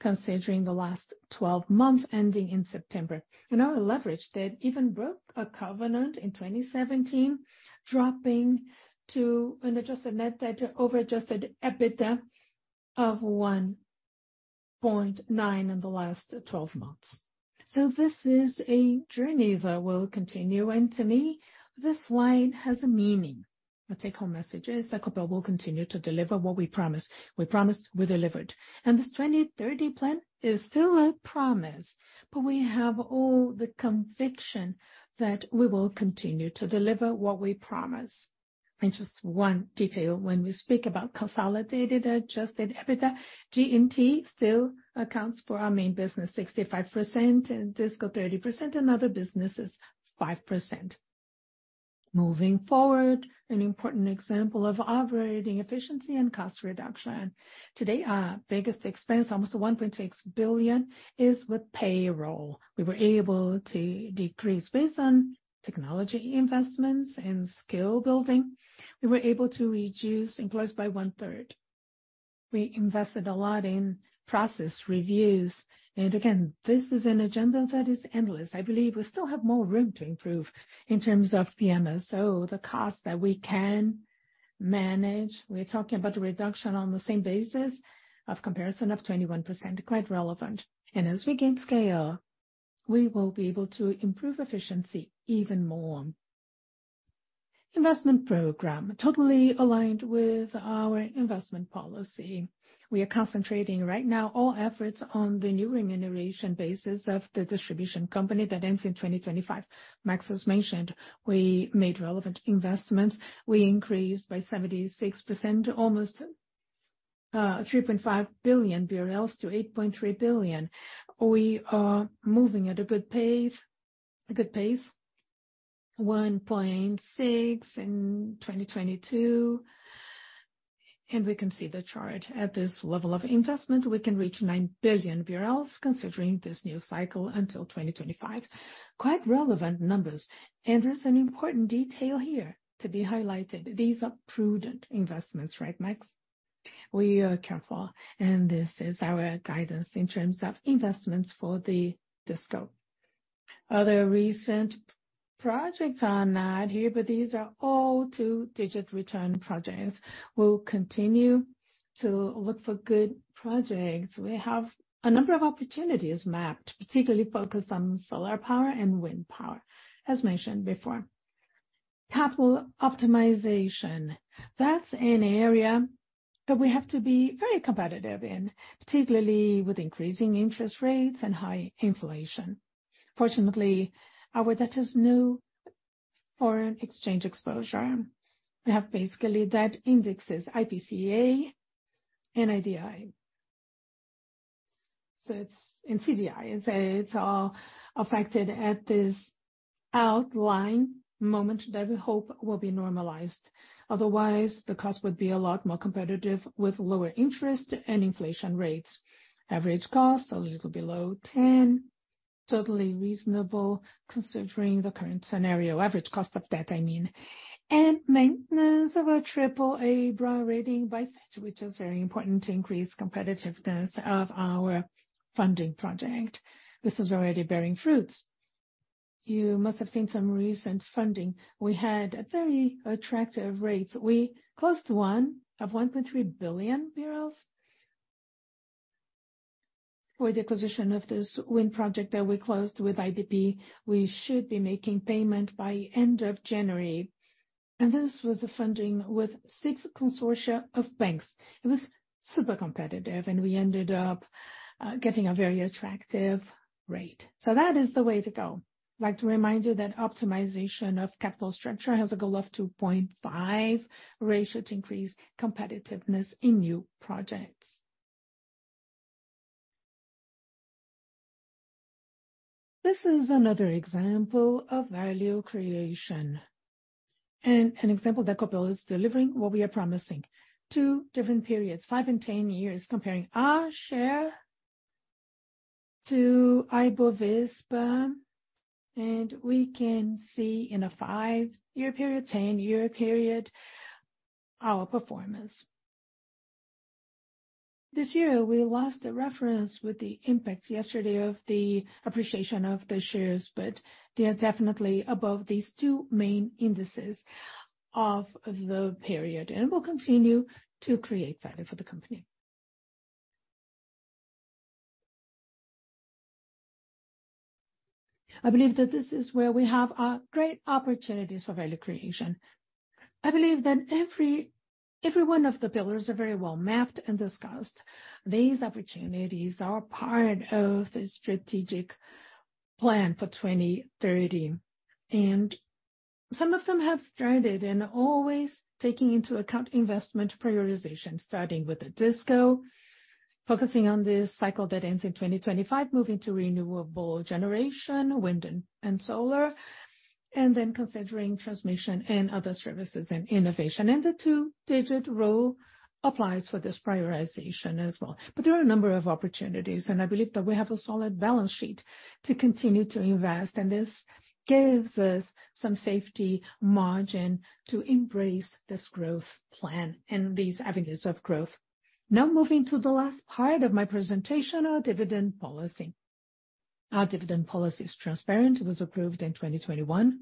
considering the last 12 months ending in September. Our leverage that even broke a covenant in 2017, dropping to an adjusted net debt to over-adjusted EBITDA of 1.9 in the last 12 months. This is a journey that will continue, and to me, this line has a meaning. My take-home message is that Copel will continue to deliver what we promised. We promised, we delivered. This 2030 plan is still a promise, but we have all the conviction that we will continue to deliver what we promised. Just one detail, when we speak about consolidated adjusted EBITDA, G&T still accounts for our main business, 65% and Disco 30% and other businesses 5%. Moving forward, an important example of operating efficiency and cost reduction. Today, our biggest expense, almost 1.6 billion, is with payroll. We were able to decrease based on technology investments and skill building. We were able to reduce employees by one-third. We invested a lot in process reviews. Again, this is an agenda that is endless. I believe we still have more room to improve in terms of PMSO, the cost that we can manage. We're talking about reduction on the same basis of comparison of 21%. Quite relevant. As we gain scale, we will be able to improve efficiency even more. Investment program, totally aligned with our investment policy. We are concentrating right now all efforts on the new remuneration basis of the distribution company that ends in 2025. Max has mentioned we made relevant investments. We increased by 76% to almost 3.5 billion BRL to 8.3 billion. We are moving at a good pace, 1.6 billion in 2022. We can see the chart. At this level of investment, we can reach 9 billion considering this new cycle until 2025. Quite relevant numbers. There's an important detail here to be highlighted. These are prudent investments, right, Max? We are careful, and this is our guidance in terms of investments for the scope. Other recent projects are not here, but these are all 2-digit return projects. We'll continue to look for good projects. We have a number of opportunities mapped, particularly focused on solar power and wind power, as mentioned before. Capital optimization. That's an area that we have to be very competitive in, particularly with increasing interest rates and high inflation. Fortunately, our debt has no foreign exchange exposure. We have basically debt indexes, IPCA and IDI. It's CDI. It's all affected at this outline moment that we hope will be normalized. Otherwise, the cost would be a lot more competitive with lower interest and inflation rates. Average cost, a little below 10. Totally reasonable considering the current scenario. Average cost of debt, I mean. Maintenance of a AAA rating by Fitch, which is very important to increase competitiveness of our funding project. This is already bearing fruits. You must have seen some recent funding. We had very attractive rates. We closed one of BRL 1.3 billion for the acquisition of this wind project that we closed with IDP. We should be making payment by end of January. This was a funding with six consortia of banks. It was super competitive, and we ended up getting a very attractive rate. That is the way to go. I'd like to remind you that optimization of capital structure has a goal of 2.5 ratio to increase competitiveness in new projects. This is another example of value creation and an example that Copel is delivering what we are promising. Two different periods, five and 10 years, comparing our share to Ibovespa. We can see in a five-year period, 10-year period our performance. This year, we lost the reference with the impacts yesterday of the appreciation of the shares, but they are definitely above these two main indices of the period, and we'll continue to create value for the company. I believe that this is where we have great opportunities for value creation. I believe that every one of the pillars are very well mapped and discussed. These opportunities are part of the strategic plan for 2030. Some of them have started and always taking into account investment prioritization, starting with the Copel DIS, focusing on this cycle that ends in 2025, moving to renewable generation, wind and solar, and then considering transmission and other services and innovation. The two-digit rule applies for this prioritization as well. There are a number of opportunities, and I believe that we have a solid balance sheet to continue to invest. This gives us some safety margin to embrace this growth plan and these avenues of growth. Now, moving to the last part of my presentation, our dividend policy. Our dividend policy is transparent. It was approved in 2021,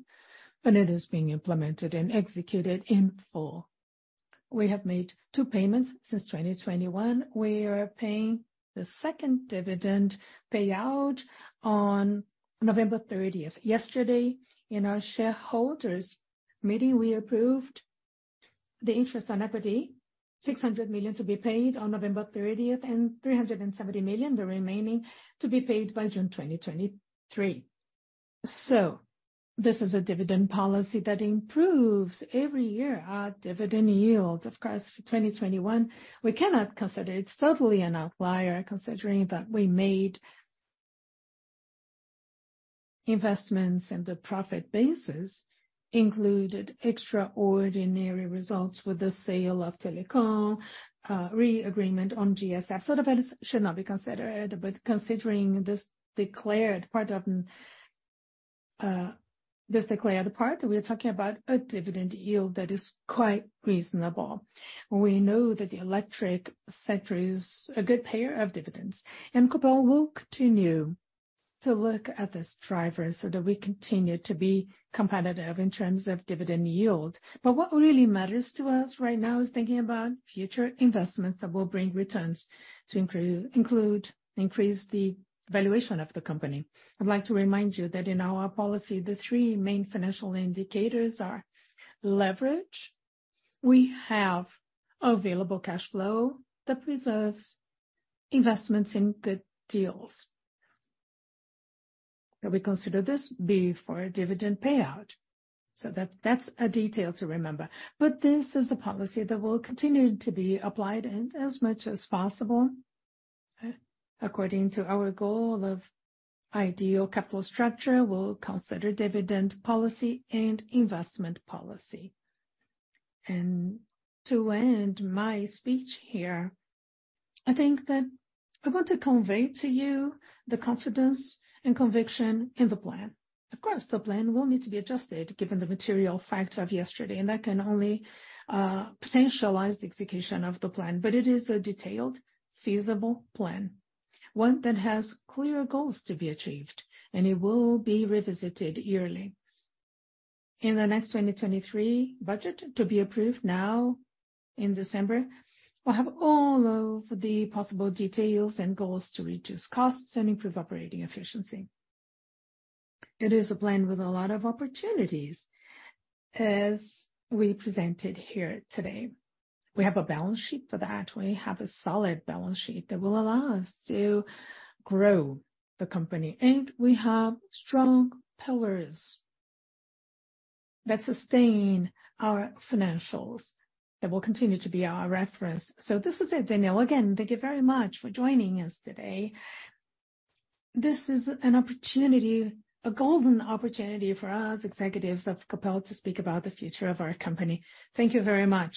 and it is being implemented and executed in full. We have made two payments since 2021. We are paying the second dividend payout on November 30th. Yesterday, in our shareholders meeting, we approved the interest on equity, 600 million to be paid on November 30th, and 370 million, the remaining, to be paid by June 2023. This is a dividend policy that improves every year our dividend yield. Of course, for 2021, we cannot consider it. It's totally an outlier, considering that we made investments and the profit basis included extraordinary results with the sale of Telecom, re-agreement on GSF. That should not be considered, but considering this declared part of... The declared part, we're talking about a dividend yield that is quite reasonable. We know that the electric sector is a good payer of dividends. Copel will continue to look at this driver so that we continue to be competitive in terms of dividend yield. What really matters to us right now is thinking about future investments that will bring returns to increase the valuation of the company. I'd like to remind you that in our policy, the three main financial indicators are leverage. We have available cash flow that preserves investments in good deals. That we consider this B for a dividend payout. That, that's a detail to remember. This is a policy that will continue to be applied and as much as possible, according to our goal of ideal capital structure, we'll consider dividend policy and investment policy. To end my speech here, I think that I want to convey to you the confidence and conviction in the plan. The plan will need to be adjusted given the material facts of yesterday, that can only potentialize the execution of the plan. It is a detailed, feasible plan, one that has clear goals to be achieved, it will be revisited yearly. In the next 2023 budget to be approved now in December, we'll have all of the possible details and goals to reduce costs and improve operating efficiency. It is a plan with a lot of opportunities, as we presented here today. We have a balance sheet for that. We have a solid balance sheet that will allow us to grow the company, we have strong pillars that sustain our financials, that will continue to be our reference. This is it, Daniel. Again, thank you very much for joining us today. This is an opportunity, a golden opportunity for us executives of Copel to speak about the future of our company. Thank you very much.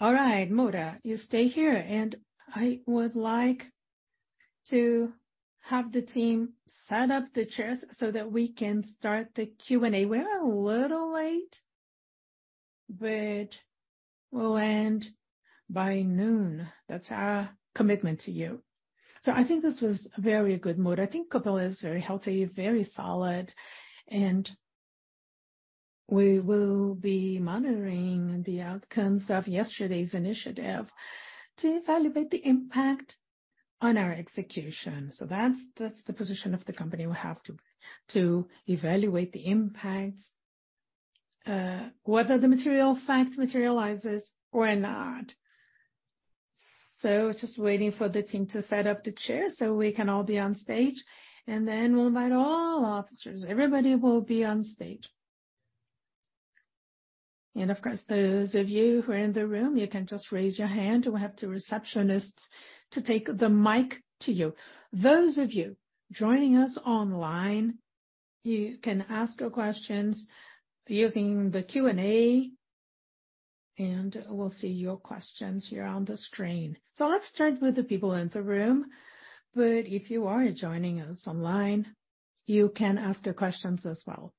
All right, Moura, you stay here. I would like to have the team set up the chairs so that we can start the Q&A. We're a little late, but we'll end by noon. That's our commitment to you. I think this was very good, Moura. I think Copel is very healthy, very solid, and we will be monitoring the outcomes of yesterday's initiative to evaluate the impact on our execution. That's the position of the company. We have to evaluate the impacts whether the material facts materializes or not. Just waiting for the team to set up the chairs so we can all be on stage, and then we'll invite all officers. Everybody will be on stage. Of course, those of you who are in the room, you can just raise your hand. We have two receptionists to take the mic to you. Those of you joining us online, you can ask your questions using the Q&A, and we'll see your questions here on the screen. Let's start with the people in the room. If you are joining us online, you can ask your questions as well.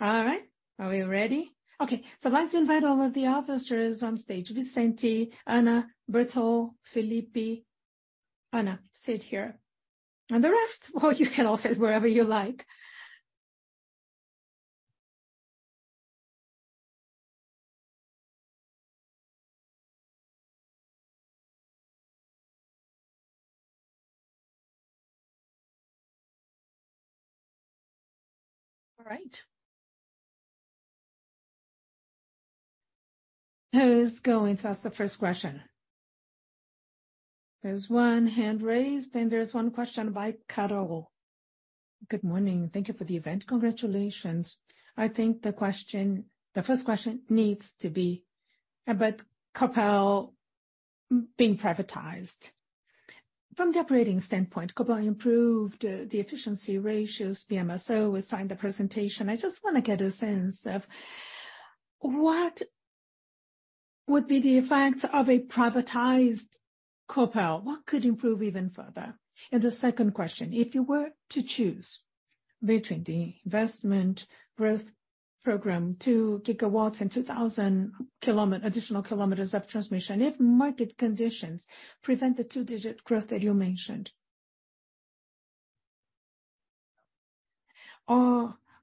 All right, are we ready? Okay. I'd like to invite all of the officers on stage. Vicente, Ana, Bertol, Felipe, Ana, sit here. The rest, well, you can all sit wherever you like. All right. Who's going to ask the first question? There's one hand raised, and there's one question by Carol. Good morning. Thank you for the event. Congratulations. I think the question, the first question needs to be about Copel being privatized. From the operating standpoint, Copel improved the efficiency ratios, the MSO we saw in the presentation. I just want to get a sense of what would be the effects of a privatized Copel. What could improve even further? The second question: If you were to choose between the investment growth program, 2 GW and 2,000 km, additional kilometers of transmission, if market conditions prevent the 2-digit growth that you mentioned,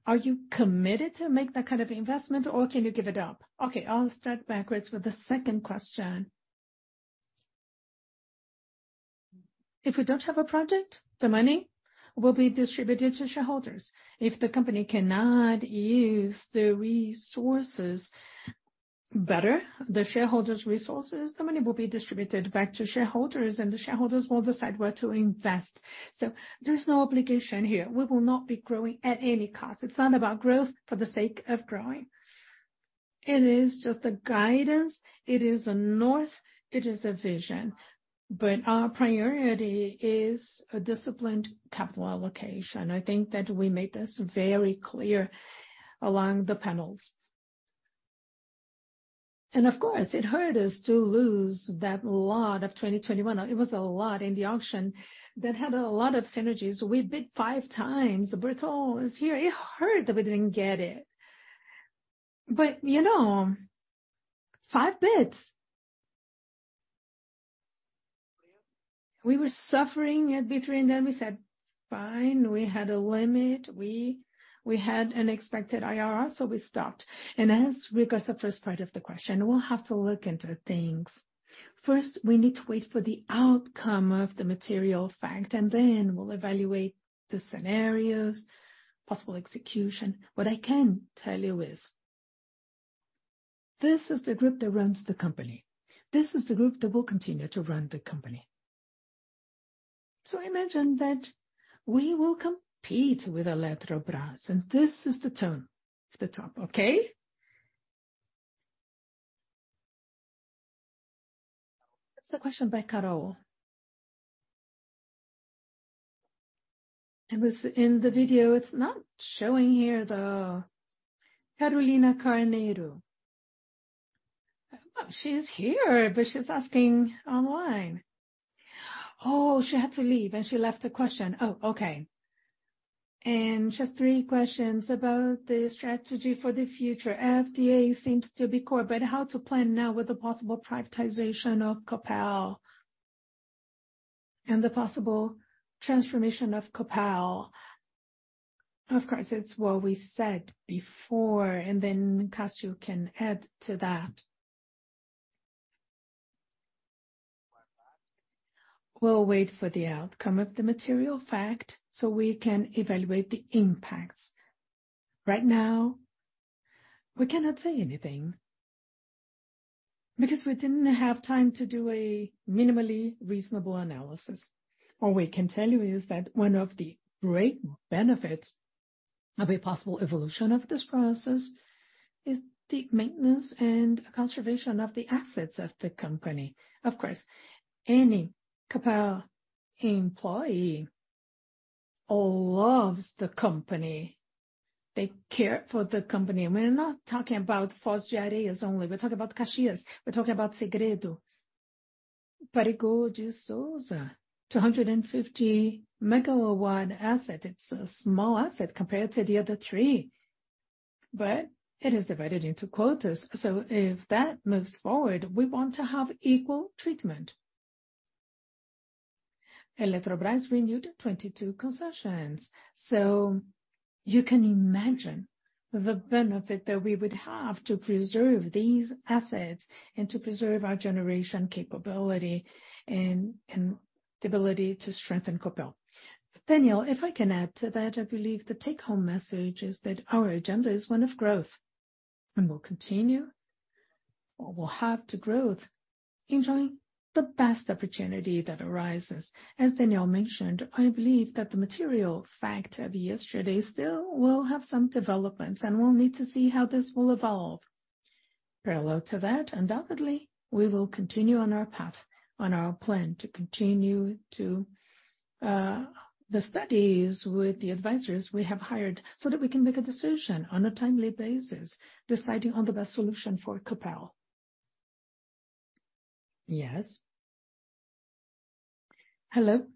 are you committed to make that kind of investment, or can you give it up? Okay, I'll start backwards with the second question. If we don't have a project, the money will be distributed to shareholders. If the company cannot use the resources better, the shareholders' resources, the money will be distributed back to shareholders, and the shareholders will decide where to invest. There's no obligation here. We will not be growing at any cost. It's not about growth for the sake of growing. It is just a guidance, it is a north, it is a vision. Our priority is a disciplined capital allocation. I think that we made this very clear along the panels. Of course, it hurt us to lose that lot of 2021. It was a lot in the auction that had a lot of synergies. We bid five times. Britto is here. It hurt that we didn't get it. You know, five bids. We were suffering at between, then we said, "Fine, we had a limit." We had an expected IRR, so we stopped. As regards the first part of the question, we'll have to look into things. First, we need to wait for the outcome of the material fact, and then we'll evaluate the scenarios, possible execution. What I can tell you is, this is the group that runs the company. This is the group that will continue to run the company. Imagine that we will compete with Eletrobras, and this is the tone at the top. Okay? That's the question by Carol. It was in the video. It's not showing here, though. Carolina Carneiro. She's here, but she's asking online. She had to leave, and she left a question. Okay. She has three questions about the strategy for the future. FDA seems to be core, but how to plan now with the possible privatization of Copel and the possible transformation of Copel? Of course, it's what we said before, and Cassio can add to that. We'll wait for the outcome of the material fact so we can evaluate the impacts. Right now, we cannot say anything because we didn't have time to do a minimally reasonable analysis. What we can tell you is that one of the great benefits of a possible evolution of this process is the maintenance and conservation of the assets of the company. Of course, any Copel employee loves the company. They care for the company. We're not talking about Foz do Areia only. We're talking about Caxias. We're talking about Segredo. Parigot de Souza. 250 MW asset. It's a small asset compared to the other three, but it is divided into quotas. If that moves forward, we want to have equal treatment. Eletrobras renewed 22 concessions, you can imagine the benefit that we would have to preserve these assets and to preserve our generation capability and the ability to strengthen Copel. Daniel, if I can add to that, I believe the take home message is that our agenda is one of growth, and we'll continue what we'll have to growth, enjoying the best opportunity that arises. As Daniel mentioned, I believe that the material fact of yesterday still will have some developments, and we'll need to see how this will evolve. Parallel to that, undoubtedly, we will continue on our path, on our plan to continue to, the studies with the advisors we have hired so that we can make a decision on a timely basis, deciding on the best solution for Copel. Yes. Hello,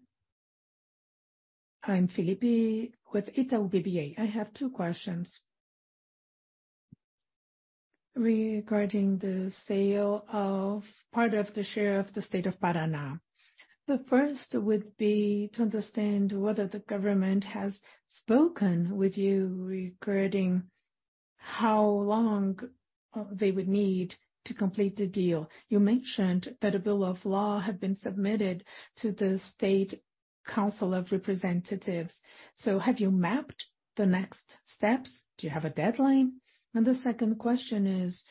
I'm Felipe with Itaú BBA. I have two questions regarding the sale of part of the share of the State of Paraná. The first would be to understand whether the government has spoken with you regarding how long they would need to complete the deal. You mentioned that a Bill of Law had been submitted to the State Council of Representatives. Have you mapped the next steps? Do you have a deadline? The second question is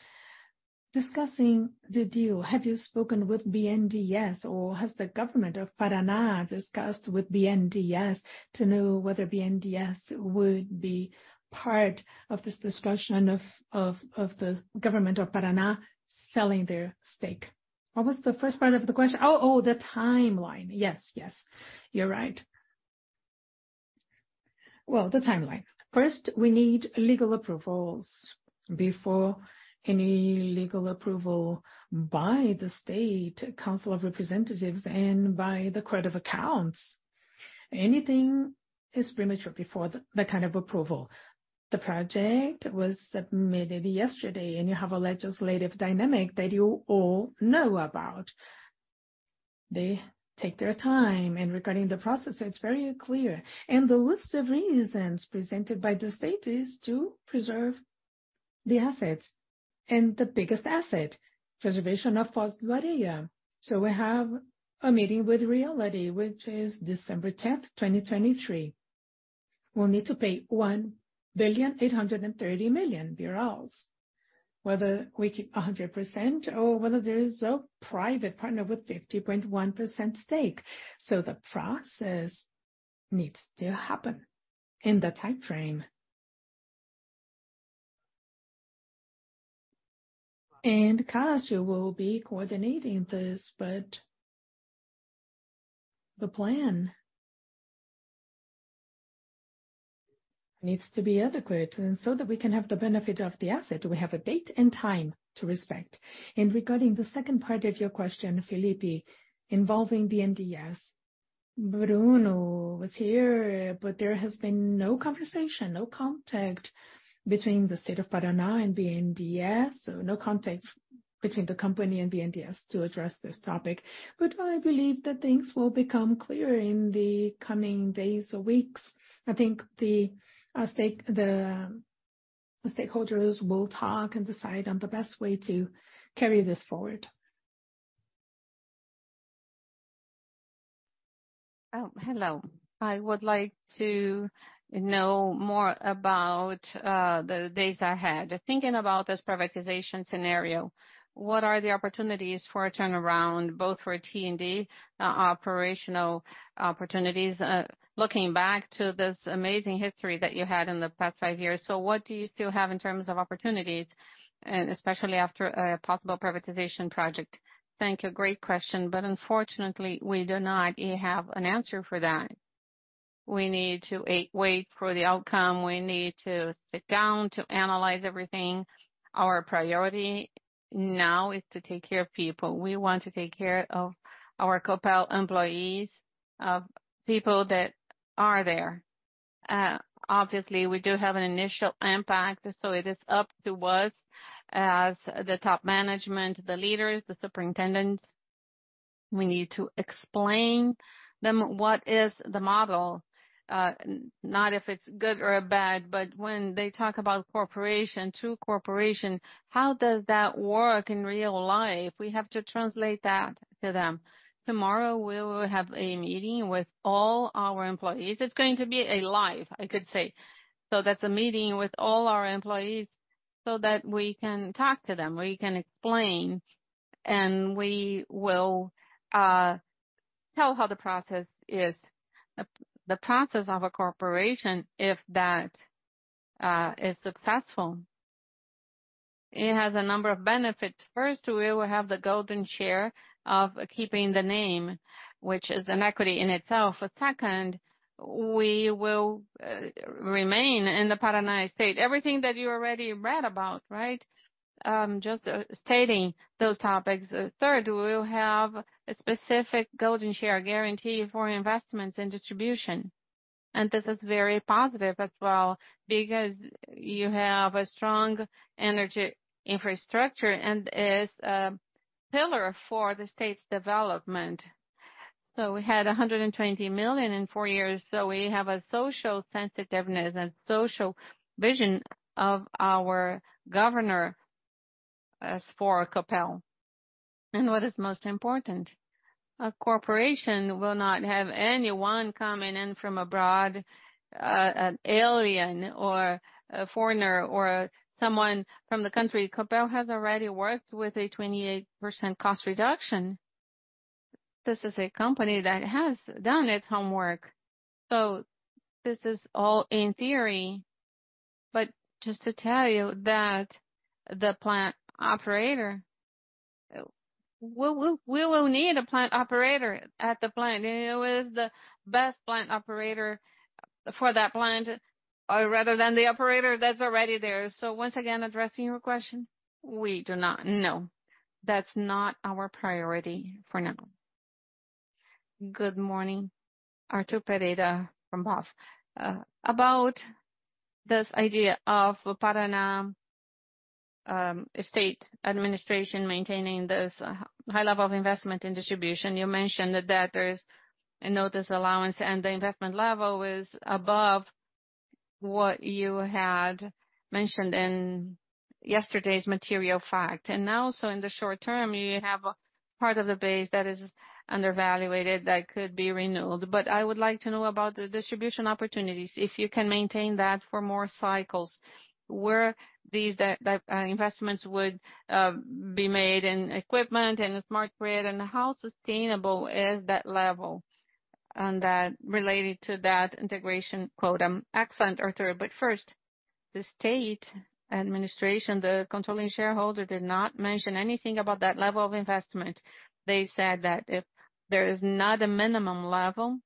discussing the deal. Have you spoken with BNDES, or has the government of Paraná discussed with BNDES to know whether BNDES would be part of this discussion of the government of Paraná selling their stake? What was the first part of the question? The timeline. Yes, you're right. Well, the timeline. First, we need legal approvals before any legal approval by the State Council of Representatives and by the credit accounts. Anything is premature before the kind of approval. The project was submitted yesterday, and you have a legislative dynamic that you all know about. They take their time. Regarding the process, it's very clear. The list of reasons presented by the state is to preserve the assets and the biggest asset, preservation of Foz do Areia. We have a meeting with reality, which is December 10, 2023. We'll need to pay 1.83 billion, whether we keep 100% or whether there is a private partner with 50.1% stake. The process needs to happen in the timeframe. Cassio will be coordinating this, but the plan needs to be adequate and so that we can have the benefit of the asset. We have a date and time to respect. Regarding the second part of your question, Felipe, involving BNDES. Bruno was here, but there has been no conversation, no contact between the State of Paraná and BNDES. No contact between the company and BNDES to address this topic. I believe that things will become clearer in the coming days or weeks. I think the stakeholders will talk and decide on the best way to carry this forward. Hello. I would like to know more about the days ahead. Thinking about this privatization scenario, what are the opportunities for a turnaround, both for T&D, operational opportunities, looking back to this amazing history that you had in the past five years. What do you still have in terms of opportunities and especially after a possible privatization project? Thank you. Great question. Unfortunately, we do not have an answer for that. We need to wait for the outcome. We need to sit down to analyze everything. Our priority now is to take care of people. We want to take care of our Copel employees, of people that are there. Obviously, we do have an initial impact, it is up to us as the top management, the leaders, the superintendents. We need to explain them what is the model, not if it's good or bad, but when they talk about corporation to corporation, how does that work in real life? We have to translate that to them. Tomorrow, we will have a meeting with all our employees. It's going to be a live, I could say. That's a meeting with all our employees so that we can talk to them, we can explain, and we will tell how the process is. The process of a corporation, if that is successful, it has a number of benefits. First, we will have the golden share of keeping the name, which is an equity in itself. Second, we will remain in the Paraná state. Everything that you already read about, right? Just stating those topics. Third, we will have a specific golden share guarantee for investments in distribution. This is very positive as well because you have a strong energy infrastructure and is a pillar for the state's development. We had 120 million in four years. We have a social sensitiveness and social vision of our governor as for Copel. What is most important, a corporation will not have anyone coming in from abroad, an alien or a foreigner or someone from the country. Copel has already worked with a 28% cost reduction. This is a company that has done its homework. This is all in theory, but just to tell you that the plant operator, we will need a plant operator at the plant. Who is the best plant operator for that plant rather than the operator that's already there. Once again, addressing your question, we do not know. That's not our priority for now. Good morning. Arthur Pereira from Bank of America. About this idea of Paraná state administration maintaining this high level of investment in distribution. You mentioned that there is no disallowance and the investment level is above what you had mentioned in yesterday's material fact. In the short term, you have a part of the base that is undervalued that could be renewed. I would like to know about the distribution opportunities, if you can maintain that for more cycles. Where these investments would be made in equipment and the smart grid, and how sustainable is that level, and related to that integration quota? Excellent, Arthur. First, the state administration, the controlling shareholder, did not mention anything about that level of investment. They said that if there is not a minimum level,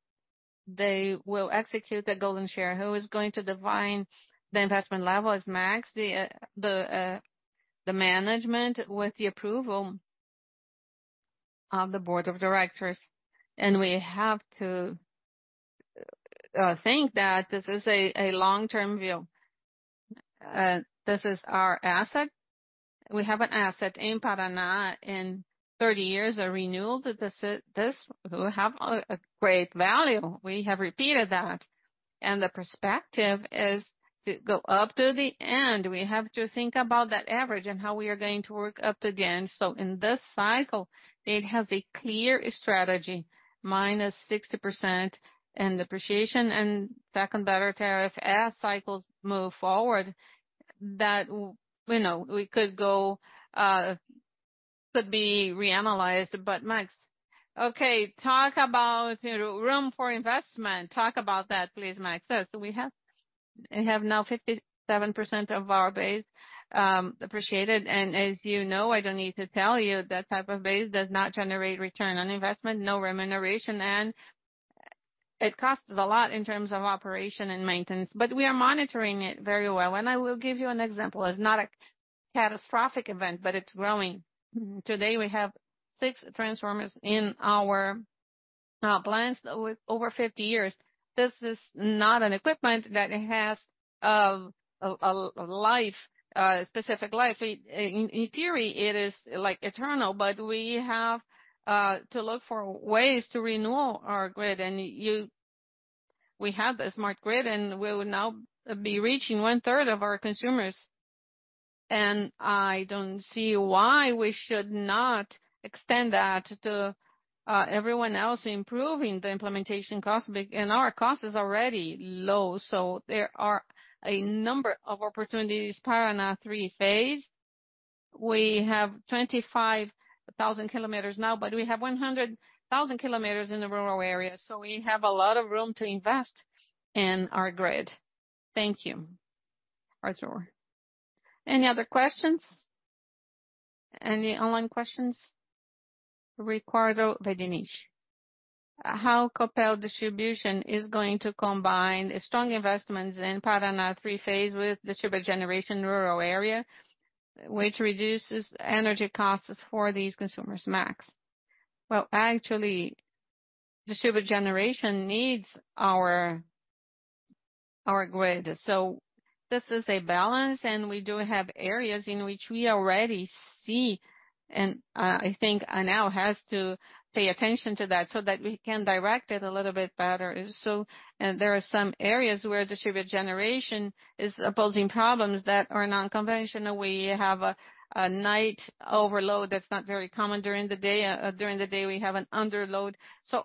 they will execute the golden share. Who is going to define the investment level is Max, the management with the approval of the board of directors. We have to think that this is a long-term view. This is our asset. We have an asset in Paraná. In 30 years, a renewal, this will have a great value. We have repeated that. The perspective is to go up to the end. We have to think about that average and how we are going to work up to the end. In this cycle, it has a clear strategy, minus 60% and depreciation and second better tariff. As cycles move forward, that you know, we could go, could be reanalyzed. Max... Talk about, you know, room for investment. Talk about that, please, Max. We have now 57% of our base appreciated. As you know, I don't need to tell you, that type of base does not generate return on investment, no remuneration, and it costs a lot in terms of operation and maintenance. We are monitoring it very well. I will give you an example. It's not a catastrophic event, but it's growing. Today, we have six transformers in our plants with over 50 years. This is not an equipment that has a life, a specific life. In theory, it is like eternal, but we have to look for ways to renew our grid. We have a smart grid, and we will now be reaching one-third of our consumers. I don't see why we should not extend that to everyone else, improving the implementation cost. And our cost is already low, so there are a number of opportunities. Paraná Trifásico, we have 25,000 km now, but we have 100,000 km in the rural area. We have a lot of room to invest in our grid. Thank you, Arthur. Any other questions? Any online questions? Ricardo Verdinich, how Copel Distribuição is going to combine strong investments in Paraná Trifásico with distributed generation rural area, which reduces energy costs for these consumers? Max. Well, actually, distributed generation needs our grid. This is a balance, and we do have areas in which we already see. I think I now has to pay attention to that so that we can direct it a little bit better. There are some areas where distributed generation is posing problems that are non-conventional. We have a night overload that's not very common during the day. During the day, we have an underload.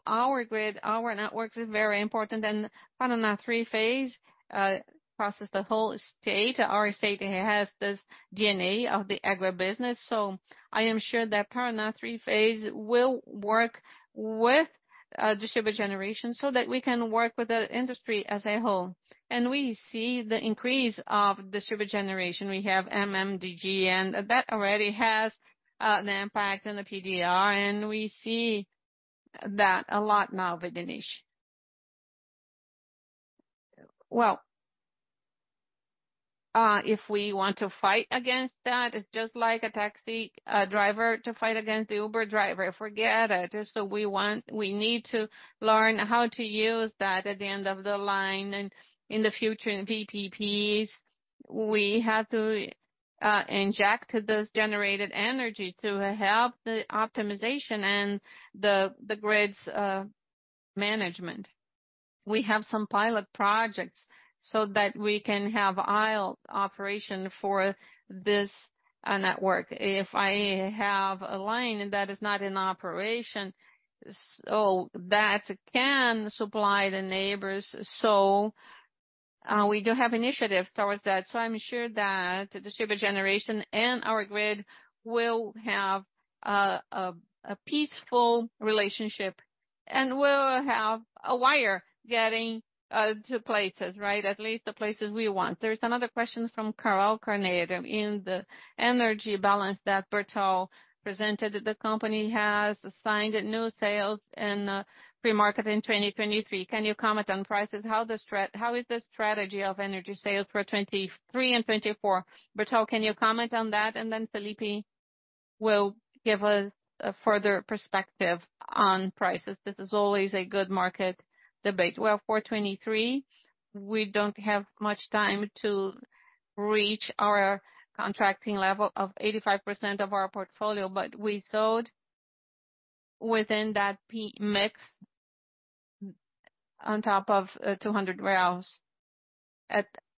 Our grid, our networks is very important. Paraná Trifásico crosses the whole state. Our state has this DNA of the agribusiness. I am sure that Paraná Trifásico will work with distributed generation so that we can work with the industry as a whole. We see the increase of distributed generation. We have MMDG, and that already has an impact on the PDR, and we see that a lot now, Verdinich. Well, if we want to fight against that, it's just like a taxi driver to fight against the Uber driver. Forget it. We need to learn how to use that at the end of the line. In the future, in VPPs, we have to inject those generated energy to help the optimization and the grid's management. We have some pilot projects so that we can have aisle operation for this network. If I have a line that is not in operation, so that can supply the neighbors. We do have initiatives towards that, so I'm sure that distributed generation and our grid will have a peaceful relationship, and we'll have a wire getting to places, right? At least the places we want. There's another question from Carol Carneiro. In the energy balance that Bertol presented, the company has signed new sales in free market in 2023. Can you comment on prices? How is the strategy of energy sales for 2023 and 2024? Bertol, can you comment on that? Felipe will give us a further perspective on prices. This is always a good market debate. For 2023, we don't have much time to reach our contracting level of 85% of our portfolio, but we sold within that Pmix on top of 200.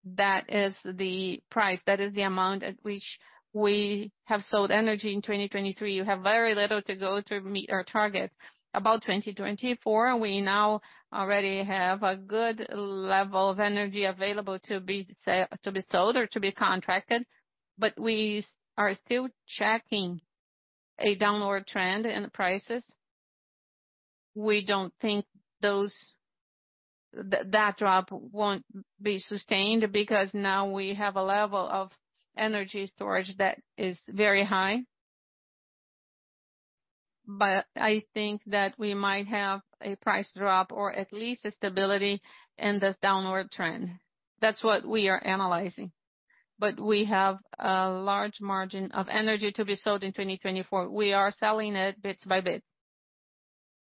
That is the price, that is the amount at which we have sold energy in 2023. We have very little to go to meet our target. About 2024, we now already have a good level of energy available to be sold or to be contracted, but we are still tracking a downward trend in the prices. We don't think those... That drop won't be sustained, because now we have a level of energy storage that is very high. I think that we might have a price drop, or at least a stability in this downward trend. That's what we are analyzing. We have a large margin of energy to be sold in 2024. We are selling it bit by bit.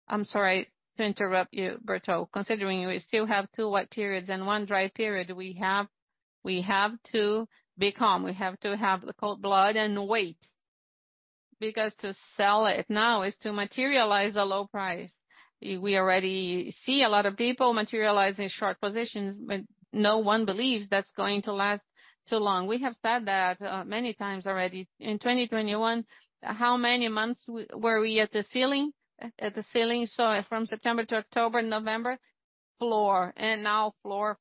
I'm sorry to interrupt you, Berto. Considering we still have two wet periods and one dry period, we have to be calm. We have to have the cold blood and wait, because to sell it now is to materialize a low price. We already see a lot of people materializing short positions, but no one believes that's going to last too long. We have said that many times already. In 2021, how many months were we at the ceiling, at the ceiling? From September to October, November, floor. Now floor.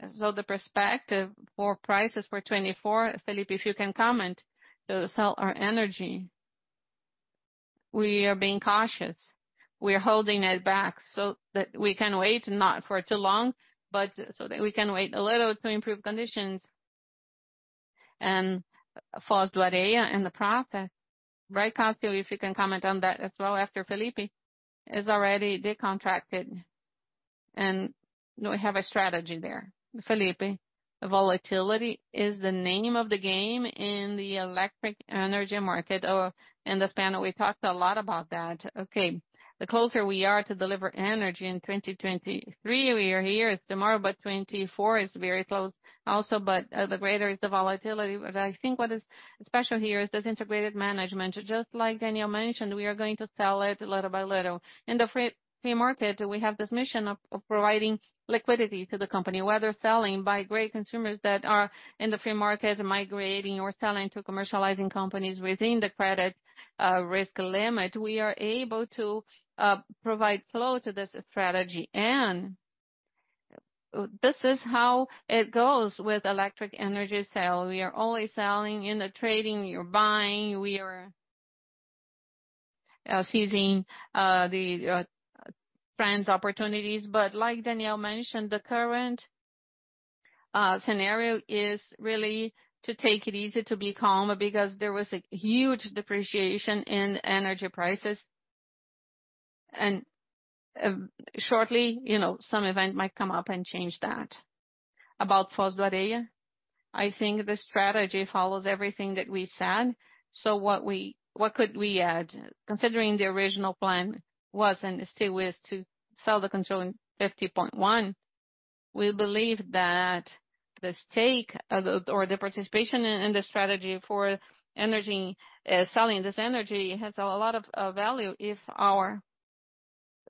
The perspective for prices for 2024, Felipe, if you can comment, to sell our energy. We are being cautious. We are holding it back so that we can wait, not for too long, but so that we can wait a little to improve conditions. Foz do Areia in the process, right, Cassio, if you can comment on that as well after Felipe, is already decontracted, and we have a strategy there. Felipe, volatility is the name of the game in the electric energy market. In this panel, we talked a lot about that. Okay. The closer we are to deliver energy in 2023, we are here, it's tomorrow, but 2024 is very close also. The greater is the volatility. I think what is special here is this integrated management. Just like Daniel mentioned, we are going to sell it little by little. In the free market, we have this mission of providing liquidity to the company. Whether selling by great consumers that are in the free market, migrating or selling to commercializing companies within the credit risk limit, we are able to provide flow to this strategy. This is how it goes with electric energy sale. We are always selling. In the trading, you're buying. We are seizing the trends, opportunities. Like Daniel mentioned, the current scenario is really to take it easy, to be calm, because there was a huge depreciation in energy prices. Shortly, you know, some event might come up and change that. About Foz do Areia, I think the strategy follows everything that we said. What could we add? Considering the original plan was, and still is, to sell the control in 50.1, we believe that the stake, or the participation in the strategy for energy, selling this energy, has a lot of value if our...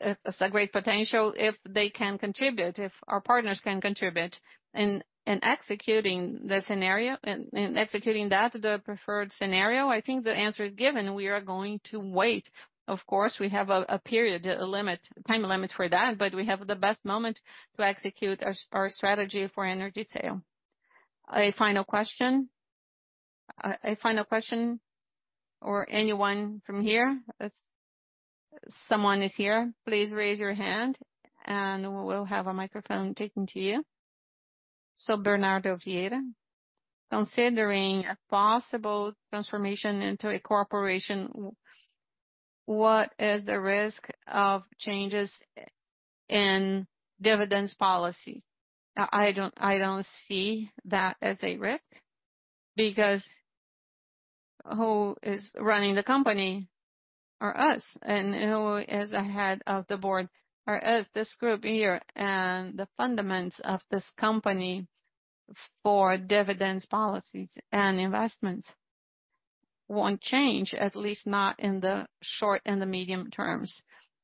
It's a great potential if they can contribute, if our partners can contribute. In executing that, the preferred scenario, I think the answer is given, we are going to wait. Of course, we have a period, a limit, time limit for that, but we have the best moment to execute our strategy for energy sale. A final question? A final question or anyone from here? If someone is here, please raise your hand and we'll have a microphone taken to you. Bernardo Vieira, considering a possible transformation into a corporation, what is the risk of changes in dividends policy? I don't see that as a risk because who is running the company are us, and who is the head of the board are us, this group here. And the fundamentals of this company for dividends policies and investments won't change, at least not in the short and the medium terms.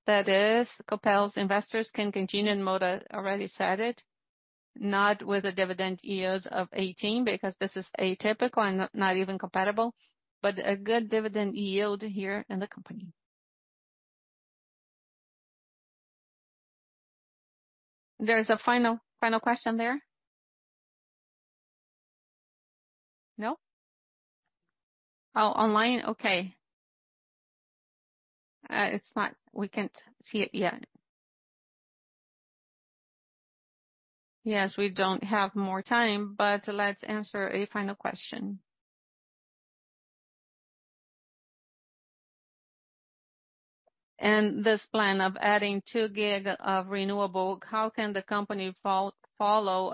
That is, Copel's investors can continue, and Moura already said it, not with a dividend yields of 18 because this is atypical and not even comparable, but a good dividend yield here in the company. There's a final question there. No? Oh, online? Okay. We can't see it yet. We don't have more time, let's answer a final question. This plan of adding 2 GW of renewable, how can the company follow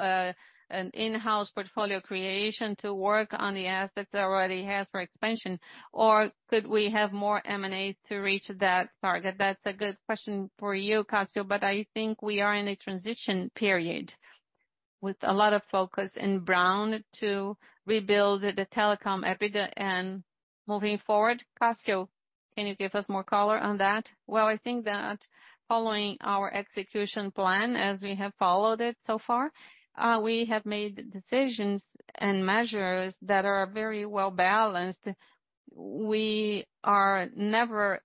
an in-house portfolio creation to work on the assets it already has for expansion? Could we have more M&As to reach that target? That's a good question for you, Cassio, I think we are in a transition period with a lot of focus in brown to rebuild the telecom EBITDA and moving forward. Cassio, can you give us more color on that? Well, I think that following our execution plan as we have followed it so far, we have made decisions and measures that are very well-balanced. We are never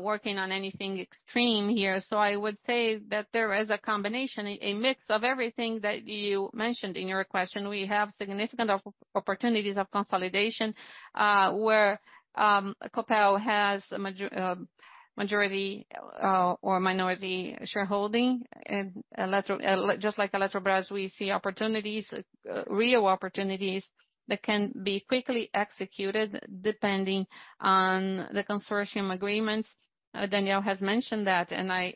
working on anything extreme here. I would say that there is a combination, a mix of everything that you mentioned in your question. We have significant opportunities of consolidation, where Copel has a majority or minority shareholding. Just like Eletrobras, we see opportunities, real opportunities that can be quickly executed depending on the consortium agreements. Daniel has mentioned that, and I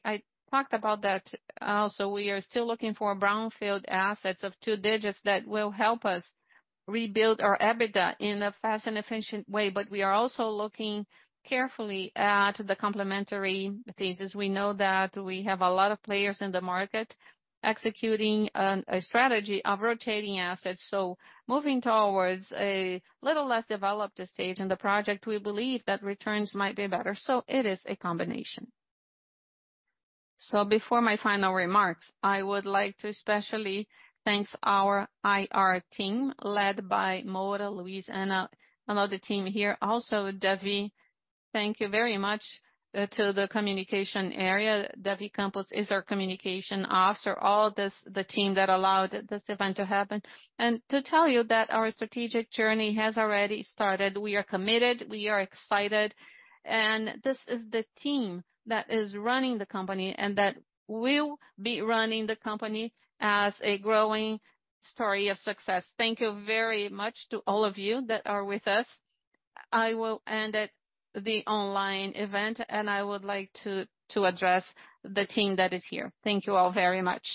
talked about that also. We are still looking for brownfield assets of two digits that will help us rebuild our EBITDA in a fast and efficient way. We are also looking carefully at the complementary pieces. We know that we have a lot of players in the market executing a strategy of rotating assets. Moving towards a little less developed stage in the project, we believe that returns might be better. It is a combination. Before my final remarks, I would like to especially thank our IR team led by Moura, Luis, Ana, and all the team here. Debbie, thank you very much to the communication area. Debbie Campos is our communication officer. All this, the team that allowed this event to happen. To tell you that our strategic journey has already started. We are committed, we are excited, and this is the team that is running the company and that will be running the company as a growing story of success. Thank you very much to all of you that are with us. I will end it, the online event, and I would like to address the team that is here. Thank you all very much.